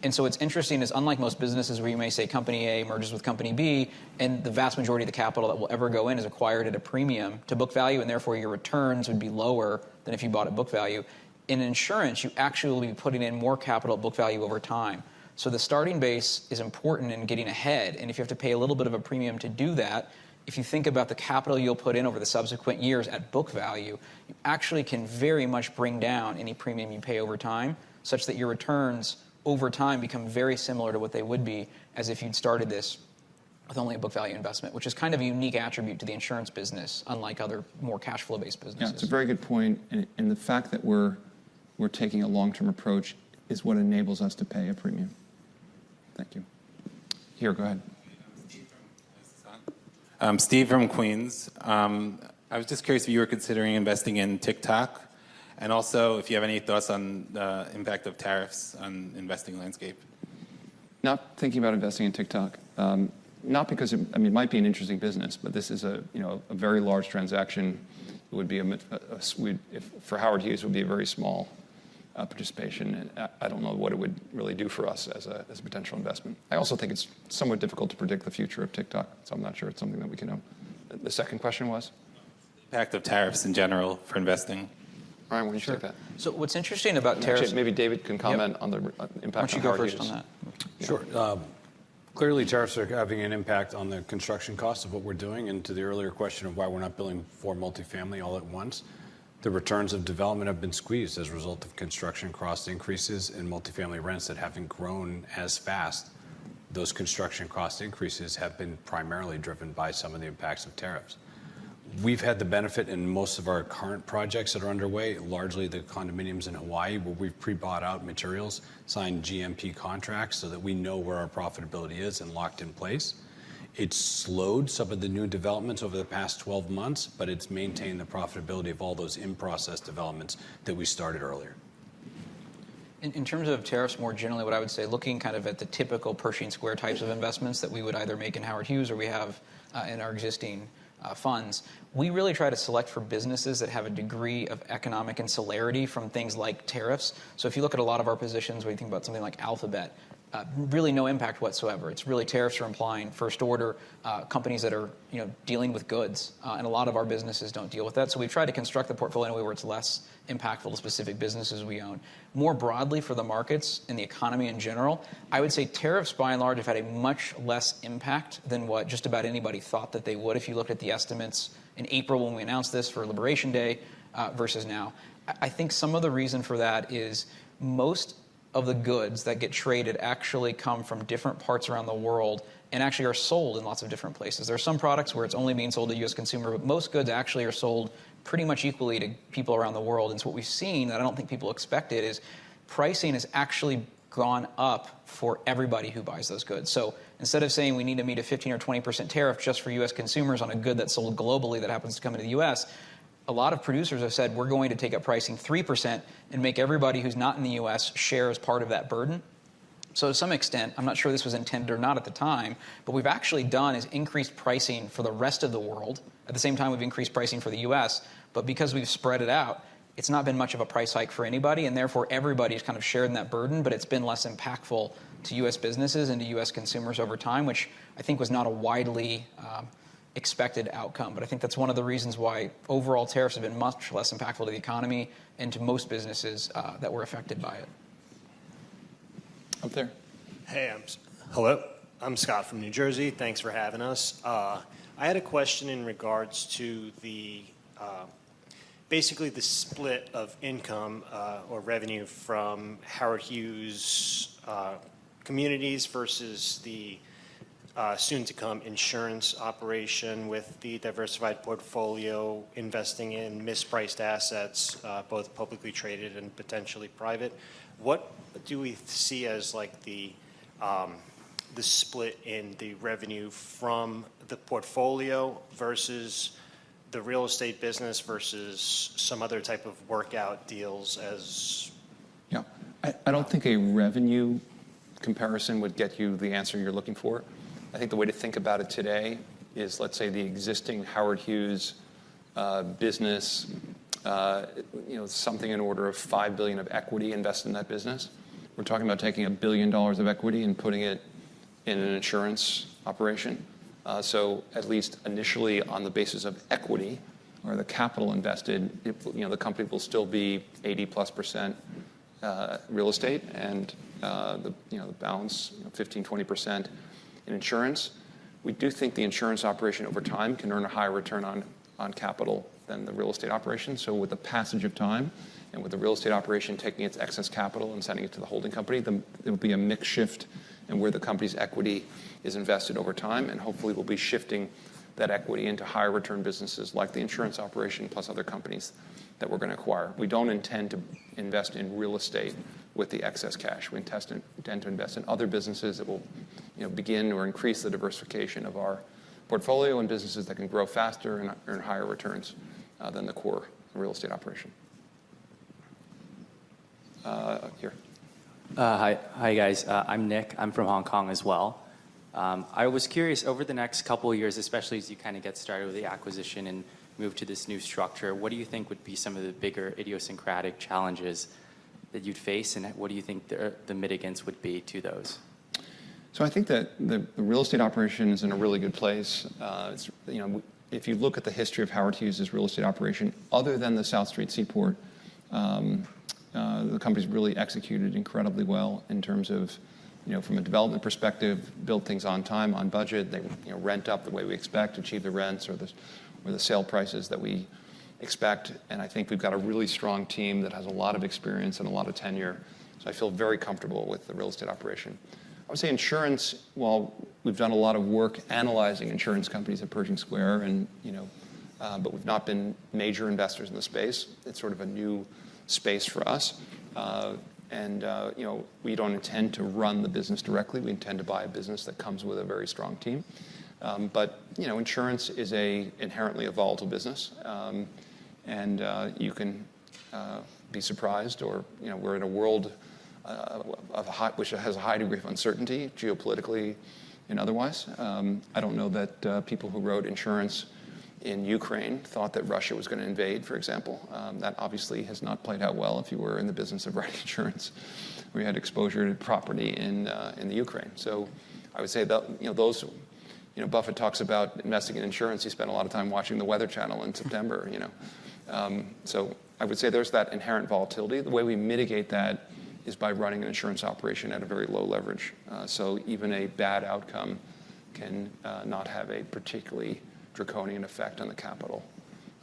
And so what's interesting is unlike most businesses where you may say company A merges with company B and the vast majority of the capital that will ever go in is acquired at a premium to book value, and therefore your returns would be lower than if you bought at book value. In insurance, you actually will be putting in more capital at book value over time. So the starting base is important in getting ahead. And if you have to pay a little bit of a premium to do that, if you think about the capital you'll put in over the subsequent years at book value, you actually can very much bring down any premium you pay over time such that your returns over time become very similar to what they would be as if you'd started this with only a book value investment, which is kind of a unique attribute to the insurance business, unlike other more cash flow based businesses. Yeah. It's a very good point. And the fact that we're taking a long-term approach is what enables us to pay a premium. Thank you. Here. Go ahead. Steve from Queens. I was just curious if you were considering investing in TikTok and also if you have any thoughts on the impact of tariffs on the investing landscape. Not thinking about investing in TikTok. Not because it might be an interesting business, but this is a very large transaction. For Howard Hughes, it would be a very small participation. I don't know what it would really do for us as a potential investment. I also think it's somewhat difficult to predict the future of TikTok. So I'm not sure it's something that we can know. The second question was? The impact of tariffs in general for investing. Ryan, would you take that? So what's interesting about tariffs? Maybe David can comment on the impact of tariffs. Why don't you go first on that? Sure. Clearly, tariffs are having an impact on the construction cost of what we're doing, and to the earlier question of why we're not building four multifamily all at once, the returns of development have been squeezed as a result of construction cost increases and multifamily rents that haven't grown as fast. Those construction cost increases have been primarily driven by some of the impacts of tariffs. We've had the benefit in most of our current projects that are underway, largely the condominiums in Hawaii, where we've pre-bought our materials, signed GMP contracts so that we know where our profitability is and locked in place. It's slowed some of the new developments over the past 12 months, but it's maintained the profitability of all those in-process developments that we started earlier. In terms of tariffs more generally, what I would say, looking kind of at the typical Pershing Square types of investments that we would either make in Howard Hughes or we have in our existing funds, we really try to select for businesses that have a degree of economic insularity from things like tariffs. So if you look at a lot of our positions where you think about something like Alphabet, really no impact whatsoever. It's really tariffs are implying first-order companies that are dealing with goods. And a lot of our businesses don't deal with that. So we've tried to construct the portfolio in a way where it's less impactful to specific businesses we own. More broadly for the markets and the economy in general, I would say tariffs by and large have had a much less impact than what just about anybody thought that they would if you looked at the estimates in April when we announced this for Liberation Day versus now. I think some of the reason for that is most of the goods that get traded actually come from different parts around the world and actually are sold in lots of different places. There are some products where it's only being sold to US consumers. But most goods actually are sold pretty much equally to people around the world, and so what we've seen, and I don't think people expect it, is pricing has actually gone up for everybody who buys those goods. So instead of saying we need to meet a 15% or 20% tariff just for US consumers on a good that's sold globally that happens to come into the U.S., a lot of producers have said, we're going to take a pricing 3% and make everybody who's not in the U.S. share as part of that burden. So to some extent, I'm not sure this was intended or not at the time. But what we've actually done is increased pricing for the rest of the world. At the same time, we've increased pricing for the U.S. But because we've spread it out, it's not been much of a price hike for anybody. And therefore, everybody's kind of sharing that burden. But it's been less impactful to US businesses and to US consumers over time, which I think was not a widely expected outcome. But I think that's one of the reasons why overall tariffs have been much less impactful to the economy and to most businesses that were affected by it. I'm there. Hey, I'm Scott. Hello. I'm Scott from New Jersey. Thanks for having us. I had a question in regards to basically the split of income or revenue from Howard Hughes Communities versus the soon-to-come insurance operation with the diversified portfolio investing in mispriced assets, both publicly traded and potentially private. What do we see as the split in the revenue from the portfolio versus the real estate business versus some other type of workout deals as? Yeah. I don't think a revenue comparison would get you the answer you're looking for. I think the way to think about it today is, let's say, the existing Howard Hughes business, something in order of $5 billion of equity invested in that business. We're talking about taking $1 billion of equity and putting it in an insurance operation. So at least initially on the basis of equity or the capital invested, the company will still be 80% plus real estate and the balance 15% to 20% in insurance. We do think the insurance operation over time can earn a higher return on capital than the real estate operation. So with the passage of time and with the real estate operation taking its excess capital and sending it to the holding company, there will be a mixed shift in where the company's equity is invested over time. Hopefully, we'll be shifting that equity into higher return businesses like the insurance operation plus other companies that we're going to acquire. We don't intend to invest in real estate with the excess cash. We intend to invest in other businesses that will begin or increase the diversification of our portfolio and businesses that can grow faster and earn higher returns than the core real estate operation. Here. Hi, guys. I'm Nick. I'm from Hong Kong as well. I was curious, over the next couple of years, especially as you kind of get started with the acquisition and move to this new structure, what do you think would be some of the bigger idiosyncratic challenges that you'd face, and what do you think the mitigants would be to those? So I think that the real estate operation is in a really good place. If you look at the history of Howard Hughes' real estate operation, other than the South Street Seaport, the company's really executed incredibly well in terms of, from a development perspective, built things on time, on budget. They rent up the way we expect, achieve the rents or the sale prices that we expect. And I think we've got a really strong team that has a lot of experience and a lot of tenure. So I feel very comfortable with the real estate operation. I would say insurance, while we've done a lot of work analyzing insurance companies at Pershing Square, but we've not been major investors in the space, it's sort of a new space for us. And we don't intend to run the business directly. We intend to buy a business that comes with a very strong team, but insurance is an inherently involved business, and you can be surprised, or we're in a world which has a high degree of uncertainty geopolitically and otherwise. I don't know that people who wrote insurance in Ukraine thought that Russia was going to invade, for example. That obviously has not played out well if you were in the business of writing insurance where you had exposure to property in Ukraine, so I would say those Buffett talks about investing in insurance. He spent a lot of time watching the Weather Channel in September, so I would say there's that inherent volatility. The way we mitigate that is by running an insurance operation at a very low leverage, so even a bad outcome can not have a particularly draconian effect on the capital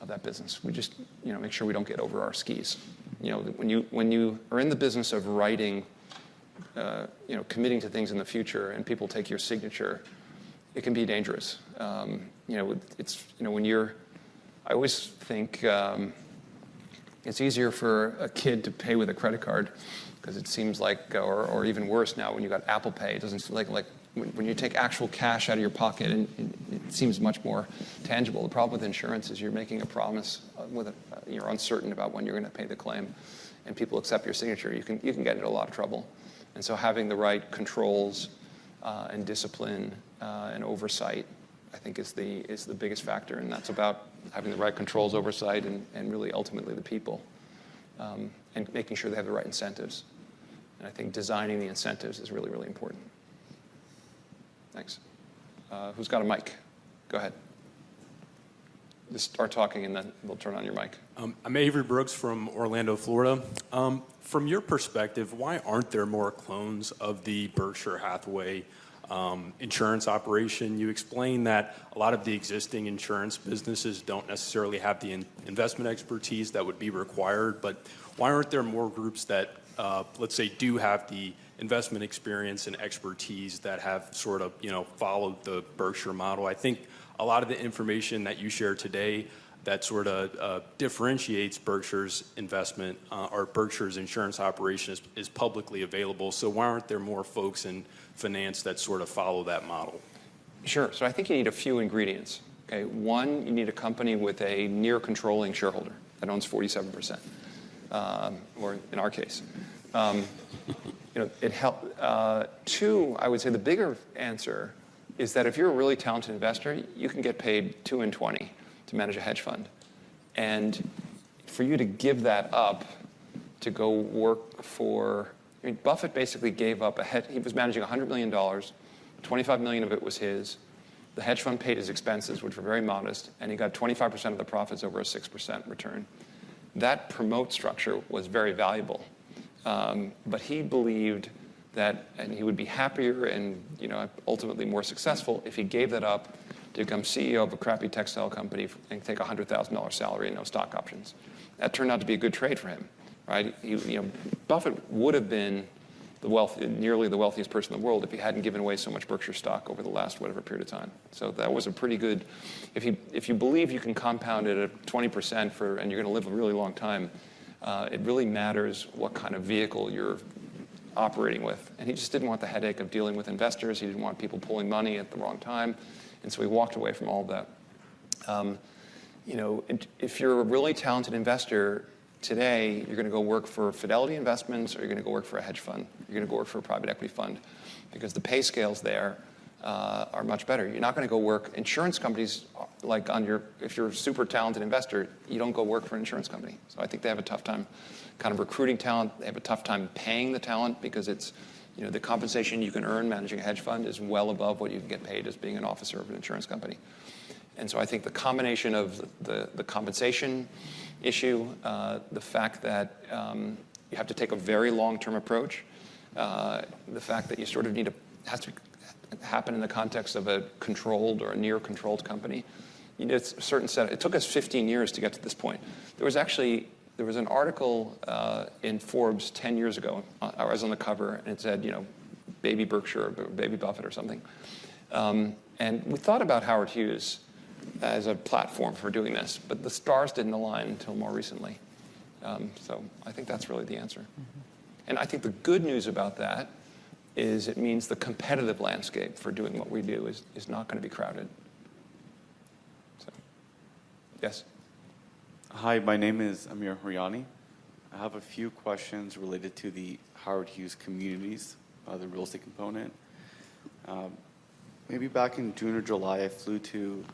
of that business. We just make sure we don't get over our skis. When you are in the business of writing, committing to things in the future, and people take your signature, it can be dangerous. When you're, I always think it's easier for a kid to pay with a credit card because it seems like, or even worse now when you've got Apple Pay. It doesn't seem like when you take actual cash out of your pocket, it seems much more tangible. The problem with insurance is you're making a promise with, you're uncertain about when you're going to pay the claim. And people accept your signature. You can get into a lot of trouble. And so having the right controls and discipline and oversight, I think, is the biggest factor. And that's about having the right controls, oversight, and really ultimately the people and making sure they have the right incentives. And I think designing the incentives is really, really important. Thanks. Who's got a mic? Go ahead. Just start talking, and then they'll turn on your mic. I'm Avery Brooks from Orlando, Florida. From your perspective, why aren't there more clones of the Berkshire Hathaway insurance operation? You explain that a lot of the existing insurance businesses don't necessarily have the investment expertise that would be required. But why aren't there more groups that, let's say, do have the investment experience and expertise that have sort of followed the Berkshire model? I think a lot of the information that you shared today that sort of differentiates Berkshire's investment or Berkshire's insurance operation is publicly available. So why aren't there more folks in finance that sort of follow that model? Sure. So I think you need a few ingredients. One, you need a company with a near controlling shareholder that owns 47%, or in our case. Two, I would say the bigger answer is that if you're a really talented investor, you can get paid 2 and 20 to manage a hedge fund. And for you to give that up to go work for Buffett basically gave up a he was managing $100 million. $25 million of it was his. The hedge fund paid his expenses, which were very modest. And he got 25% of the profits over a 6% return. That promote structure was very valuable. But he believed that, and he would be happier and ultimately more successful if he gave that up to become CEO of a crappy textile company and take a $100,000 salary and no stock options. That turned out to be a good trade for him. Buffett would have been nearly the wealthiest person in the world if he hadn't given away so much Berkshire stock over the last whatever period of time. That was a pretty good if you believe you can compound it at 20% and you're going to live a really long time; it really matters what kind of vehicle you're operating with. He just didn't want the headache of dealing with investors. He didn't want people pulling money at the wrong time. He walked away from all of that. If you're a really talented investor today, you're going to go work for Fidelity Investments or you're going to go work for a hedge fund. You're going to go work for a private equity fund because the pay scales there are much better. You're not going to go work for insurance companies like if you're a super talented investor, you don't go work for an insurance company. So I think they have a tough time kind of recruiting talent. They have a tough time paying the talent because the compensation you can earn managing a hedge fund is well above what you can get paid as being an officer of an insurance company. And so I think the combination of the compensation issue, the fact that you have to take a very long-term approach, the fact that you sort of need to happen in the context of a controlled or a near-controlled company, it took us 15 years to get to this point. There was actually an article in Forbes 10 years ago. I was on the cover. It said Baby Berkshire or Baby Buffett or something. And we thought about Howard Hughes as a platform for doing this. But the stars didn't align until more recently. So I think that's really the answer. And I think the good news about that is it means the competitive landscape for doing what we do is not going to be crowded. Yes? Hi. My name is Amir Haryani. I have a few questions related to the Howard Hughes Communities, the real estate component. Maybe back in June or July, I flew to Phoenix.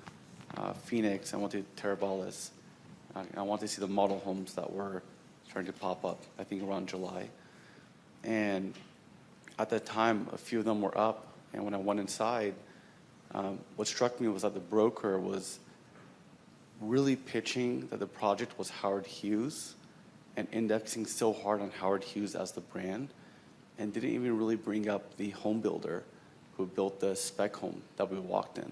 I went to Teravalis. I wanted to see the model homes that were starting to pop up, I think, around July. And at that time, a few of them were up. And when I went inside, what struck me was that the broker was really pitching that the project was Howard Hughes and indexing so hard on Howard Hughes as the brand and didn't even really bring up the homebuilder who built the spec home that we walked in,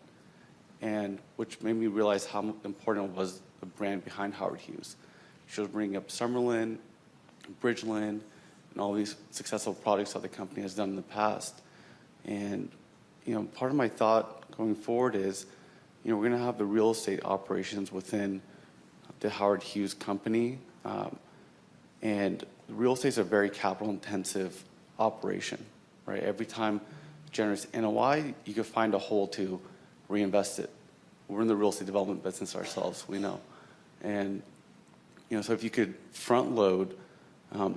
which made me realize how important was the brand behind Howard Hughes. She was bringing up Summerlin, Bridgeland, and all these successful projects that the company has done in the past. Part of my thought going forward is we're going to have the real estate operations within the Howard Hughes company. Real estate is a very capital-intensive operation. Every time it generates NOI, you could find a hole to reinvest it. We're in the real estate development business ourselves. We know. And so if you could front-load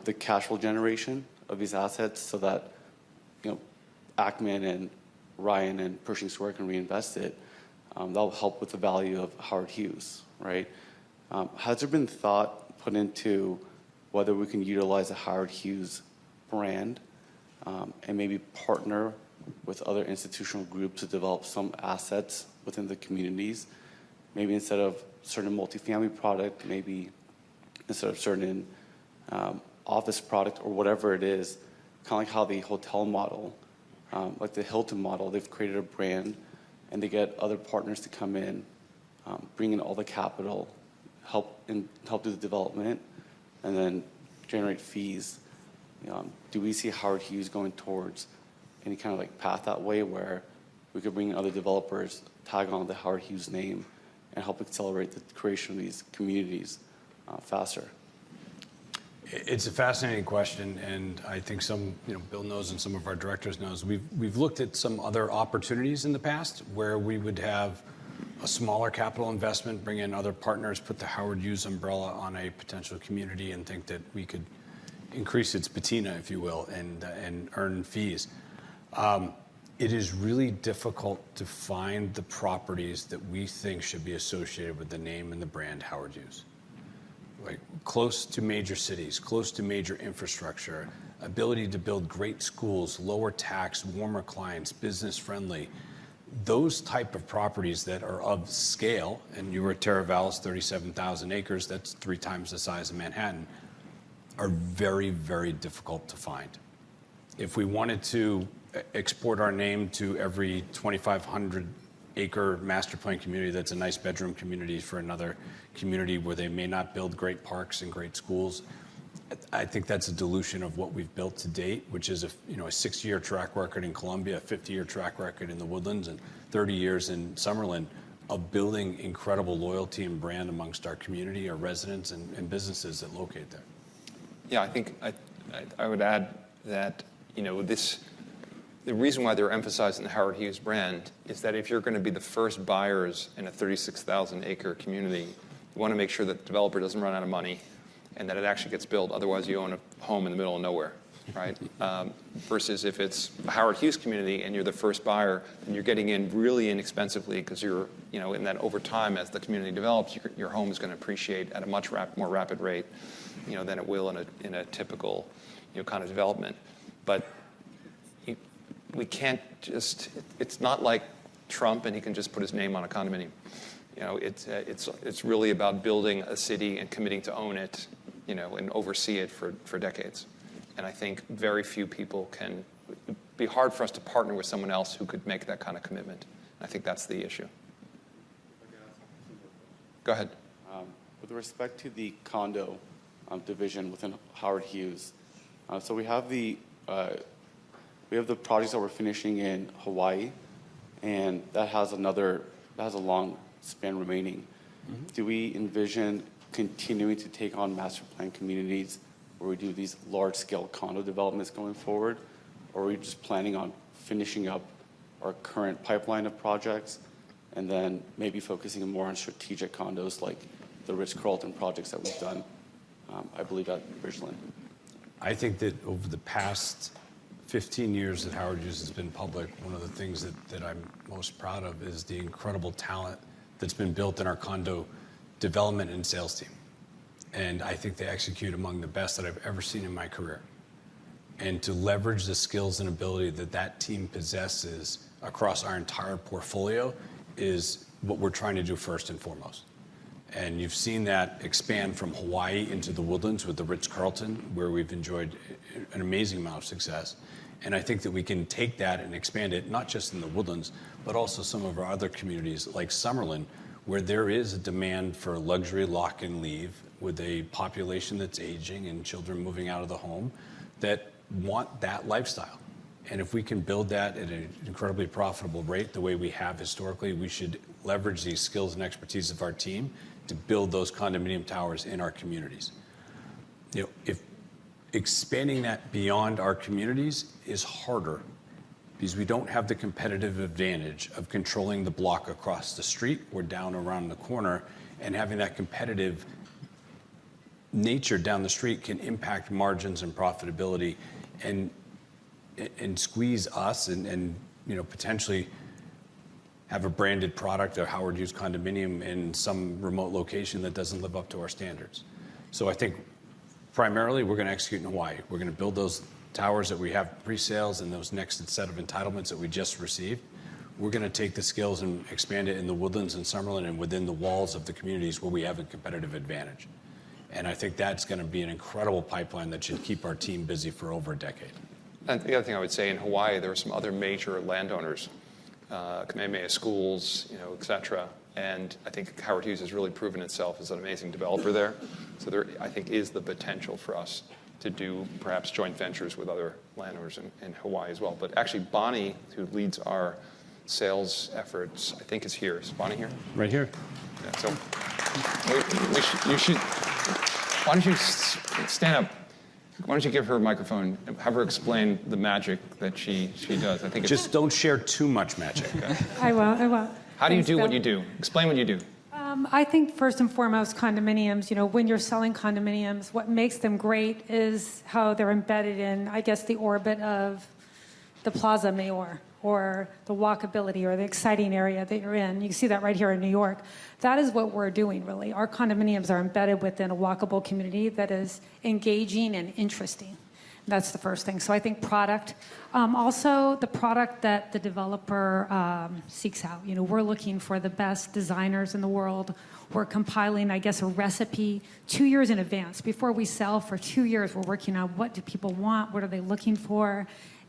the cash flow generation of these assets so that Ackman and Ryan and Pershing Square can reinvest it, that will help with the value of Howard Hughes. Has there been thought put into whether we can utilize a Howard Hughes brand and maybe partner with other institutional groups to develop some assets within the communities? Maybe instead of certain multifamily product, maybe instead of certain office product or whatever it is, kind of like how the hotel model, like the Hilton model, they've created a brand. And they get other partners to come in, bring in all the capital, help do the development, and then generate fees. Do we see Howard Hughes going towards any kind of path that way where we could bring in other developers, tag on the Howard Hughes name, and help accelerate the creation of these communities faster? It's a fascinating question, and I think Bill knows and some of our directors knows. We've looked at some other opportunities in the past where we would have a smaller capital investment, bring in other partners, put the Howard Hughes umbrella on a potential community, and think that we could increase its patina, if you will, and earn fees. It is really difficult to find the properties that we think should be associated with the name and the brand Howard Hughes. Close to major cities, close to major infrastructure, ability to build great schools, lower tax, warmer climates, business-friendly, those type of properties that are of scale - and you were at Teravalis, 37,000 acres. That's three times the size of Manhattan - are very, very difficult to find. If we wanted to export our name to every 2,500-acre master plan community, that's a nice bedroom community for another community where they may not build great parks and great schools, I think that's a dilution of what we've built to date, which is a six-year track record in Columbia, a 50-year track record in The Woodlands, and 30 years in Summerlin a building incredible loyalty and brand amongst our community, our residents, and businesses that locate there. Yeah. I think I would add that the reason why they're emphasizing the Howard Hughes brand is that if you're going to be the first buyers in a 36,000-acre community, you want to make sure that the developer doesn't run out of money and that it actually gets built. Otherwise, you own a home in the middle of nowhere, versus if it's the Howard Hughes Community and you're the first buyer, and you're getting in really inexpensively because you're in that over time, as the community develops, your home is going to appreciate at a much more rapid rate than it will in a typical kind of development. But we can't just. It's not like Trump, and he can just put his name on a condominium. It's really about building a city and committing to own it and oversee it for decades. And I think very few people can. It'd be hard for us to partner with someone else who could make that kind of commitment. And I think that's the issue. I've got something too. Go ahead. With respect to the condo division within Howard Hughes, so we have the projects that we're finishing in Hawaii, and that has a long span remaining. Do we envision continuing to take on master plan communities where we do these large-scale condo developments going forward? Or are we just planning on finishing up our current pipeline of projects and then maybe focusing more on strategic condos like the Ritz-Carlton projects that we've done, I believe, a? I think that over the past 15 years that Howard Hughes has been public, one of the things that I'm most proud of is the incredible talent that's been built in our condo development and sales team. And I think they execute among the best that I've ever seen in my career. And to leverage the skills and ability that that team possesses across our entire portfolio is what we're trying to do first and foremost. And you've seen that expand from Hawaii into The Woodlands with the Ritz-Carlton, where we've enjoyed an amazing amount of success. And I think that we can take that and expand it not just in The Woodlands, but also some of our other communities like Summerlin, where there is a demand for luxury lock-and-leave with a population that's aging and children moving out of the home that want that lifestyle. And if we can build that at an incredibly profitable rate the way we have historically, we should leverage the skills and expertise of our team to build those condominium towers in our communities. Expanding that beyond our communities is harder because we don't have the competitive advantage of controlling the block across the street or down around the corner. And having that competitive nature down the street can impact margins and profitability and squeeze us and potentially have a branded product of Howard Hughes condominium in some remote location that doesn't live up to our standards. So I think primarily, we're going to execute in Hawaii. We're going to build those towers that we have pre-sales and those next set of entitlements that we just received. We're going to take the skills and expand it in The Woodlands and Summerlin and within the walls of the communities where we have a competitive advantage. And I think that's going to be an incredible pipeline that should keep our team busy for over a decade. And the other thing I would say, in Hawaii, there are some other major landowners, Kamehameha Schools, et cetera. And I think Howard Hughes has really proven itself as an amazing developer there. So there, I think, is the potential for us to do perhaps joint ventures with other landowners in Hawaii as well. But actually, Bonnie, who leads our sales efforts, I think, is here. Is Bonnie here? Right here. Yeah. So why don't you stand up? Why don't you give her a microphone and have her explain the magic that she does? Just don't share too much magic. Hi, I will. How do you do what you do? Explain what you do. I think first and foremost, condominiums, when you're selling condominiums, what makes them great is how they're embedded in, I guess, the orbit of the Plaza Mayor or the walkability or the exciting area that you're in. You can see that right here in New York. That is what we're doing, really. Our condominiums are embedded within a walkable community that is engaging and interesting. That's the first thing. So I think product. Also, the product that the developer seeks out. We're looking for the best designers in the world. We're compiling, I guess, a recipe two years in advance. Before we sell for two years, we're working on what do people want, what are they looking for?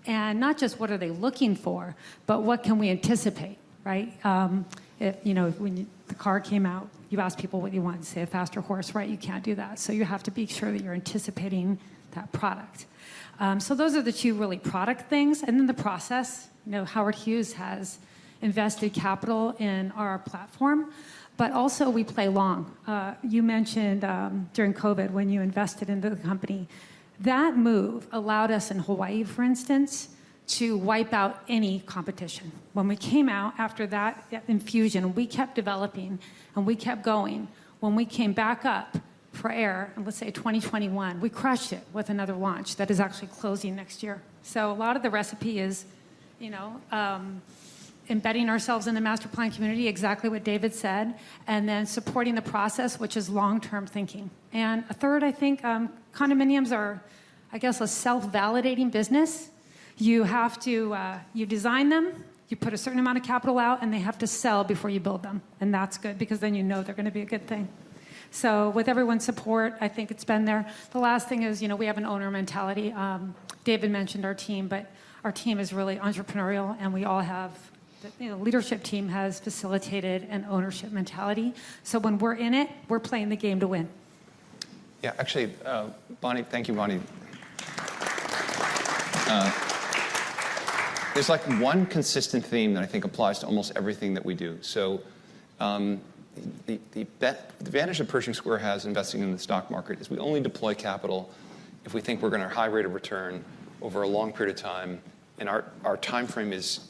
And not just what are they looking for, but what can we anticipate? When the car came out, you asked people what you want. Say a faster horse, right? You can't do that. So you have to be sure that you're anticipating that product. So those are the two really product things, and then the process. Howard Hughes has invested capital in our platform. But also, we play long. You mentioned during COVID when you invested in the company. That move allowed us in Hawaii, for instance, to wipe out any competition. When we came out after that infusion, we kept developing and we kept going. When we came back up for air, let's say 2021, we crushed it with another launch that is actually closing next year. So a lot of the recipe is embedding ourselves in the master plan community, exactly what David said, and then supporting the process, which is long-term thinking, and a third, I think, condominiums are, I guess, a self-validating business. You design them, you put a certain amount of capital out, and they have to sell before you build them, and that's good because then you know they're going to be a good thing, so with everyone's support, I think it's been there. The last thing is we have an owner mentality. David mentioned our team, but our team is really entrepreneurial, and we all have the leadership team has facilitated an ownership mentality, so when we're in it, we're playing the game to win. Yeah. Actually, Bonnie, thank you, Bonnie. There's one consistent theme that I think applies to almost everything that we do. So the advantage that Pershing Square has investing in the stock market is we only deploy capital if we think we're going to have a high rate of return over a long period of time. And our time frame is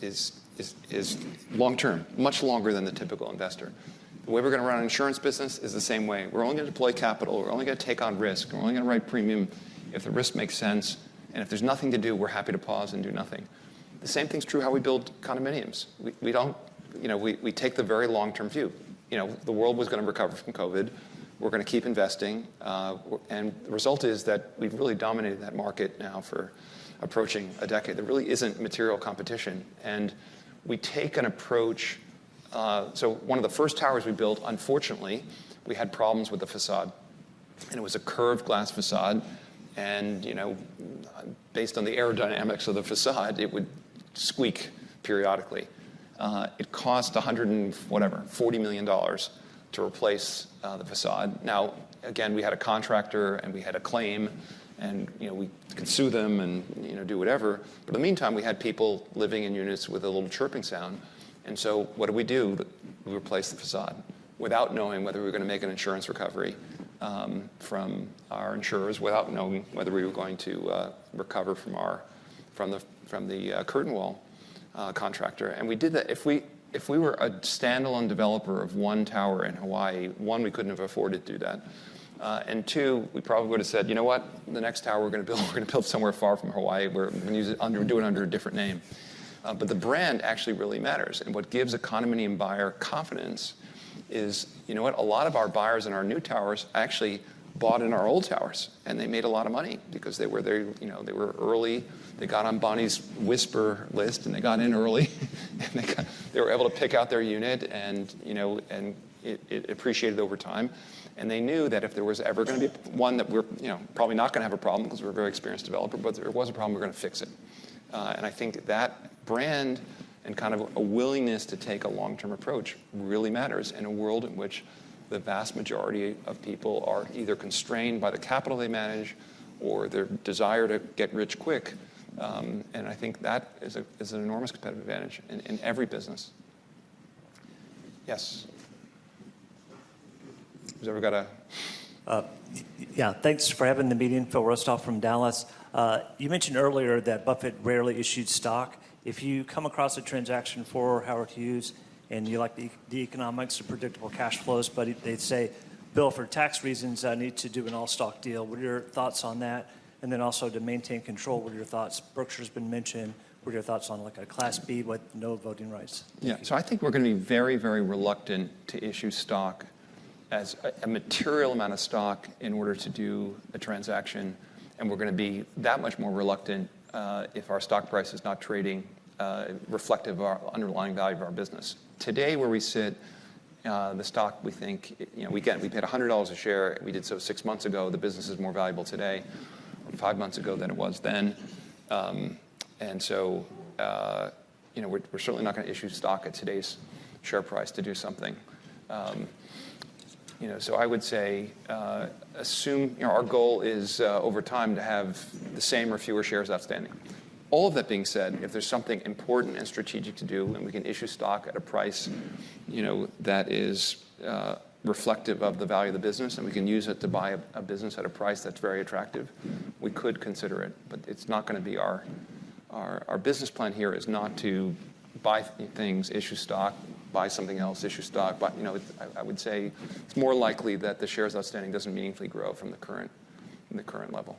long-term, much longer than the typical investor. The way we're going to run our insurance business is the same way. We're only going to deploy capital. We're only going to take on risk. We're only going to write premium if the risk makes sense. And if there's nothing to do, we're happy to pause and do nothing. The same thing's true of how we build condominiums. We take the very long-term view. The world was going to recover from COVID. We're going to keep investing. The result is that we've really dominated that market now for approaching a decade. There really isn't material competition, and we take an approach. So one of the first towers we built, unfortunately, we had problems with the facade, and it was a curved glass facade. Based on the aerodynamics of the facade, it would squeak periodically. It cost $100 and whatever, $40 million to replace the facade. Now, again, we had a contractor, and we had a claim, and we could sue them and do whatever. But in the meantime, we had people living in units with a little chirping sound, and so what did we do? We replaced the facade without knowing whether we were going to make an insurance recovery from our insurers, without knowing whether we were going to recover from the curtain wall contractor, and we did that. If we were a standalone developer of one tower in Hawaii, one, we couldn't have afforded to do that. And two, we probably would have said, you know what? The next tower we're going to build, we're going to build somewhere far from Hawaii. We're going to do it under a different name. But the brand actually really matters. And what gives a condominium buyer confidence is, you know what? A lot of our buyers in our new towers actually bought in our old towers. And they made a lot of money because they were early. They got on Bonnie's Whisper list, and they got in early. And they were able to pick out their unit. And it appreciated over time. They knew that if there was ever going to be one, that we're probably not going to have a problem because we're a very experienced developer, but if there was a problem, we're going to fix it. I think that brand and kind of a willingness to take a long-term approach really matters in a world in which the vast majority of people are either constrained by the capital they manage or their desire to get rich quick. I think that is an enormous competitive advantage in every business. Yes. Who's ever got a? Yeah. Thanks for having the meeting, Phil Rosto from Dallas. You mentioned earlier that Buffett rarely issued stock. If you come across a transaction for Howard Hughes and you like the economics of predictable cash flows, but they'd say, Bill, for tax reasons, I need to do an all-stock deal. What are your thoughts on that? And then also to maintain control, what are your thoughts? Berkshire has been mentioned. What are your thoughts on a class B with no voting rights? Yeah. So I think we're going to be very, very reluctant to issue stock, a material amount of stock, in order to do a transaction. And we're going to be that much more reluctant if our stock price is not trading reflective of our underlying value of our business. Today, where we sit, the stock, we think we paid $100 a share. We did so six months ago. The business is more valuable today five months ago than it was then. And so we're certainly not going to issue stock at today's share price to do something. So I would say assume our goal is over time to have the same or fewer shares outstanding. All of that being said, if there's something important and strategic to do and we can issue stock at a price that is reflective of the value of the business and we can use it to buy a business at a price that's very attractive, we could consider it. But it's not going to be our business plan. Here is not to buy things, issue stock, buy something else, issue stock. But I would say it's more likely that the shares outstanding doesn't meaningfully grow from the current level.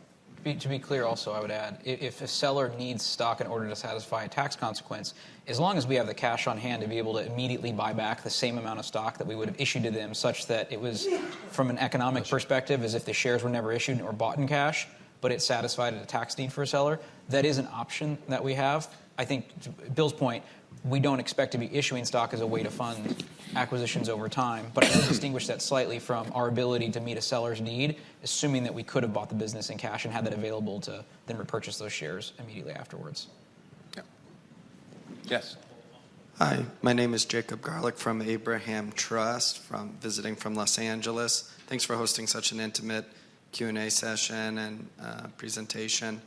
To be clear also, I would add, if a seller needs stock in order to satisfy a tax consequence, as long as we have the cash on hand to be able to immediately buy back the same amount of stock that we would have issued to them such that it was from an economic perspective as if the shares were never issued or bought in cash, but it satisfied a tax need for a seller, that is an option that we have. I think Bill's point, we don't expect to be issuing stock as a way to fund acquisitions over time. But I would distinguish that slightly from our ability to meet a seller's need, assuming that we could have bought the business in cash and had that available to then repurchase those shares immediately afterwards. Yes. Hi. My name is Jacob Garlick from Abraham Trust, visiting from Los Angeles. Thanks for hosting such an intimate Q&A session and presentation.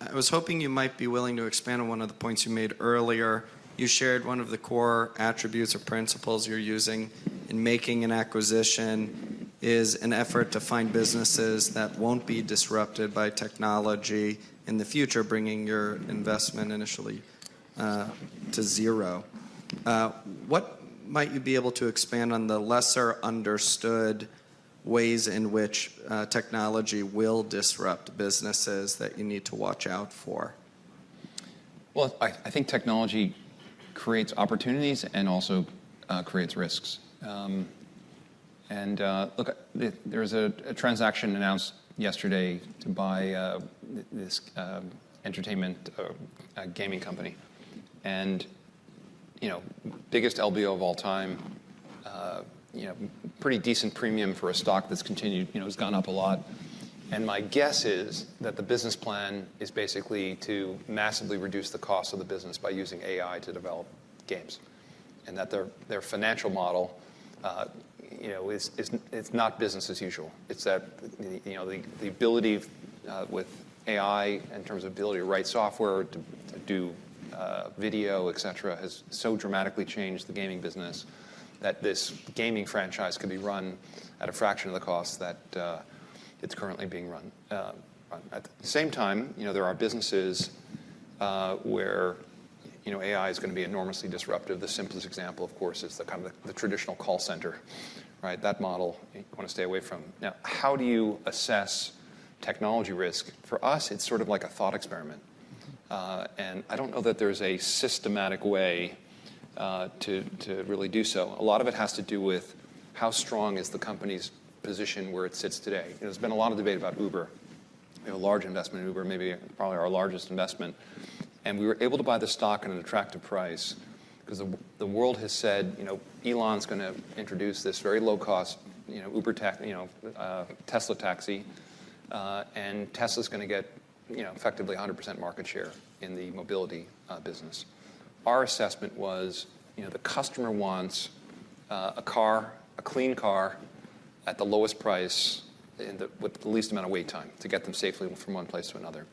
I was hoping you might be willing to expand on one of the points you made earlier. You shared one of the core attributes or principles you're using in making an acquisition is an effort to find businesses that won't be disrupted by technology in the future, bringing your investment initially to zero. What might you be able to expand on the lesser understood ways in which technology will disrupt businesses that you need to watch out for? I think technology creates opportunities and also creates risks. Look, there was a transaction announced yesterday to buy this entertainment gaming company. Biggest LBO of all time, pretty decent premium for a stock that's continued, has gone up a lot. My guess is that the business plan is basically to massively reduce the cost of the business by using AI to develop games and that their financial model is not business as usual. It's that the ability with AI in terms of ability to write software, to do video, et cetera, has so dramatically changed the gaming business that this gaming franchise could be run at a fraction of the cost that it's currently being run. At the same time, there are businesses where AI is going to be enormously disruptive. The simplest example, of course, is the kind of traditional call center. That model you want to stay away from. Now, how do you assess technology risk? For us, it's sort of like a thought experiment, and I don't know that there's a systematic way to really do so. A lot of it has to do with how strong is the company's position where it sits today. There's been a lot of debate about Uber. We have a large investment in Uber, maybe probably our largest investment, and we were able to buy the stock at an attractive price because the world has said Elon's going to introduce this very low-cost Tesla taxi, and Tesla's going to get effectively 100% market share in the mobility business. Our assessment was the customer wants a car, a clean car, at the lowest price with the least amount of wait time to get them safely from one place to another.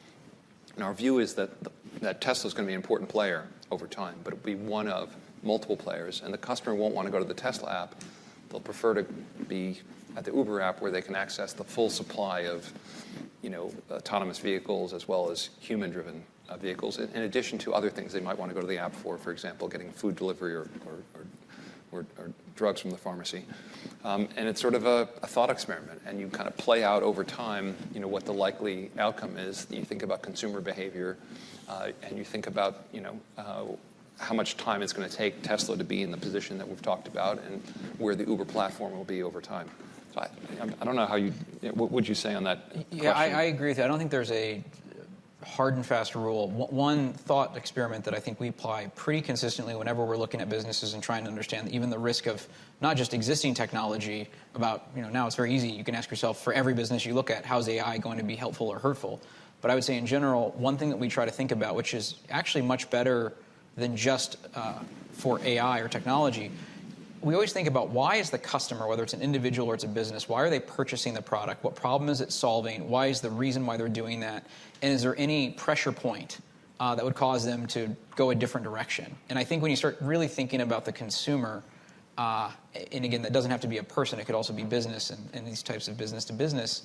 Our view is that Tesla's going to be an important player over time, but it'll be one of multiple players. The customer won't want to go to the Tesla app. They'll prefer to be at the Uber app where they can access the full supply of autonomous vehicles as well as human-driven vehicles in addition to other things they might want to go to the app for, for example, getting food delivery or drugs from the pharmacy. It's sort of a thought experiment. You kind of play out over time what the likely outcome is. You think about consumer behavior. You think about how much time it's going to take Tesla to be in the position that we've talked about and where the Uber platform will be over time. So I don't know how you what would you say on that question? Yeah. I agree with you. I don't think there's a hard and fast rule. One thought experiment that I think we apply pretty consistently whenever we're looking at businesses and trying to understand even the risk of not just existing technology. Now it's very easy. You can ask yourself for every business you look at, how's AI going to be helpful or hurtful? But I would say in general, one thing that we try to think about, which is actually much better than just for AI or technology, we always think about why is the customer, whether it's an individual or it's a business, why are they purchasing the product? What problem is it solving? Why is the reason why they're doing that? And is there any pressure point that would cause them to go a different direction? I think when you start really thinking about the consumer, and again, that doesn't have to be a person. It could also be business and these types of business-to-business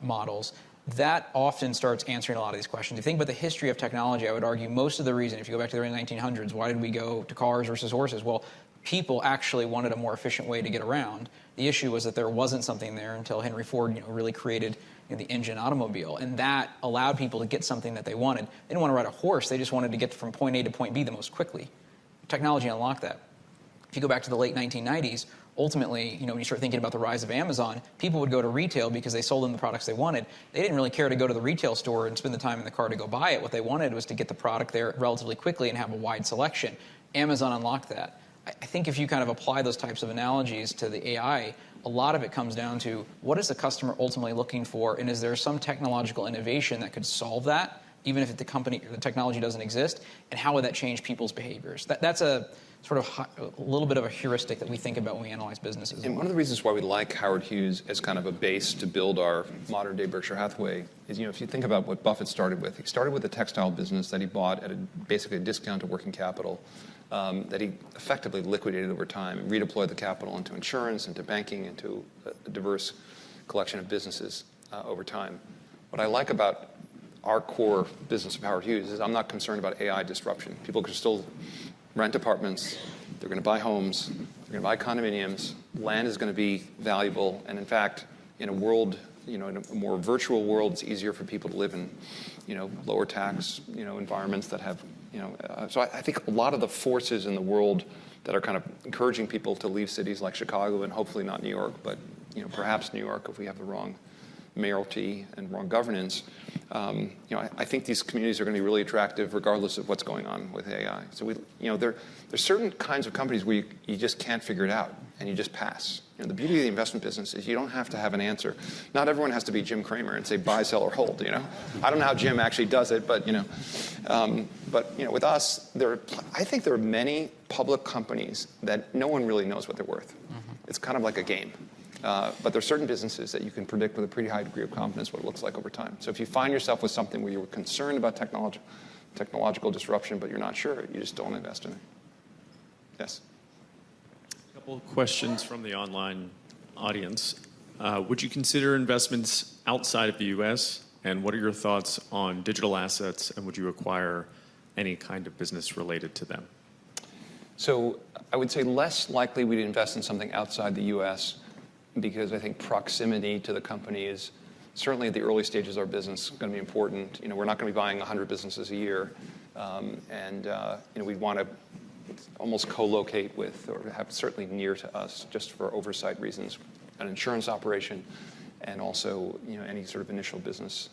models, that often starts answering a lot of these questions. If you think about the history of technology, I would argue most of the reason, if you go back to the early 1900s, why did we go to cars versus horses? People actually wanted a more efficient way to get around. The issue was that there wasn't something there until Henry Ford really created the engine automobile. And that allowed people to get something that they wanted. They didn't want to ride a horse. They just wanted to get from point A to point B the most quickly. Technology unlocked that. If you go back to the late 1990s, ultimately, when you start thinking about the rise of Amazon, people would go to retail because they sold them the products they wanted. They didn't really care to go to the retail store and spend the time in the car to go buy it. What they wanted was to get the product there relatively quickly and have a wide selection. Amazon unlocked that. I think if you kind of apply those types of analogies to the AI, a lot of it comes down to what is the customer ultimately looking for? And is there some technological innovation that could solve that, even if the technology doesn't exist? And how would that change people's behaviors? That's sort of a little bit of a heuristic that we think about when we analyze businesses. One of the reasons why we like Howard Hughes as kind of a base to build our modern-day Berkshire Hathaway is if you think about what Buffett started with. He started with a textile business that he bought at basically a discount to working capital that he effectively liquidated over time and redeployed the capital into insurance, into banking, into a diverse collection of businesses over time. What I like about our core business of Howard Hughes is I'm not concerned about AI disruption. People can still rent apartments. They're going to buy homes. They're going to buy condominiums. Land is going to be valuable. In fact, in a more virtual world, it's easier for people to live in lower tax environments that have. I think a lot of the forces in the world that are kind of encouraging people to leave cities like Chicago and hopefully not New York, but perhaps New York if we have the wrong mayoralty and wrong governance. I think these communities are going to be really attractive regardless of what's going on with AI. There are certain kinds of companies where you just can't figure it out, and you just pass. The beauty of the investment business is you don't have to have an answer. Not everyone has to be Jim Cramer and say, buy, sell, or hold. I don't know how Jim actually does it. But with us, I think there are many public companies that no one really knows what they're worth. It's kind of like a game. But there are certain businesses that you can predict with a pretty high degree of confidence what it looks like over time. So if you find yourself with something where you were concerned about technological disruption, but you're not sure, you just don't invest in it. Yes. A couple of questions from the online audience. Would you consider investments outside of the U.S.? And what are your thoughts on digital assets? And would you acquire any kind of business related to them? So I would say less likely we'd invest in something outside the U.S. because I think proximity to the company is certainly at the early stages of our business going to be important. We're not going to be buying 100 businesses a year. And we'd want to almost co-locate with or have certainly near to us just for oversight reasons, an insurance operation, and also any sort of initial business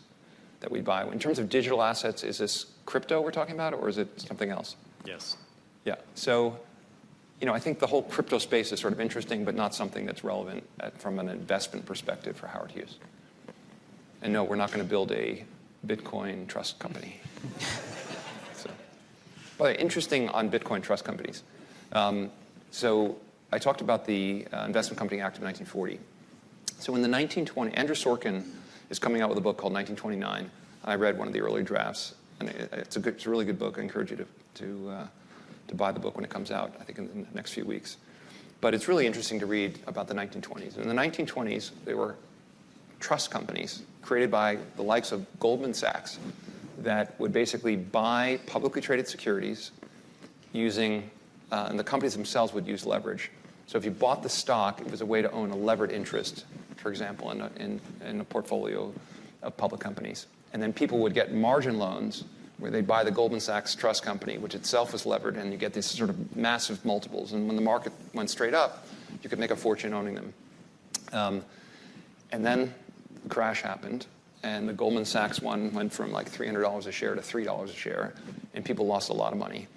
that we'd buy. In terms of digital assets, is this crypto we're talking about, or is it something else? Yes. Yeah. So I think the whole crypto space is sort of interesting, but not something that's relevant from an investment perspective for Howard Hughes. And no, we're not going to build a Bitcoin Trust company. But interesting on Bitcoin Trust companies. So I talked about the Investment Company Act of 1940. So in the 1920s, Andrew Ross Sorkin is coming out with a book called 1929. I read one of the early drafts. And it's a really good book. I encourage you to buy the book when it comes out, I think, in the next few weeks. But it's really interesting to read about the 1920s. In the 1920s, there were trust companies created by the likes of Goldman Sachs that would basically buy publicly traded securities using and the companies themselves would use leverage. So if you bought the stock, it was a way to own a levered interest, for example, in a portfolio of public companies. And then people would get margin loans where they'd buy the Goldman Sachs Trust Company, which itself was levered, and you get these sort of massive multiples. And when the market went straight up, you could make a fortune owning them. And then the crash happened. And the Goldman Sachs one went from like $300 a share to $3 a share. And people lost a lot of money.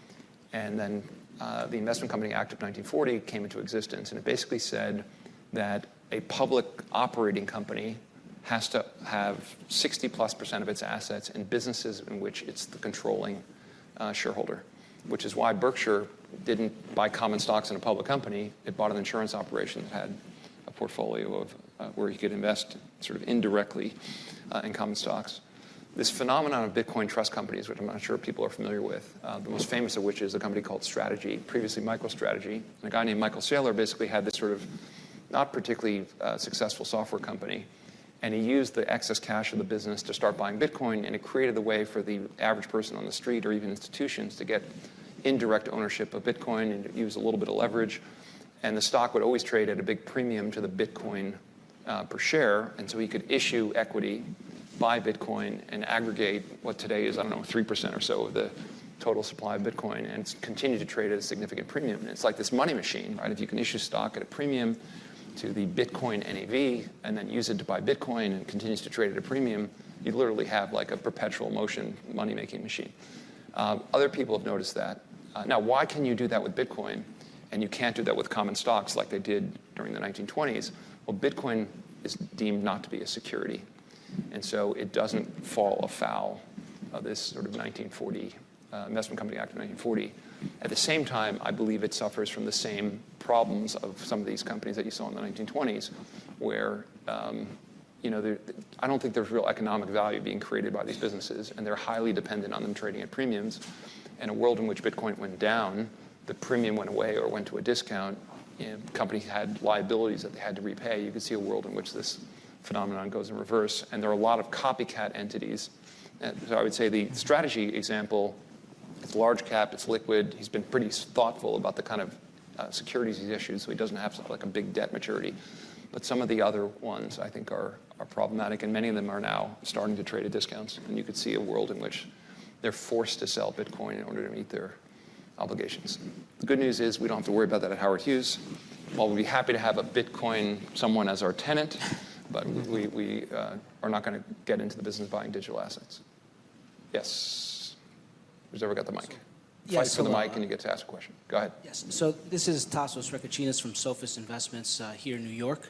And then the Investment Company Act of 1940 came into existence. And it basically said that a public operating company has to have 60% plus of its assets in businesses in which it's the controlling shareholder, which is why Berkshire didn't buy common stocks in a public company. It bought an insurance operation that had a portfolio where you could invest sort of indirectly in common stocks. This phenomenon of Bitcoin Trust companies, which I'm not sure people are familiar with, the most famous of which is a company called MicroStrategy, previously MicroStrategy. A guy named Michael Saylor basically had this sort of not particularly successful software company. He used the excess cash of the business to start buying Bitcoin. It created the way for the average person on the street or even institutions to get indirect ownership of Bitcoin and use a little bit of leverage. The stock would always trade at a big premium to the Bitcoin per share. So he could issue equity, buy Bitcoin, and aggregate what today is, I don't know, 3% or so of the total supply of Bitcoin and continue to trade at a significant premium. It's like this money machine, right? If you can issue stock at a premium to the Bitcoin NAV and then use it to buy Bitcoin and it continues to trade at a premium, you'd literally have like a perpetual motion money-making machine. Other people have noticed that. Now, why can you do that with Bitcoin and you can't do that with common stocks like they did during the 1920s? Bitcoin is deemed not to be a security. And so it doesn't fall afoul of this sort of 1940 Investment Company Act of 1940. At the same time, I believe it suffers from the same problems of some of these companies that you saw in the 1920s where I don't think there's real economic value being created by these businesses. They're highly dependent on them trading at premiums. In a world in which Bitcoin went down, the premium went away or went to a discount. Companies had liabilities that they had to repay. You could see a world in which this phenomenon goes in reverse, and there are a lot of copycat entities, so I would say the MicroStrategy example, it's large cap. It's liquid. He's been pretty thoughtful about the kind of securities he's issued, so he doesn't have like a big debt maturity, but some of the other ones I think are problematic, and many of them are now starting to trade at discounts, and you could see a world in which they're forced to sell Bitcoin in order to meet their obligations. The good news is we don't have to worry about that at Howard Hughes. While we'd be happy to have a Bitcoin someone as our tenant. But we are not going to get into the business of buying digital assets. Yes. Whoever's got the mic? Fight for the mic and you get to ask a question. Go ahead. Yes. So this is Tassos Recachinas from Sophis Investments here in New York.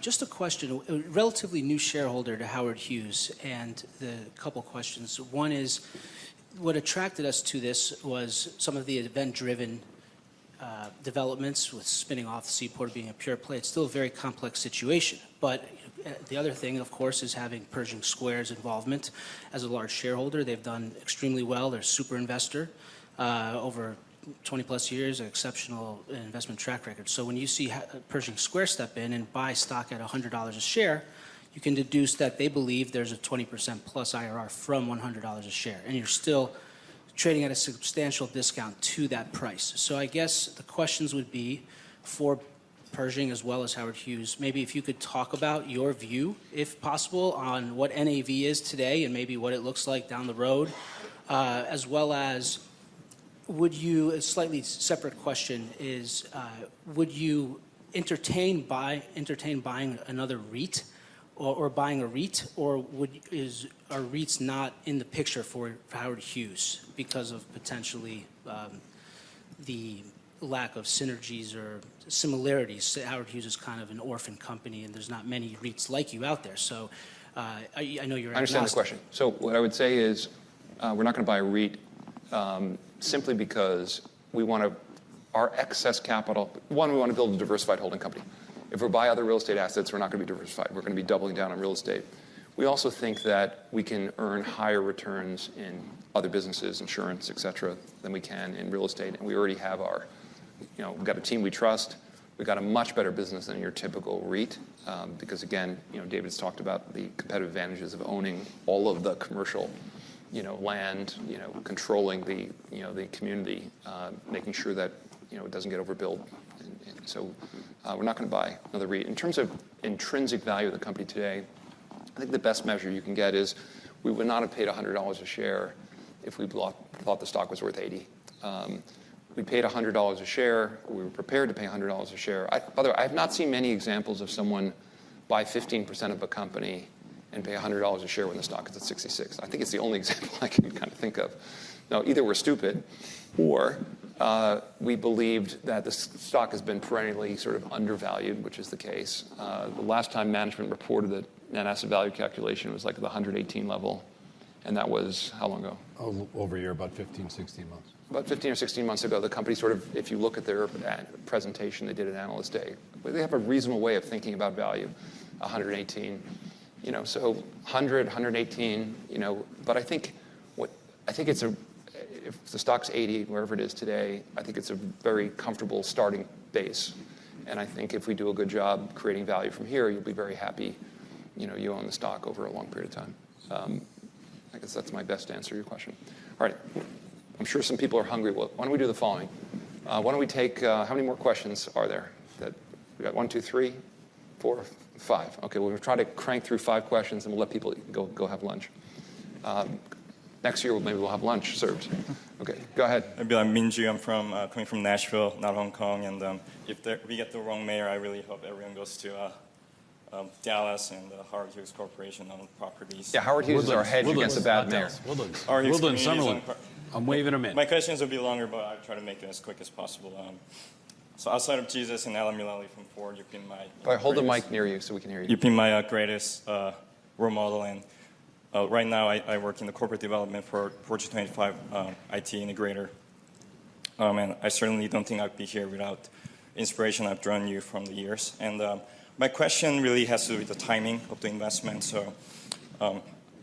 Just a question. Relatively new shareholder to Howard Hughes and a couple of questions. One is what attracted us to this was some of the event-driven developments with spinning off Seaport being a pure play. It's still a very complex situation, but the other thing, of course, is having Pershing Square's involvement as a large shareholder. They've done extremely well. They're a super investor over 20 plus years, an exceptional investment track record. So when you see Pershing Square step in and buy stock at $100 a share, you can deduce that they believe there's a 20% plus IRR from $100 a share and you're still trading at a substantial discount to that price. So, I guess the questions would be for Pershing as well as Howard Hughes. Maybe if you could talk about your view, if possible, on what NAV is today and maybe what it looks like down the road, as well as would you, a slightly separate question, is would you entertain buying another REIT or buying a REIT, or are REITs not in the picture for Howard Hughes because of potentially the lack of synergies or similarities? Howard Hughes is kind of an orphan company, and there's not many REITs like you out there, so I know you're in. I understand the question. So what I would say is we're not going to buy a REIT simply because we want to our excess capital. One, we want to build a diversified holding company. If we buy other real estate assets, we're not going to be diversified. We're going to be doubling down on real estate. We also think that we can earn higher returns in other businesses, insurance, et cetera, than we can in real estate. And we already have. We've got a team we trust. We've got a much better business than your typical REIT because, again, David's talked about the competitive advantages of owning all of the commercial land, controlling the community, making sure that it doesn't get overbuilt. And so we're not going to buy another REIT. In terms of intrinsic value of the company today, I think the best measure you can get is we would not have paid $100 a share if we thought the stock was worth $80. We paid $100 a share. We were prepared to pay $100 a share. By the way, I have not seen many examples of someone buy 15% of a company and pay $100 a share when the stock is at $66. I think it's the only example I can kind of think of. Now, either we're stupid or we believed that the stock has been perennially sort of undervalued, which is the case. The last time management reported that net asset value calculation was like the $118 level, and that was how long ago? Over a year, about 15-16 months. About 15 or 16 months ago, the company sort of, if you look at their presentation they did at Analyst Day, they have a reasonable way of thinking about value, $118. So $100, $118. But I think if the stock's $80, wherever it is today, I think it's a very comfortable starting base. And I think if we do a good job creating value from here, you'll be very happy you own the stock over a long period of time. I guess that's my best answer to your question. All right. I'm sure some people are hungry. Why don't we do the following? Why don't we take how many more questions are there? We've got one, two, three, four, five. OK, we'll try to crank through five questions. And we'll let people go have lunch. Next year, maybe we'll have lunch served. OK, go ahead. I'm Min-Ju. I'm coming from Nashville, not Hong Kong, and if we get the wrong mayor, I really hope everyone goes to Dallas and the Howard Hughes Corporation on properties. Yeah, Howard Hughes is our hedge against the bad mayor. Woodlands. Woodlands. Woodlands. Woodlands. Woodlands. Woodlands. Woodlands. Woodlands. Woodlands. Woodlands. I'm waiting a minute. My questions will be longer, but I'll try to make it as quick as possible. So, outside of Alan Mulally from Ford, you know my. All right. Hold the mic near you so we can hear you. You're my greatest role model. Right now, I work in corporate development for a Fortune 25 IT integrator. I certainly don't think I'd be here without the inspiration I've drawn from you over the years. My question really has to do with the timing of the investment.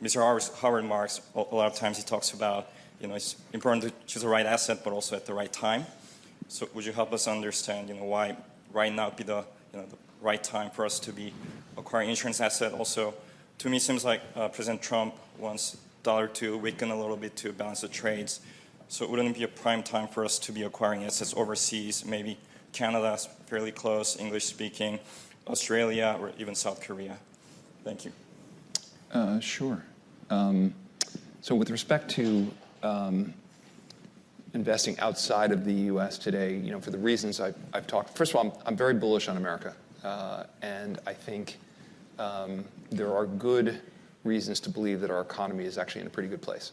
Mr. Howard Marks, a lot of times he talks about it's important to choose the right asset, but also at the right time. Would you help us understand why right now would be the right time for us to be acquiring insurance assets? Also, to me, it seems like President Trump wants a dollar or two weakened a little bit to balance the trades. It wouldn't be a prime time for us to be acquiring assets overseas, maybe Canada fairly close, English-speaking, Australia, or even South Korea. Thank you. Sure. So with respect to investing outside of the U.S. today, for the reasons I've talked, first of all, I'm very bullish on America. And I think there are good reasons to believe that our economy is actually in a pretty good place.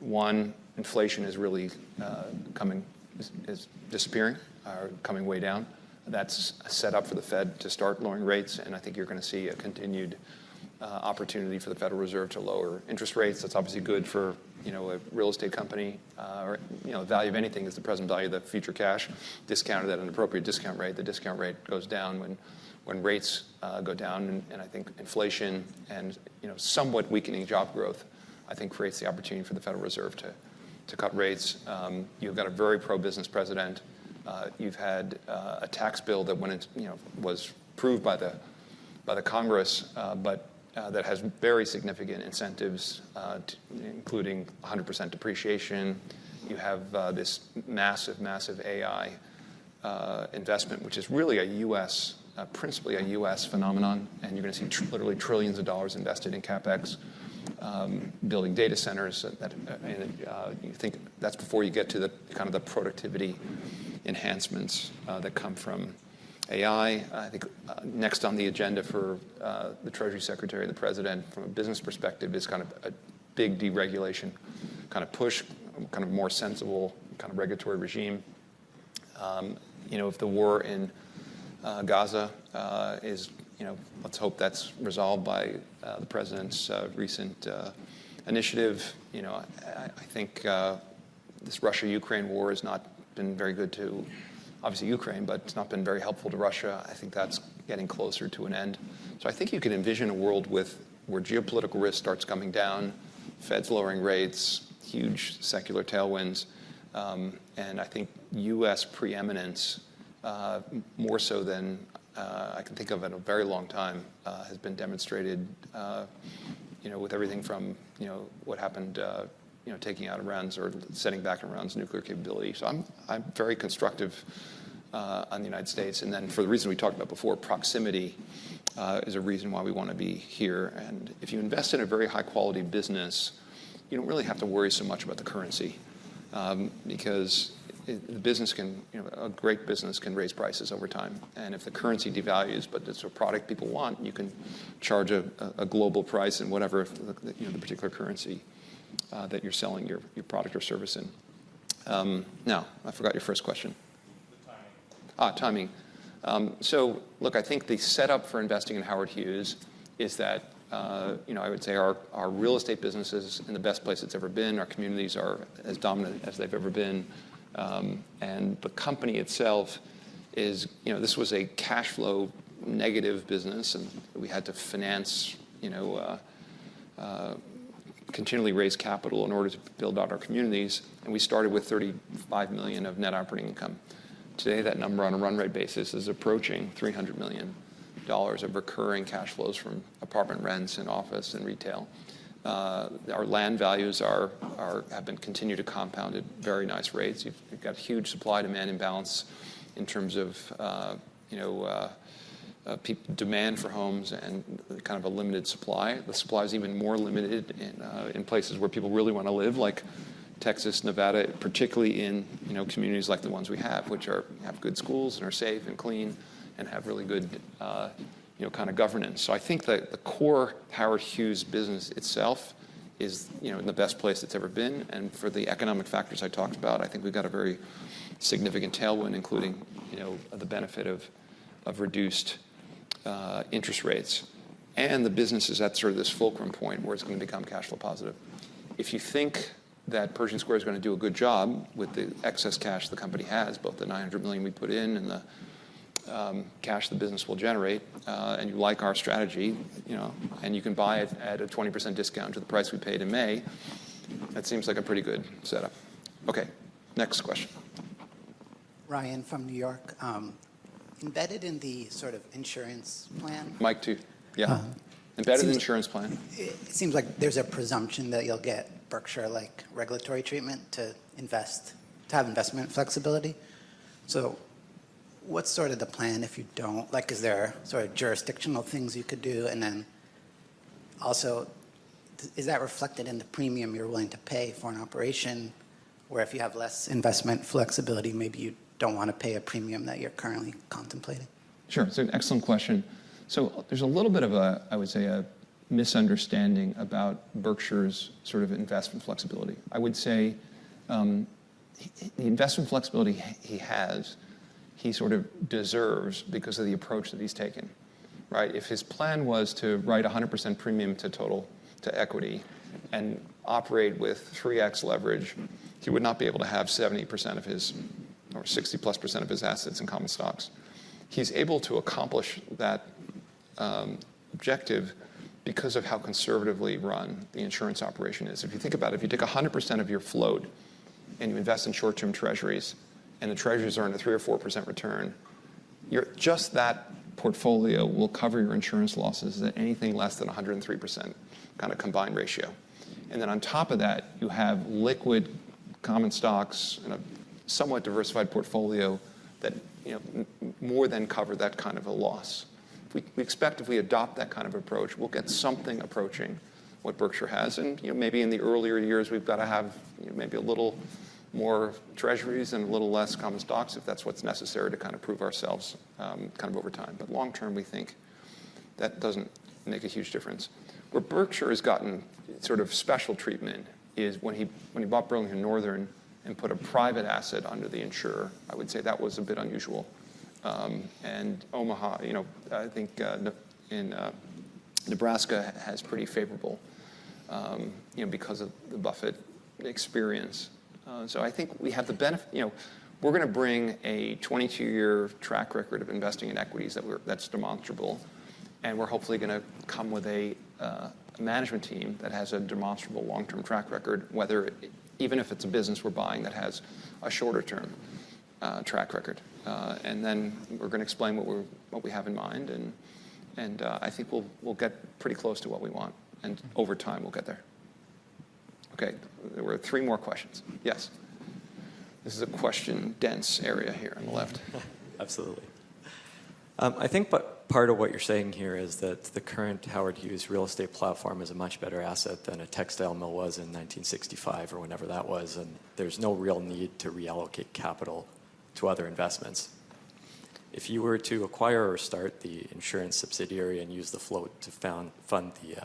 One, inflation is really coming down, is disappearing or coming way down. That's a setup for the Fed to start lowering rates. And I think you're going to see a continued opportunity for the Federal Reserve to lower interest rates. That's obviously good for a real estate company. The value of anything is the present value of the future cash, discounted at an appropriate discount rate. The discount rate goes down when rates go down. And I think inflation and somewhat weakening job growth, I think, creates the opportunity for the Federal Reserve to cut rates. You've got a very pro-business president. You've had a tax bill that was approved by the Congress, but that has very significant incentives, including 100% depreciation. You have this massive, massive AI investment, which is really a U.S., principally a US phenomenon. And you're going to see literally trillions of dollars invested in CapEx, building data centers. And you think that's before you get to the kind of the productivity enhancements that come from AI. I think next on the agenda for the Treasury Secretary and the President, from a business perspective, is kind of a big deregulation, kind of push, kind of more sensible kind of regulatory regime. If the war in Gaza is, let's hope that's resolved by the President's recent initiative. I think this Russia-Ukraine war has not been very good to, obviously, Ukraine, but it's not been very helpful to Russia. I think that's getting closer to an end. So I think you can envision a world where geopolitical risk starts coming down, Fed's lowering rates, huge secular tailwinds. And I think U.S. preeminence, more so than I can think of in a very long time, has been demonstrated with everything from what happened taking out Iran's or setting back Iran's nuclear capability. So I'm very constructive on the United States. And then for the reason we talked about before, proximity is a reason why we want to be here. And if you invest in a very high-quality business, you don't really have to worry so much about the currency because a great business can raise prices over time. And if the currency devalues, but it's a product people want, you can charge a global price in whatever the particular currency that you're selling your product or service in. Now, I forgot your first question. The timing. Timing. So look, I think the setup for investing in Howard Hughes is that I would say our real estate business is in the best place it's ever been. Our communities are as dominant as they've ever been. And the company itself is this was a cash flow negative business. And we had to finance, continually raise capital in order to build out our communities. And we started with $35 million of net operating income. Today, that number on a run rate basis is approaching $300 million of recurring cash flows from apartment rents and office and retail. Our land values have been continued to compound at very nice rates. You've got huge supply-demand imbalance in terms of demand for homes and kind of a limited supply. The supply is even more limited in places where people really want to live, like Texas, Nevada, particularly in communities like the ones we have, which have good schools and are safe and clean and have really good kind of governance. So I think that the core Howard Hughes business itself is in the best place it's ever been. And for the economic factors I talked about, I think we've got a very significant tailwind, including the benefit of reduced interest rates. And the business is at sort of this fulcrum point where it's going to become cash flow positive. If you think that Pershing Square is going to do a good job with the excess cash the company has, both the $900 million we put in and the cash the business will generate, and you like our strategy, and you can buy it at a 20% discount to the price we paid in May, that seems like a pretty good setup. OK, next question. Ryan from New York. Embedded in the sort of insurance plan. Mic too. Yeah. Embedded in the insurance plan. It seems like there's a presumption that you'll get Berkshire-like regulatory treatment to have investment flexibility. So what's sort of the plan if you don't? Is there sort of jurisdictional things you could do? And then also, is that reflected in the premium you're willing to pay for an operation? Or if you have less investment flexibility, maybe you don't want to pay a premium that you're currently contemplating? Sure. It's an excellent question. So there's a little bit of a, I would say, a misunderstanding about Berkshire's sort of investment flexibility. I would say the investment flexibility he has, he sort of deserves because of the approach that he's taken. If his plan was to write 100% premium to total, to equity, and operate with 3x leverage, he would not be able to have 70% of his or 60% plus percent of his assets in common stocks. He's able to accomplish that objective because of how conservatively run the insurance operation is. If you think about it, if you take 100% of your float and you invest in short-term treasuries, and the treasuries are in a 3% or 4% return, just that portfolio will cover your insurance losses at anything less than 103% kind of combined ratio. And then on top of that, you have liquid common stocks and a somewhat diversified portfolio that more than cover that kind of a loss. We expect if we adopt that kind of approach, we'll get something approaching what Berkshire has. And maybe in the earlier years, we've got to have maybe a little more treasuries and a little less common stocks if that's what's necessary to kind of prove ourselves kind of over time. But long term, we think that doesn't make a huge difference. Where Berkshire has gotten sort of special treatment is when he bought Burlington Northern and put a private asset under the insurer. I would say that was a bit unusual. And Omaha, I think, in Nebraska has pretty favorable because of the Buffett experience. So I think we have the benefit we're going to bring a 22-year track record of investing in equities that's demonstrable. And we're hopefully going to come with a management team that has a demonstrable long-term track record, even if it's a business we're buying that has a shorter-term track record. And then we're going to explain what we have in mind. And I think we'll get pretty close to what we want. And over time, we'll get there. OK, there were three more questions. Yes. This is a question-dense area here on the left. Absolutely. I think part of what you're saying here is that the current Howard Hughes real estate platform is a much better asset than a textile mill was in 1965 or whenever that was, and there's no real need to reallocate capital to other investments. If you were to acquire or start the insurance subsidiary and use the float to fund the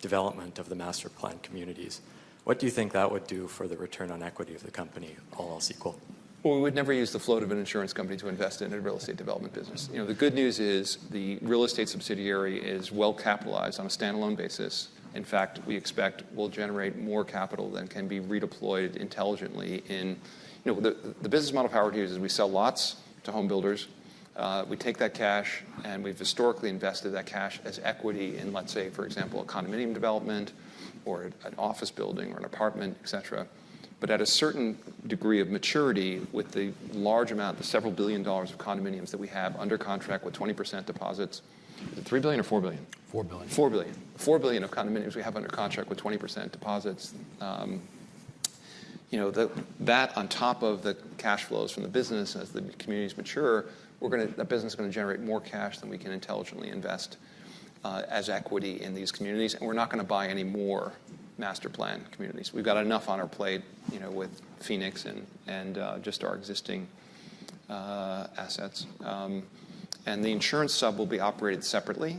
development of the master plan communities, what do you think that would do for the return on equity of the company, all else equal? We would never use the float of an insurance company to invest in a real estate development business. The good news is the real estate subsidiary is well capitalized on a standalone basis. In fact, we expect we'll generate more capital than can be redeployed intelligently in the business model of Howard Hughes is we sell lots to home builders. We take that cash. And we've historically invested that cash as equity in, let's say, for example, a condominium development or an office building or an apartment, et cetera. But at a certain degree of maturity with the large amount, the several billion dollars of condominiums that we have under contract with 20% deposits, is it three billion or four billion? 4 billion. $4 billion. $4 billion of condominiums we have under contract with 20% deposits. That, on top of the cash flows from the business as the communities mature, that business is going to generate more cash than we can intelligently invest as equity in these communities, and we're not going to buy any more master plan communities. We've got enough on our plate with Phoenix and just our existing assets. The insurance sub will be operated separately,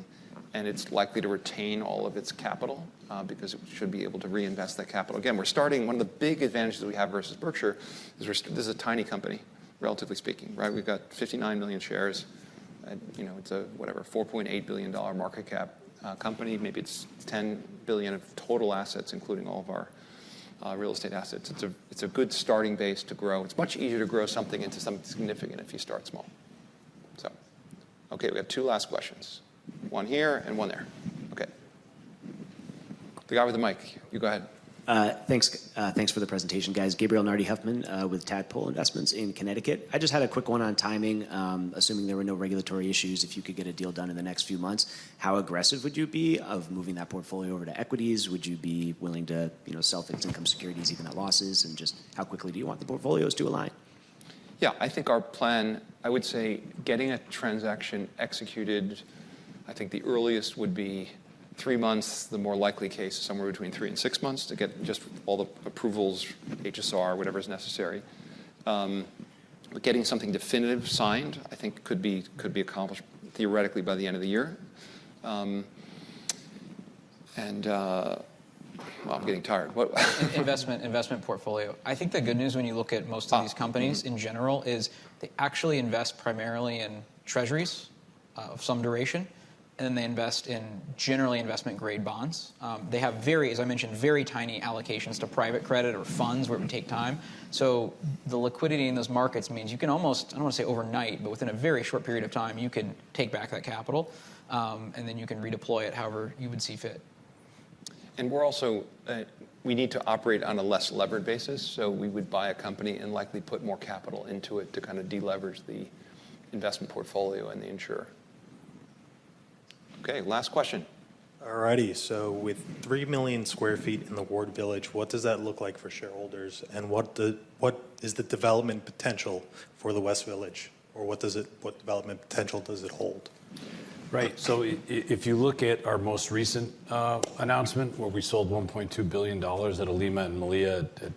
and it's likely to retain all of its capital because it should be able to reinvest that capital. Again, we're starting one of the big advantages we have versus Berkshire is this is a tiny company, relatively speaking. We've got 59 million shares. It's a, whatever, $4.8 billion market cap company. Maybe it's $10 billion of total assets, including all of our real estate assets. It's a good starting base to grow. It's much easier to grow something into something significant if you start small. OK, we have two last questions. One here and one there. OK. The guy with the mic. You go ahead. Thanks for the presentation, guys. Gabriel Nardi-Huffman with Tadpole Investments in Connecticut. I just had a quick one on timing. Assuming there were no regulatory issues, if you could get a deal done in the next few months, how aggressive would you be of moving that portfolio over to equities? Would you be willing to sell fixed income securities, even at losses? And just how quickly do you want the portfolios to align? Yeah, I think our plan. I would say getting a transaction executed. I think the earliest would be three months. The more likely case, somewhere between three and six months to get just all the approvals, HSR, whatever is necessary. Getting something definitive signed, I think, could be accomplished theoretically by the end of the year, and well, I'm getting tired. Investment portfolio. I think the good news when you look at most of these companies in general is they actually invest primarily in treasuries of some duration. And then they invest in generally investment-grade bonds. They have very, as I mentioned, very tiny allocations to private credit or funds where it would take time. So the liquidity in those markets means you can almost, I don't want to say overnight, but within a very short period of time, you can take back that capital. And then you can redeploy it however you would see fit. And we're also. We need to operate on a less levered basis. So we would buy a company and likely put more capital into it to kind of deleverage the investment portfolio and the insurer. OK, last question. All righty. So with three million sq ft in the Ward Village, what does that look like for shareholders? And what is the development potential for the West Village? Or what development potential does it hold? Right. So if you look at our most recent announcement, where we sold $1.2 billion at ILima and Melia at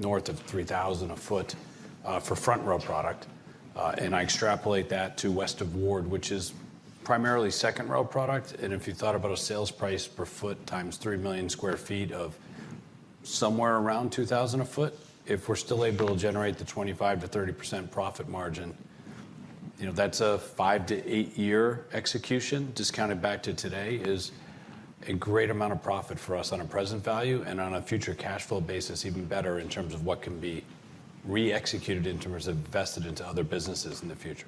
nrth of 3,000 a foot for front row product. And I extrapolate that to west of Ward, which is primarily second row product. And if you thought about a sales price per foot times three million sq ft of somewhere around 2,000 a foot, if we're still able to generate the 25% to 30% profit margin, that's a five- to eight-year execution discounted back to today, is a great amount of profit for us on a present value. On a future cash flow basis, even better in terms of what can be re-executed in terms of invested into other businesses in the future.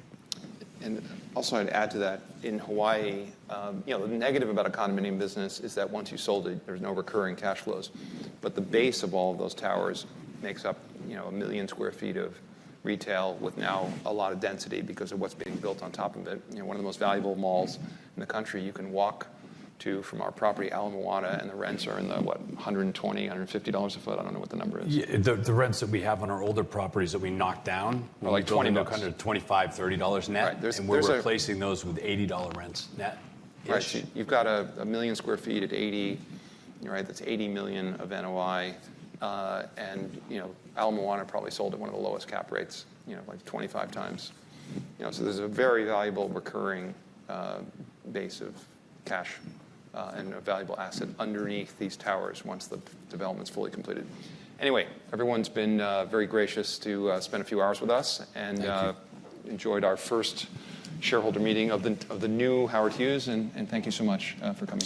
I'd add to that. In Hawaii, the negative about a condominium business is that once you sold it, there's no recurring cash flows. But the base of all of those towers makes up a million sq ft of retail with now a lot of density because of what's being built on top of it. One of the most valuable malls in the country you can walk to from our property, Ala Moana, and the rents are in the, what, $120-$150 a foot? I don't know what the number is. The rents that we have on our older properties that we knocked down. Like $20. Are like $25, $30 net. Right. There's no. We're replacing those with $80 rents net. You've got 1 million sq ft at 80. That's 80 million of NOI. And Ala Moana probably sold at one of the lowest cap rates, like 25 times. So there's a very valuable recurring base of cash and a valuable asset underneath these towers once the development's fully completed. Anyway, everyone's been ery gracious to spend a few hours with us. Thank you. Enjoyed our first shareholder meeting of the new Howard Hughes. Thank you so much for coming.